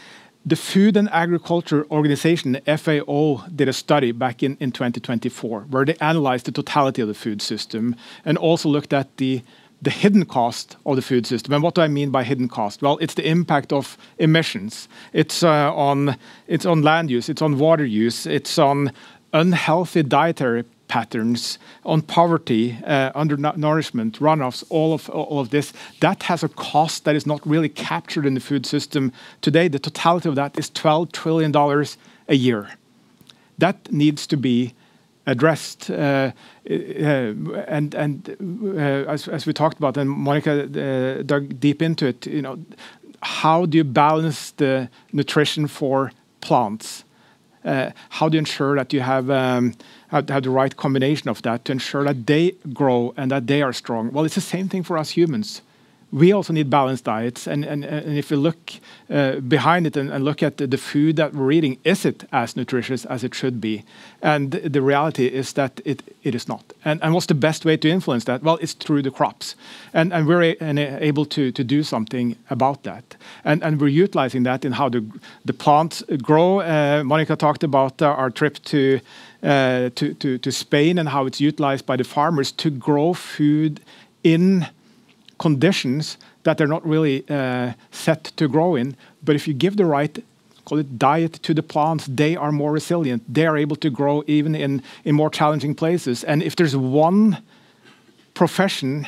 S2: The Food and Agriculture Organization, FAO, did a study back in 2024 where they analyzed the totality of the food system and also looked at the hidden cost of the food system. And what do I mean by hidden cost? Well, it's the impact of emissions. It's on land use. It's on water use. It's on unhealthy dietary patterns, on poverty, undernourishment, runoffs, all of this. That has a cost that is not really captured in the food system today. The totality of that is $12 trillion a year. That needs to be addressed. And as we talked about, and Mónica dug deep into it, how do you balance the nutrition for plants? How do you ensure that you have the right combination of that to ensure that they grow and that they are strong? It's the same thing for us humans. We also need balanced diets. If you look behind it and look at the food that we're eating, is it as nutritious as it should be? The reality is that it is not. What's the best way to influence that? It's through the crops. We're able to do something about that. We're utilizing that in how the plants grow. Mónica talked about our trip to Spain and how it's utilized by the farmers to grow food in conditions that they're not really set to grow in. If you give the right, call it diet to the plants, they are more resilient. They are able to grow even in more challenging places. And if there's one profession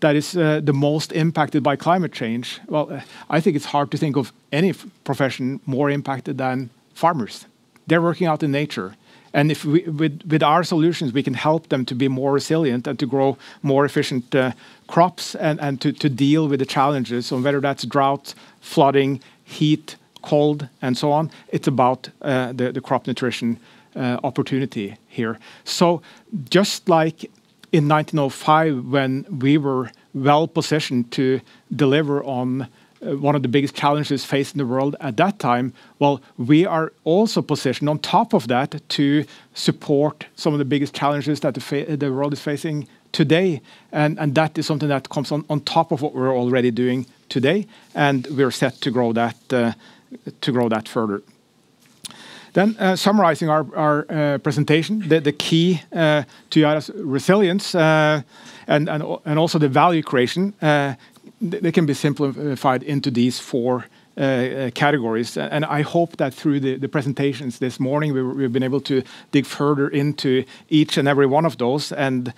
S2: that is the most impacted by climate change, well, I think it's hard to think of any profession more impacted than farmers. They're working out in nature. And with our solutions, we can help them to be more resilient and to grow more efficient crops and to deal with the challenges. So whether that's drought, flooding, heat, cold, and so on, it's about the crop nutrition opportunity here. So just like in 1905, when we were well positioned to deliver on one of the biggest challenges faced in the world at that time, well, we are also positioned on top of that to support some of the biggest challenges that the world is facing today. And that is something that comes on top of what we're already doing today. And we're set to grow that further. Then, summarizing our presentation, the key to Yara's resilience and also the value creation, they can be simplified into these four categories. And I hope that through the presentations this morning, we've been able to dig further into each and every one of those and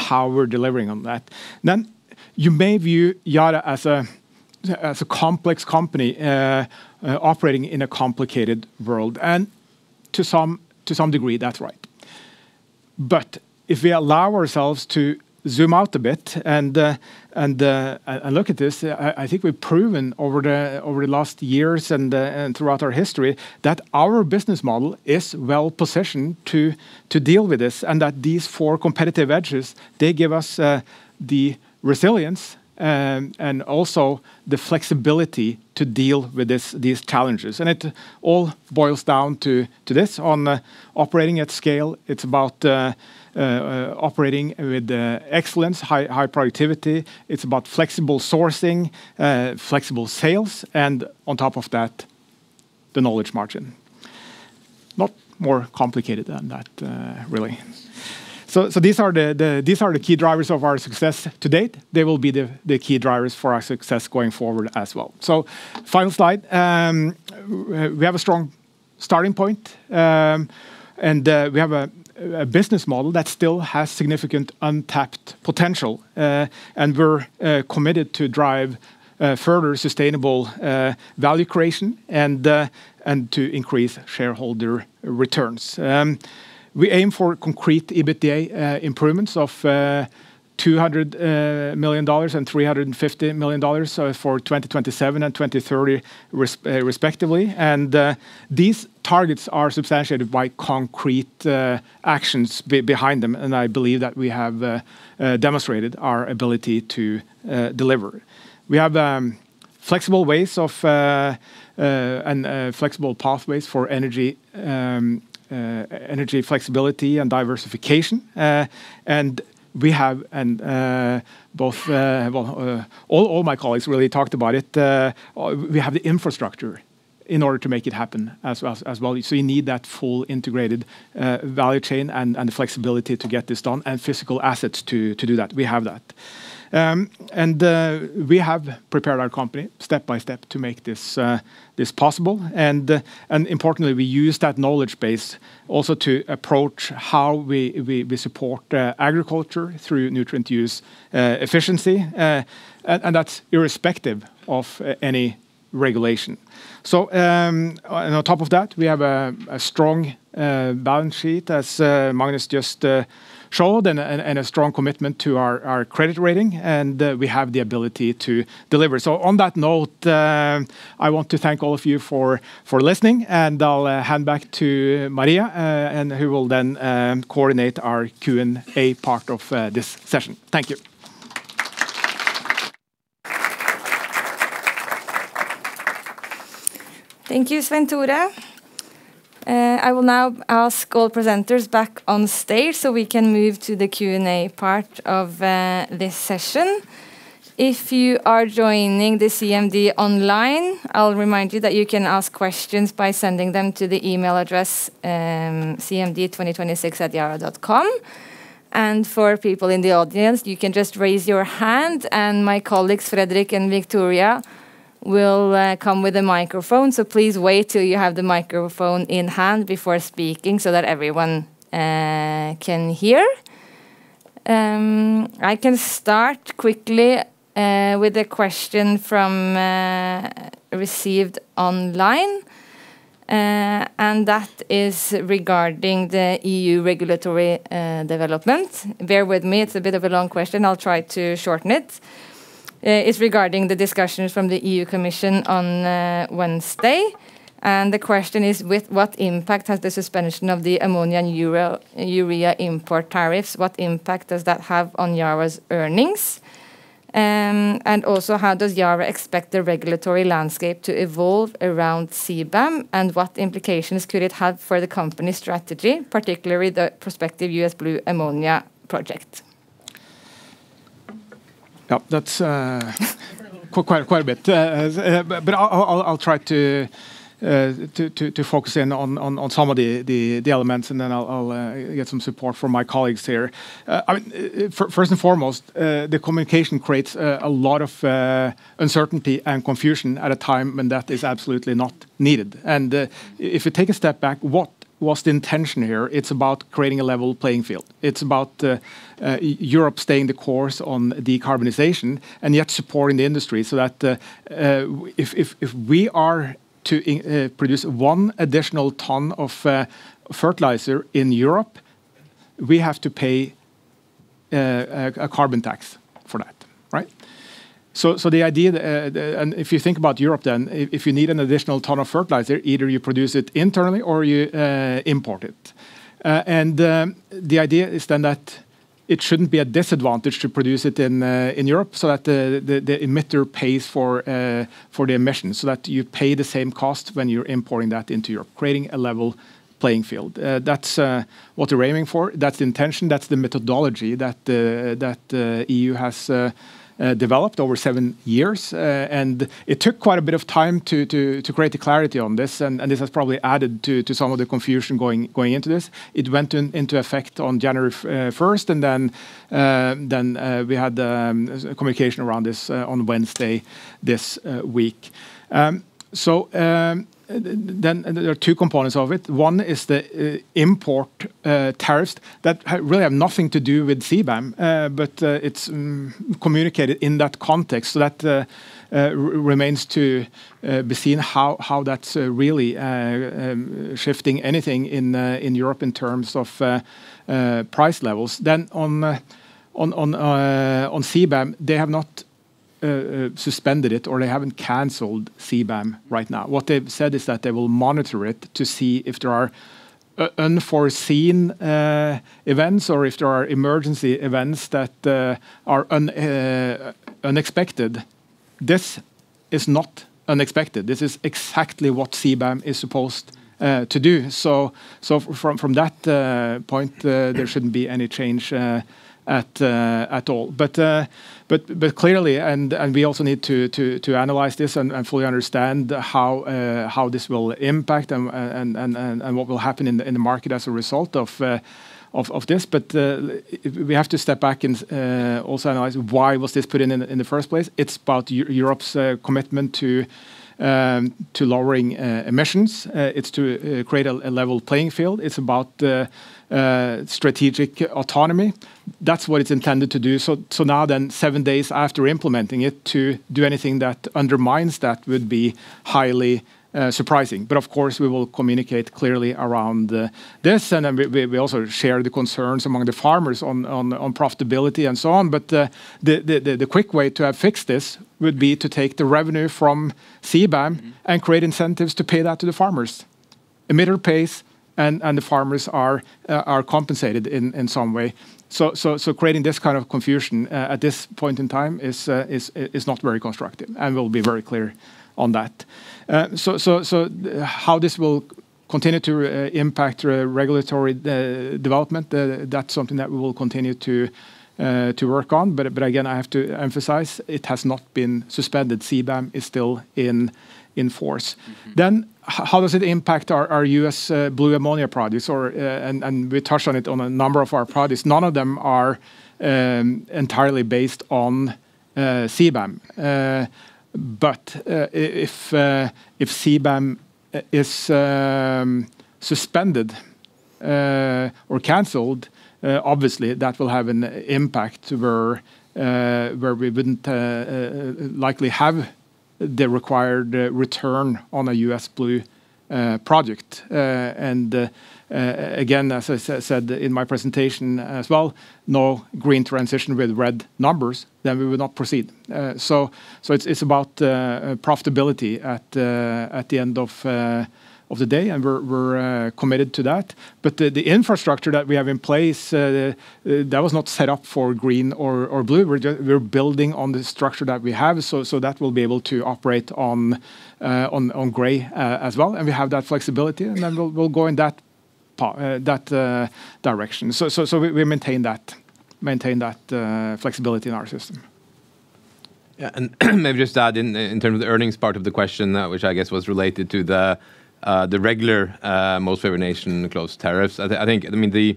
S2: how we're delivering on that. Now, you may view Yara as a complex company operating in a complicated world. And to some degree, that's right. But if we allow ourselves to zoom out a bit and look at this, I think we've proven over the last years and throughout our history that our business model is well positioned to deal with this and that these four competitive edges, they give us the resilience and also the flexibility to deal with these challenges. And it all boils down to this on operating at scale. It's about operating with excellence, high productivity. It's about flexible sourcing, flexible sales, and on top of that, the knowledge margin. Not more complicated than that, really, so these are the key drivers of our success to date. They will be the key drivers for our success going forward as well, so final slide. We have a strong starting point, and we have a business model that still has significant untapped potential, and we're committed to drive further sustainable value creation and to increase shareholder returns. We aim for concrete EBITDA improvements of $200 million and $350 million for 2027 and 2030, respectively, and these targets are substantiated by concrete actions behind them, and I believe that we have demonstrated our ability to deliver. We have flexible ways and flexible pathways for energy flexibility and diversification, and we have both. All my colleagues really talked about it. We have the infrastructure in order to make it happen as well. So you need that full integrated value chain and the flexibility to get this done and physical assets to do that. We have that. And we have prepared our company step by step to make this possible. And importantly, we use that knowledge base also to approach how we support agriculture through nutrient use efficiency. And that's irrespective of any regulation. So on top of that, we have a strong balance sheet as Magnus just showed and a strong commitment to our credit rating. And we have the ability to deliver. So on that note, I want to thank all of you for listening. And I'll hand back to Maria, who will then coordinate our Q&A part of this session. Thank you.
S1: Thank you, Svein Tore. I will now ask all presenters back on stage so we can move to the Q&A part of this session. If you are joining the CMD online, I'll remind you that you can ask questions by sending them to the email address cmd2026@yara.com, and for people in the audience, you can just raise your hand, and my colleagues, Frederik and Victoria, will come with a microphone, so please wait till you have the microphone in hand before speaking so that everyone can hear. I can start quickly with a question received online, and that is regarding the EU regulatory development. Bear with me. It's a bit of a long question. I'll try to shorten it. It's regarding the discussions from the EU Commission on Wednesday, and the question is, with what impact has the suspension of the ammonia and urea import tariffs? What impact does that have on Yara's earnings? And also, how does Yara expect the regulatory landscape to evolve around CBAM? And what implications could it have for the company's strategy, particularly the prospective U.S. blue ammonia project?
S2: Yeah, that's quite a bit. But I'll try to focus in on some of the elements, and then I'll get some support from my colleagues here. First and foremost, the communication creates a lot of uncertainty and confusion at a time when that is absolutely not needed. And if you take a step back, what was the intention here? It's about creating a level playing field. It's about Europe staying the course on decarbonization and yet supporting the industry so that if we are to produce one additional ton of fertilizer in Europe, we have to pay a carbon tax for that. So the idea, and if you think about Europe then, if you need an additional ton of fertilizer, either you produce it internally or you import it. And the idea is then that it shouldn't be a disadvantage to produce it in Europe so that the emitter pays for the emissions, so that you pay the same cost when you're importing that into Europe, creating a level playing field. That's what we're aiming for. That's the intention. That's the methodology that the EU has developed over seven years. And it took quite a bit of time to create clarity on this. And this has probably added to some of the confusion going into this. It went into effect on January 1st. And then we had communication around this on Wednesday this week. So then there are two components of it. One is the import tariffs that really have nothing to do with CBAM, but it's communicated in that context. So that remains to be seen how that's really shifting anything in Europe in terms of price levels. Then on CBAM, they have not suspended it or they haven't canceled CBAM right now. What they've said is that they will monitor it to see if there are unforeseen events or if there are emergency events that are unexpected. This is not unexpected. This is exactly what CBAM is supposed to do. So from that point, there shouldn't be any change at all. But clearly, and we also need to analyze this and fully understand how this will impact and what will happen in the market as a result of this. But we have to step back and also analyze why was this put in in the first place. It's about Europe's commitment to lowering emissions. It's to create a level playing field. It's about strategic autonomy. That's what it's intended to do. So now then, seven days after implementing it, to do anything that undermines that would be highly surprising. But of course, we will communicate clearly around this. And we also share the concerns among the farmers on profitability and so on. But the quick way to have fixed this would be to take the revenue from CBAM and create incentives to pay that to the farmers. Emitter pays and the farmers are compensated in some way. So creating this kind of confusion at this point in time is not very constructive and will be very clear on that. So how this will continue to impact regulatory development, that's something that we will continue to work on. But again, I have to emphasize it has not been suspended. CBAM is still in force. Then how does it impact our U.S. blue ammonia projects? And we touch on it on a number of our projects. None of them are entirely based on CBAM. But if CBAM is suspended or canceled, obviously, that will have an impact where we wouldn't likely have the required return on a U.S. blue project. And again, as I said in my presentation as well, no green transition with red numbers, then we would not proceed. So it's about profitability at the end of the day. And we're committed to that. But the infrastructure that we have in place, that was not set up for green or blue. We're building on the structure that we have. So that will be able to operate on gray as well. And we have that flexibility. Then we'll go in that direction. We maintain that flexibility in our system.
S6: Yeah. Maybe just add in terms of the earnings part of the question, which I guess was related to the regular most favored nation clause tariffs. I think the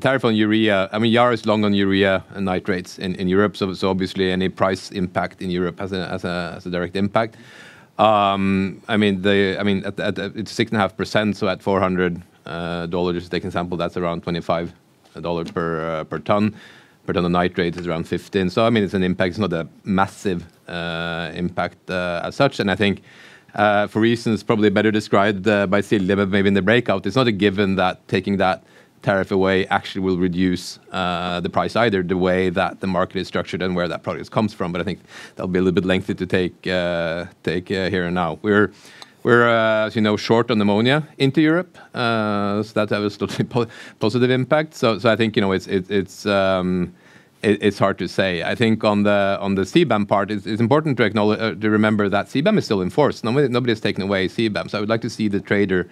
S6: tariff on urea, I mean, Yara is long on urea and nitrates in Europe. So obviously, any price impact in Europe has a direct impact. I mean, it's 6.5%. So at $400, if they can sample, that's around $25 per ton. Per ton of nitrates is around $15. So I mean, it's an impact. It's not a massive impact as such. I think for reasons probably better described by Silje, but maybe in the breakout, it's not a given that taking that tariff away actually will reduce the price either the way that the market is structured and where that product comes from. But I think that'll be a little bit lengthy to take here and now. We're, as you know, short on ammonia into Europe. So that has a positive impact. So I think it's hard to say. I think on the CBAM part, it's important to remember that CBAM is still in force. Nobody has taken away CBAM. So I would like to see the trader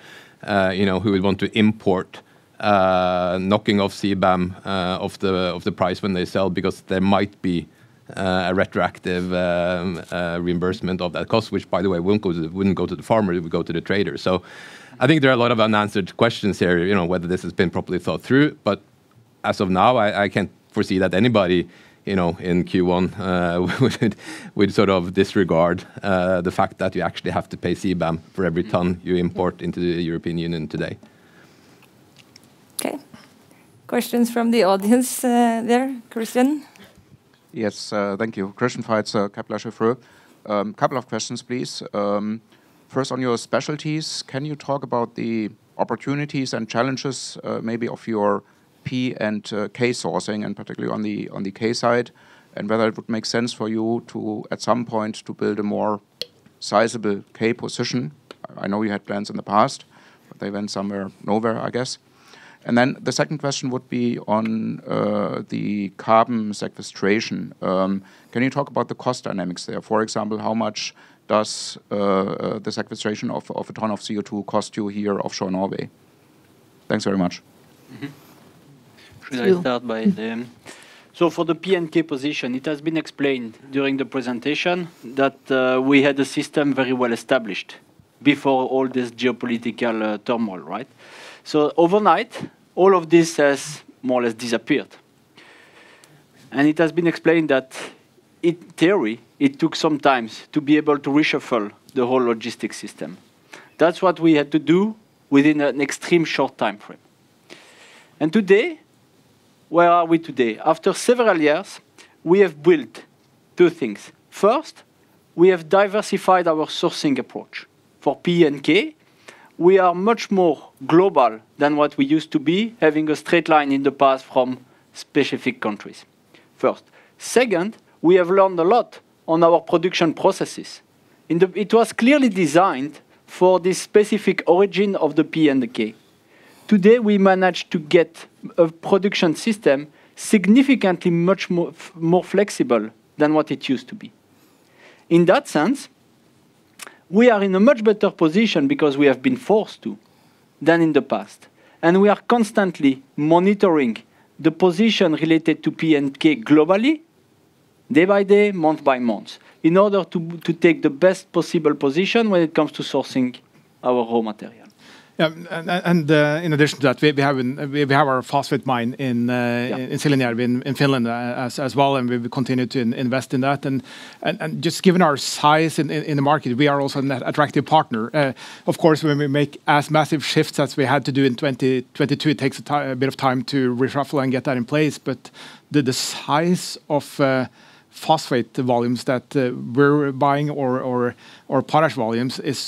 S6: who would want to import knocking off CBAM of the price when they sell because there might be a retroactive reimbursement of that cost, which, by the way, wouldn't go to the farmer. It would go to the trader. So I think there are a lot of unanswered questions here, whether this has been properly thought through. But as of now, I can't foresee that anybody in Q1 would sort of disregard the fact that you actually have to pay CBAM for every ton you import into the European Union today.
S1: Okay. Questions from the audience there, Christian?
S7: Yes. Thank you. Christian Faitz, Kepler Cheuvreux. A couple of questions, please. First, on your specialties, can you talk about the opportunities and challenges maybe of your P&K sourcing, and particularly on the K side, and whether it would make sense for you at some point to build a more sizable K position? I know you had plans in the past, but they went somewhere nowhere, I guess. And then the second question would be on the carbon sequestration. Can you talk about the cost dynamics there? For example, how much does the sequestration of a ton of CO2 cost you here offshore Norway? Thanks very much.
S4: Can I start? So for the P and K position, it has been explained during the presentation that we had a system very well established before all this geopolitical turmoil, right? So overnight, all of this has more or less disappeared, and it has been explained that in theory, it took some time to be able to reshuffle the whole logistics system. That's what we had to do within an extreme short time frame, and today, where are we today? After several years, we have built two things. First, we have diversified our sourcing approach for P and K. We are much more global than what we used to be, having a straight line in the past from specific countries. Second, we have learned a lot on our production processes. It was clearly designed for this specific origin of the P and the K. Today, we manage to get a production system significantly much more flexible than what it used to be. In that sense, we are in a much better position because we have been forced to than in the past. And we are constantly monitoring the position related to P and K globally day by day, month by month, in order to take the best possible position when it comes to sourcing our raw material.
S2: And in addition to that, we have our phosphate mine in Siilinjärvi in Finland as well, and we continue to invest in that. And just given our size in the market, we are also an attractive partner. Of course, when we make as massive shifts as we had to do in 2022, it takes a bit of time to reshuffle and get that in place. But the size of phosphate volumes that we're buying or potash volumes is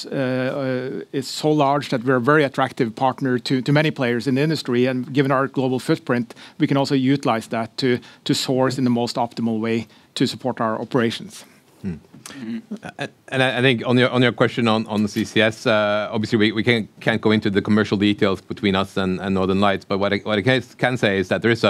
S2: so large that we're a very attractive partner to many players in the industry. And given our global footprint, we can also utilize that to source in the most optimal way to support our operations.
S6: And I think on your question on the CCS, obviously, we can't go into the commercial details between us and Northern Lights. But what I can say is that there is,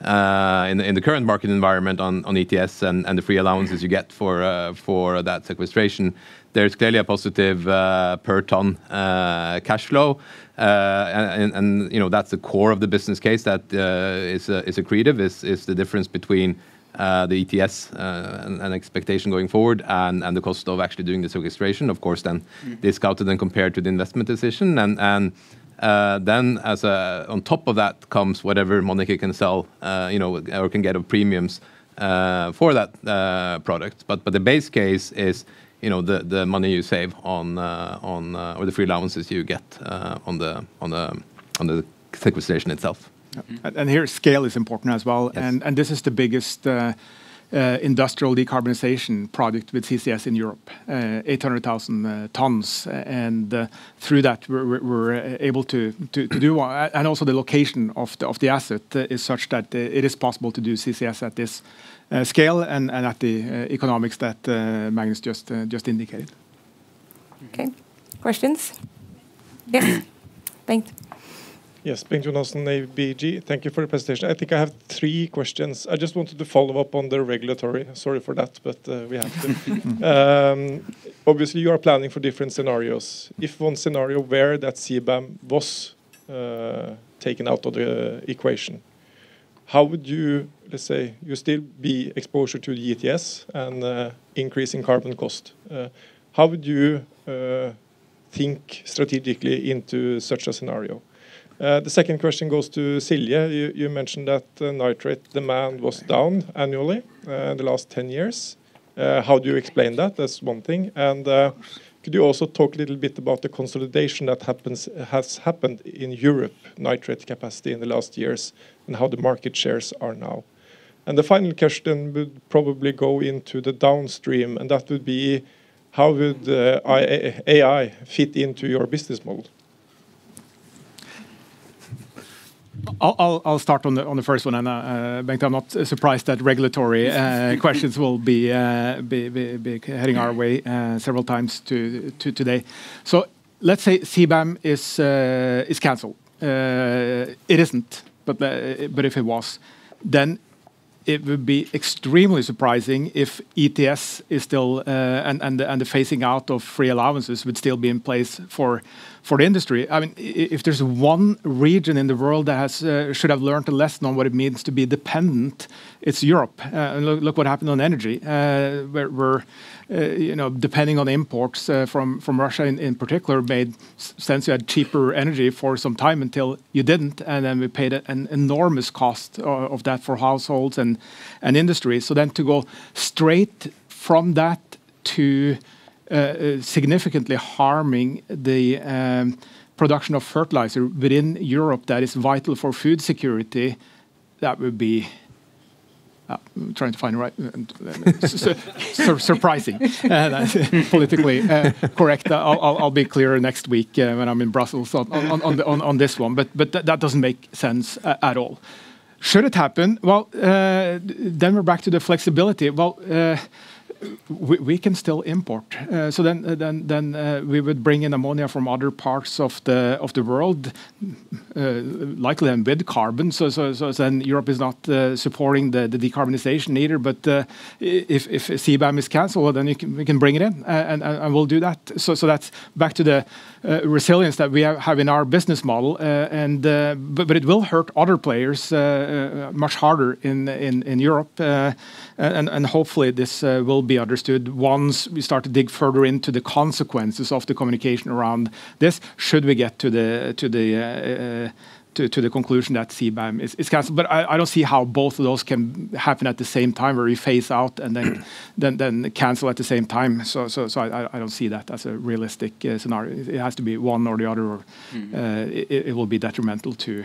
S6: in the current market environment on ETS and the free allowances you get for that sequestration, there's clearly a positive per ton cash flow. And that's the core of the business case that is accretive, is the difference between the ETS and expectation going forward and the cost of actually doing the sequestration. Of course, then discounted and compared to the investment decision. And then on top of that comes whatever money you can sell or can get of premiums for that product. But the base case is the money you save on or the free allowances you get on the sequestration itself.
S2: And here, scale is important as well. And this is the biggest industrial decarbonization project with CCS in Europe, 800,000 tons. And through that, we're able to do. And also the location of the asset is such that it is possible to do CCS at this scale and at the economics that Magnus just indicated.
S1: Okay. Questions? Yes. Thank you. Yes. Thank you, Jonassen, ABG. Thank you for the presentation. I think I have three questions. I just wanted to follow up on the regulatory. Sorry for that, but we have to. Obviously, you are planning for different scenarios. In one scenario where that CBAM was taken out of the equation, how would you, let's say, still be exposed to the ETS and increasing carbon cost? How would you think strategically into such a scenario? The second question goes to Silje. You mentioned that nitrate demand was down annually in the last 10 years. How do you explain that? That's one thing. And could you also talk a little bit about the consolidation that has happened in Europe, nitrate capacity in the last years, and how the market shares are now? And the final question would probably go into the downstream. And that would be, how would AI fit into your business model?
S2: I'll start on the first one, and I'm not surprised that regulatory questions will be heading our way several times today. So let's say CBAM is canceled. It isn't, but if it was, then it would be extremely surprising if ETS is still and the phasing out of free allowances would still be in place for the industry. I mean, if there's one region in the world that should have learned a lesson on what it means to be dependent, it's Europe. Look what happened on energy. We're depending on imports from Russia in particular. It made sense you had cheaper energy for some time until you didn't. And then we paid an enormous cost of that for households and industries. So then to go straight from that to significantly harming the production of fertilizer within Europe that is vital for food security, that would be trying to find the right surprising. Politically correct. I'll be clearer next week when I'm in Brussels on this one. But that doesn't make sense at all. Should it happen? Then we're back to the flexibility. We can still import. Then we would bring in ammonia from other parts of the world, likely, and with carbon. Europe is not supporting the decarbonization either. If CBAM is canceled, then we can bring it in. We'll do that. That's back to the resilience that we have in our business model. It will hurt other players much harder in Europe. Hopefully, this will be understood once we start to dig further into the consequences of the communication around this, should we get to the conclusion that CBAM is canceled. I don't see how both of those can happen at the same time, where we phase out and then cancel at the same time. I don't see that as a realistic scenario. It has to be one or the other, or it will be detrimental to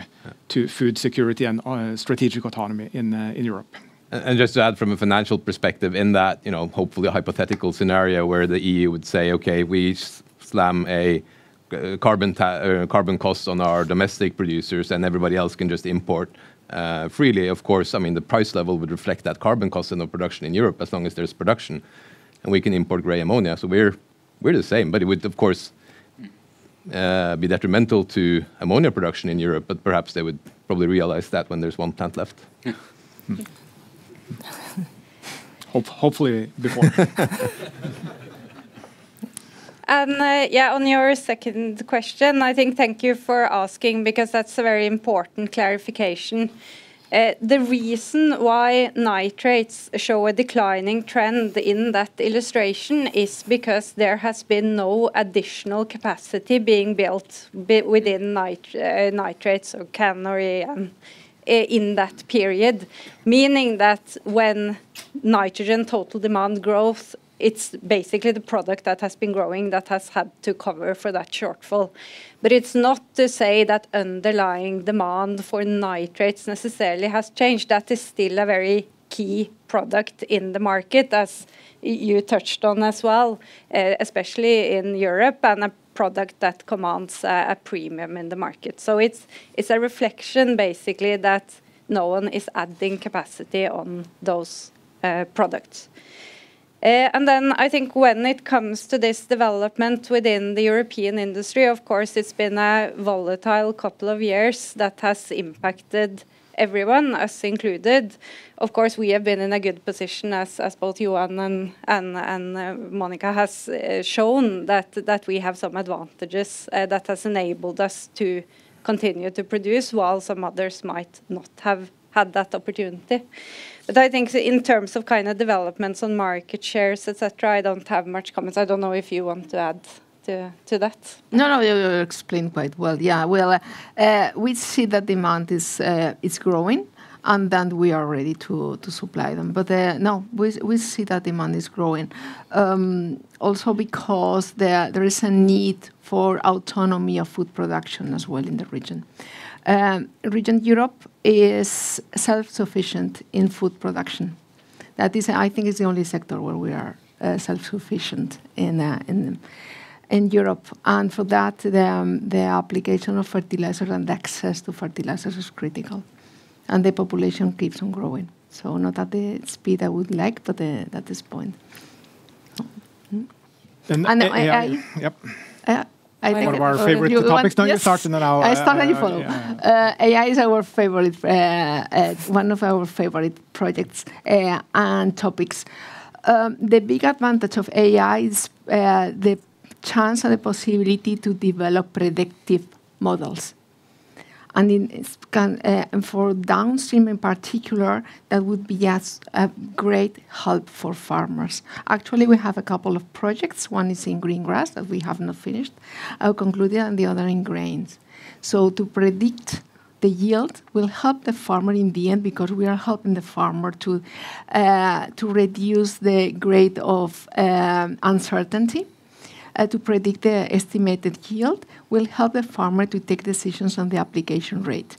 S2: food security and strategic autonomy in Europe.
S6: And just to add from a financial perspective, in that hopefully hypothetical scenario where the EU would say, "Okay, we slam carbon costs on our domestic producers and everybody else can just import freely." Of course, I mean, the price level would reflect that carbon cost in the production in Europe as long as there's production. And we can import gray ammonia. So we're the same. But it would, of course, be detrimental to ammonia production in Europe. But perhaps they would probably realize that when there's one plant left. Hopefully before.
S3: Yeah. On your second question, I think thank you for asking because that's a very important clarification. The reason why nitrates show a declining trend in that illustration is because there has been no additional capacity being built within nitrates or CAN in that period, meaning that when nitrogen total demand grows, it's basically the product that has been growing that has had to cover for that shortfall. But it's not to say that underlying demand for nitrates necessarily has changed. That is still a very key product in the market, as you touched on as well, especially in Europe, and a product that commands a premium in the market. So it's a reflection basically that no one is adding capacity on those products. And then I think when it comes to this development within the European industry, of course, it's been a volatile couple of years that has impacted everyone, us included. Of course, we have been in a good position, as both Johan and Mónica have shown, that we have some advantages that have enabled us to continue to produce while some others might not have had that opportunity. But I think in terms of kind of developments on market shares, etc., I don't have much comments. I don't know if you want to add to that.
S5: No, no. You explained quite well. Yeah. Well, we see that demand is growing, and then we are ready to supply them. But no, we see that demand is growing. Also because there is a need for autonomy of food production as well in the region. Europe is self-sufficient in food production. That is, I think it's the only sector where we are self-sufficient in Europe, and for that, the application of fertilizer and access to fertilizers is critical. The population keeps on growing. So not at the speed I would like, but at this point.
S2: And AI, one of our favorite topics. No, you started and.
S5: I started and you follow. AI is one of our favorite projects and topics. The big advantage of AI is the chance and the possibility to develop predictive models. And for downstream in particular, that would be a great help for farmers. Actually, we have a couple of projects. One is in green grass that we have not finished, concluded, and the other in grains. So to predict the yield will help the farmer in the end because we are helping the farmer to reduce the grade of uncertainty. To predict the estimated yield will help the farmer to take decisions on the application rate.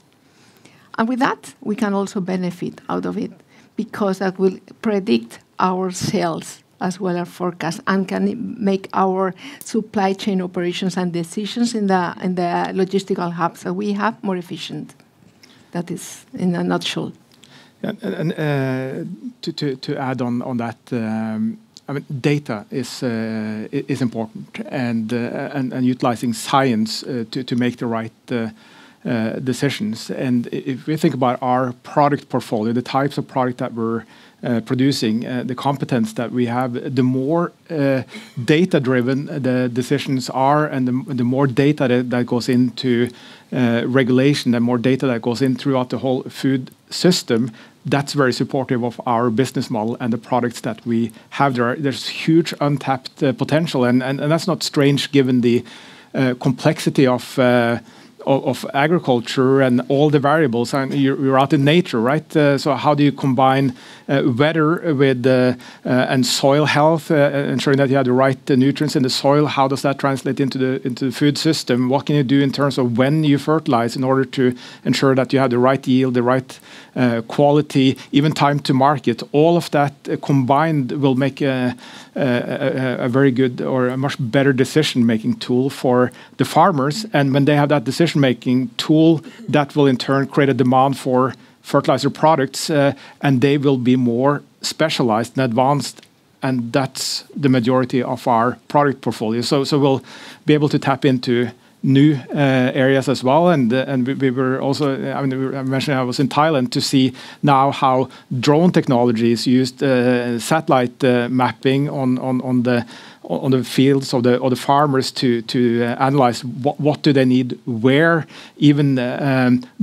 S5: With that, we can also benefit out of it because that will predict our sales as well as forecast and can make our supply chain operations and decisions in the logistical hubs that we have more efficient. That is in a nutshell.
S2: To add on that, I mean, data is important and utilizing science to make the right decisions. If we think about our product portfolio, the types of product that we're producing, the competence that we have, the more data-driven the decisions are and the more data that goes into regulation, the more data that goes in throughout the whole food system, that's very supportive of our business model and the products that we have. There's huge untapped potential. That's not strange given the complexity of agriculture and all the variables. You're out in nature, right? So how do you combine weather and soil health, ensuring that you have the right nutrients in the soil? How does that translate into the food system? What can you do in terms of when you fertilize in order to ensure that you have the right yield, the right quality, even time to market? All of that combined will make a very good or a much better decision-making tool for the farmers. And when they have that decision-making tool, that will in turn create a demand for fertilizer products, and they will be more specialized and advanced. And that's the majority of our product portfolio. So we'll be able to tap into new areas as well. We were also, I mean, I mentioned I was in Thailand to see now how drone technologies used satellite mapping on the fields of the farmers to analyze what do they need where, even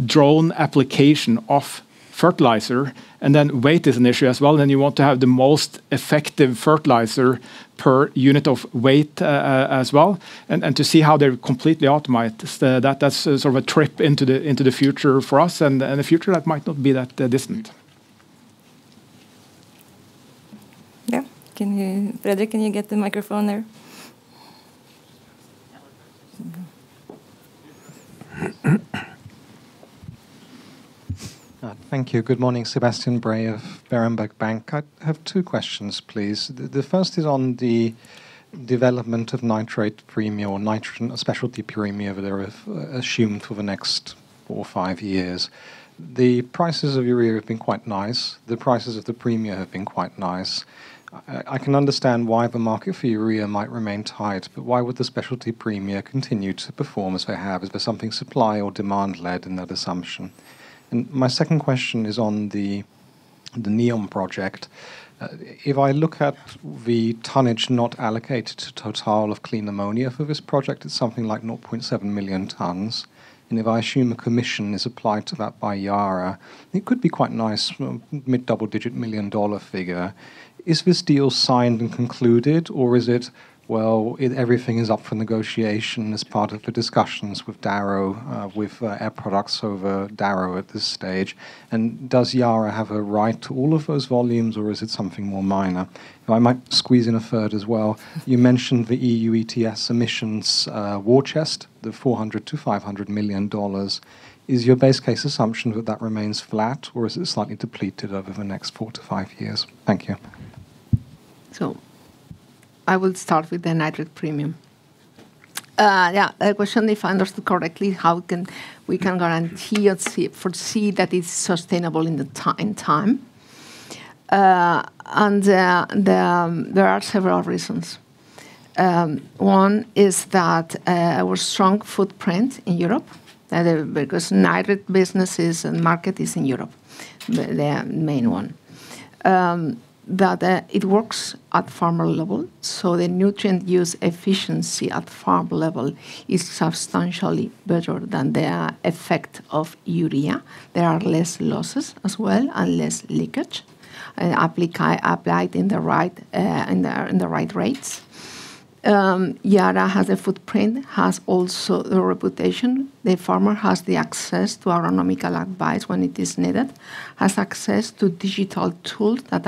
S2: drone application of fertilizer. Then weight is an issue as well. You want to have the most effective fertilizer per unit of weight as well. To see how they're completely optimized, that's sort of a trip into the future for us. In the future, that might not be that distant.
S1: Yeah. Frederik, can you get the microphone there?
S8: Thank you. Good morning, Sebastian Bray of Berenberg Bank. I have two questions, please. The first is on the development of nitrate premium or nitrogen specialty premium over there assumed for the next four or five years. The prices of urea have been quite nice. The prices of the premium have been quite nice. I can understand why the market for urea might remain tight, but why would the specialty premium continue to perform as they have? Is there something supply or demand-led in that assumption? And my second question is on the NEOM project. If I look at the tonnage not allocated to total of clean ammonia for this project, it's something like 0.7 million tons. And if I assume a commission is applied to that by Yara, it could be quite nice, mid-double-digit million-dollar figure. Is this deal signed and concluded, or is it, well, everything is up for negotiation as part of the discussions with Darrow, with Air Products over Darrow at this stage? And does Yara have a right to all of those volumes, or is it something more minor? I might squeeze in a third as well. You mentioned the EU ETS emissions war chest, the $400 million-$500 million. Is your base case assumption that that remains flat, or is it slightly depleted over the next four to five years? Thank you.
S5: So I will start with the nitrate premium. Yeah. The question, if I understood correctly, how can we guarantee or foresee that it's sustainable in time. And there are several reasons. One is that our strong footprint in Europe, because nitrate businesses and market is in Europe, the main one, that it works at farmer level. So the nutrient use efficiency at farm level is substantially better than the effect of urea. There are less losses as well and less leakage applied in the right rates. Yara has a footprint, has also the reputation. The farmer has access to agronomic advice when it is needed, has access to digital tools that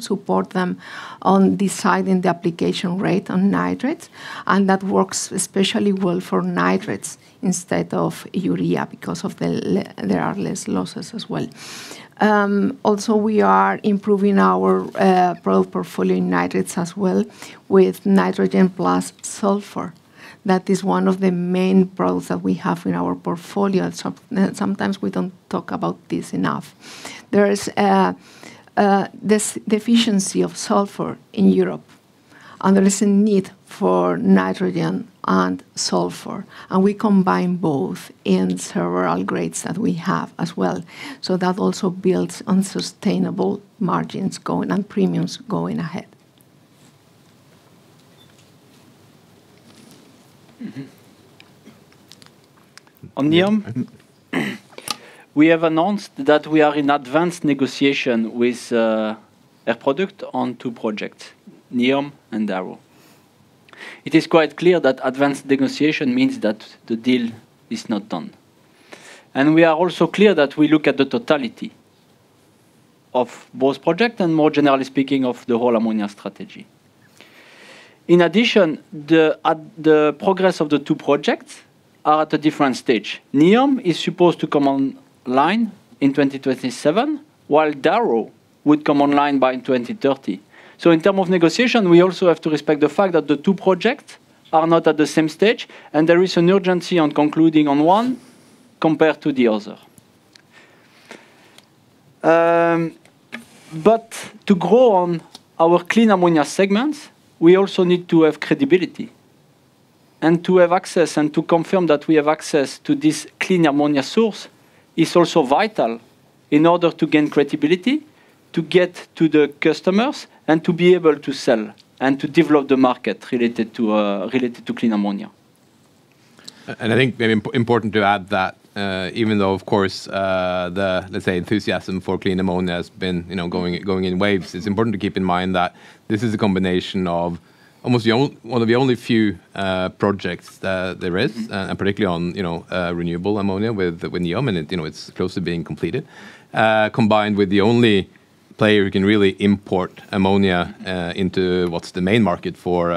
S5: support them on deciding the application rate on nitrates. That works especially well for nitrates instead of urea because there are less losses as well. Also, we are improving our product portfolio in nitrates as well with nitrogen plus sulfur. That is one of the main products that we have in our portfolio. Sometimes we don't talk about this enough. There is this deficiency of sulfur in Europe, and there is a need for nitrogen and sulfur. We combine both in several grades that we have as well. So that also builds on sustainable margins and premiums going ahead.
S4: On NEOM, we have announced that we are in advanced negotiation with Air Products on two projects, NEOM and Darrow. It is quite clear that advanced negotiation means that the deal is not done, and we are also clear that we look at the totality of both projects and, more generally speaking, of the whole ammonia strategy. In addition, the progress of the two projects is at a different stage. NEOM is supposed to come online in 2027, while Darrow would come online by 2030. In terms of negotiation, we also have to respect the fact that the two projects are not at the same stage, and there is an urgency on concluding on one compared to the other. To grow on our clean ammonia segments, we also need to have credibility. To have access and to confirm that we have access to this clean ammonia source is also vital in order to gain credibility, to get to the customers, and to be able to sell and to develop the market related to clean ammonia.
S6: I think maybe important to add that even though, of course, the, let's say, enthusiasm for clean ammonia has been going in waves, it's important to keep in mind that this is a combination of almost one of the only few projects there is, and particularly on renewable ammonia with NEOM, and it's close to being completed, combined with the only player who can really import ammonia into what's the main market for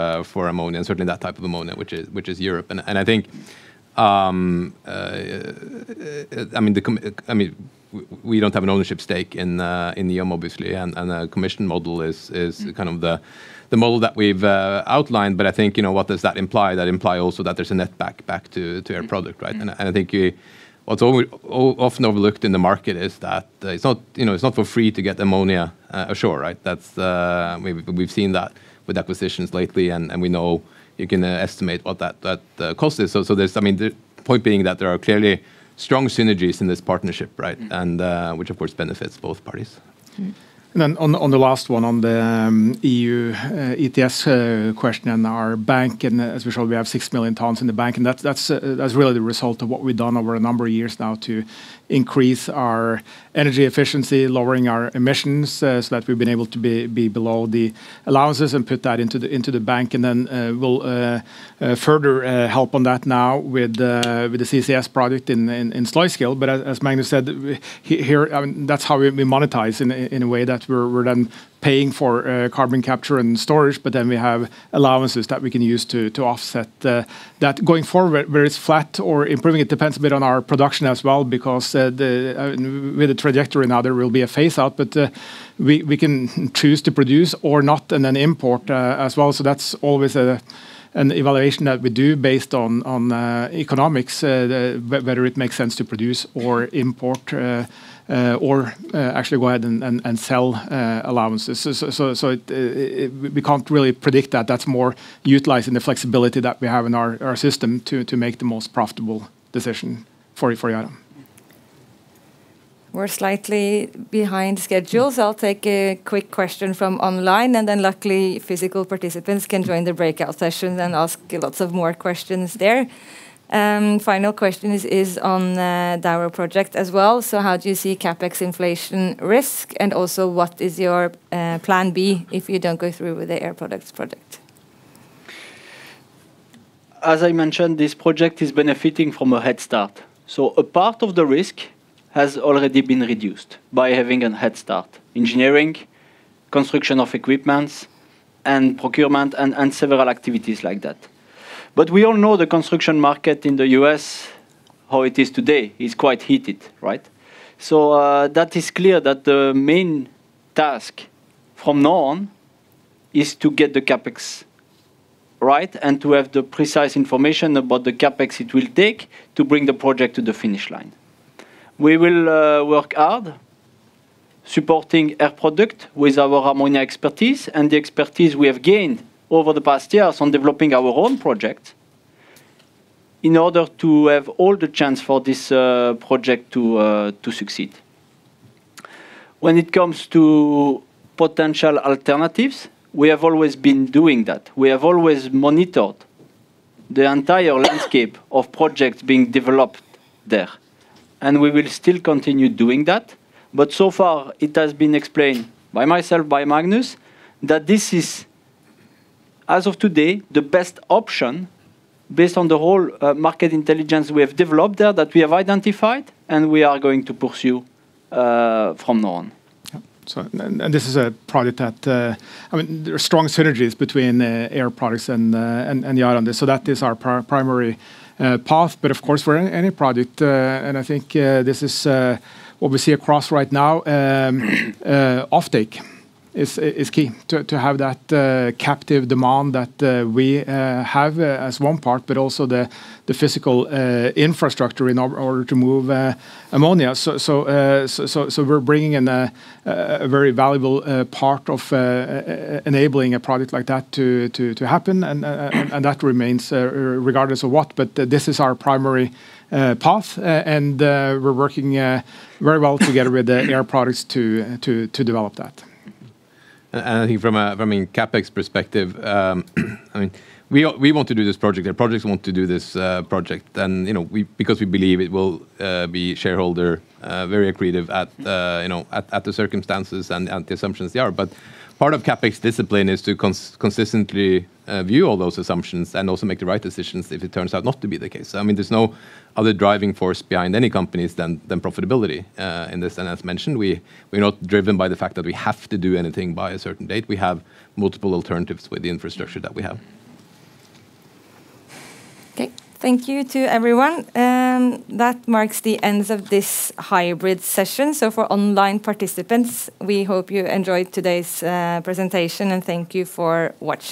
S6: ammonia, and certainly that type of ammonia, which is Europe. I think, I mean, we don't have an ownership stake in NEOM, obviously, and a commission model is kind of the model that we've outlined. But I think what does that imply? That implies also that there's a netback to Air Products, right? And I think what's often overlooked in the market is that it's not for free to get ammonia ashore, right? We've seen that with acquisitions lately, and we know you can estimate what that cost is. So I mean, the point being that there are clearly strong synergies in this partnership, right? And which, of course, benefits both parties.
S2: And then on the last one, on the EU ETS question and our bank, and as we showed, we have 6 million tons in the bank. That's really the result of what we've done over a number of years now to increase our energy efficiency, lowering our emissions so that we've been able to be below the allowances and put that into the bank. And then we'll further help on that now with the CCS project in Sluiskil. But as Magnus said here, that's how we monetize in a way that we're then paying for carbon capture and storage, but then we have allowances that we can use to offset that going forward. Whether it's flat or improving, it depends a bit on our production as well because with the trajectory now, there will be a phase-out, but we can choose to produce or not and then import as well. That's always an evaluation that we do based on economics, whether it makes sense to produce or import or actually go ahead and sell allowances. So we can't really predict that. That's more utilizing the flexibility that we have in our system to make the most profitable decision for Yara.
S1: We're slightly behind schedule. So I'll take a quick question from online, and then luckily physical participants can join the breakout session and ask lots of more questions there. Final question is on Darrow project as well. So how do you see CapEx inflation risk, and also what is your plan B if you don't go through with the Air Products project?
S4: As I mentioned, this project is benefiting from a head start. So a part of the risk has already been reduced by having a head start: engineering, construction of equipment, and procurement, and several activities like that. But we all know the construction market in the U.S., how it is today, is quite heated, right? So that is clear that the main task from now on is to get the CapEx right and to have the precise information about the CapEx it will take to bring the project to the finish line. We will work hard supporting Air Products with our ammonia expertise and the expertise we have gained over the past years on developing our own project in order to have all the chance for this project to succeed. When it comes to potential alternatives, we have always been doing that. We have always monitored the entire landscape of projects being developed there, and we will still continue doing that. But so far, it has been explained by myself, by Magnus, that this is, as of today, the best option based on the whole market intelligence we have developed there that we have identified and we are going to pursue from now on.
S2: And this is a project that, I mean, there are strong synergies between Air Products and Yara. So that is our primary path. But of course, for any project, and I think this is what we see across right now, offtake is key to have that captive demand that we have as one part, but also the physical infrastructure in order to move ammonia. So we're bringing in a very valuable part of enabling a project like that to happen, and that remains regardless of what. But this is our primary path, and we're working very well together with Air Products to develop that.
S6: I think from a CapEx perspective, I mean, we want to do this project. Air Products want to do this project because we believe it will be shareholder very accretive at a circumstances and the assumptions that they are. But part of CapEx discipline is to consistently view all those assumptions and also make the right decisions if it turns out not to be the case. I mean, there's no other driving force behind any companies than profitability in this. And as mentioned, we're not driven by the fact that we have to do anything by a certain date. We have multiple alternatives with the infrastructure that we have.
S1: Okay. Thank you to everyone. That marks the end of this hybrid session. So for online participants, we hope you enjoyed today's presentation, and thank you for watching.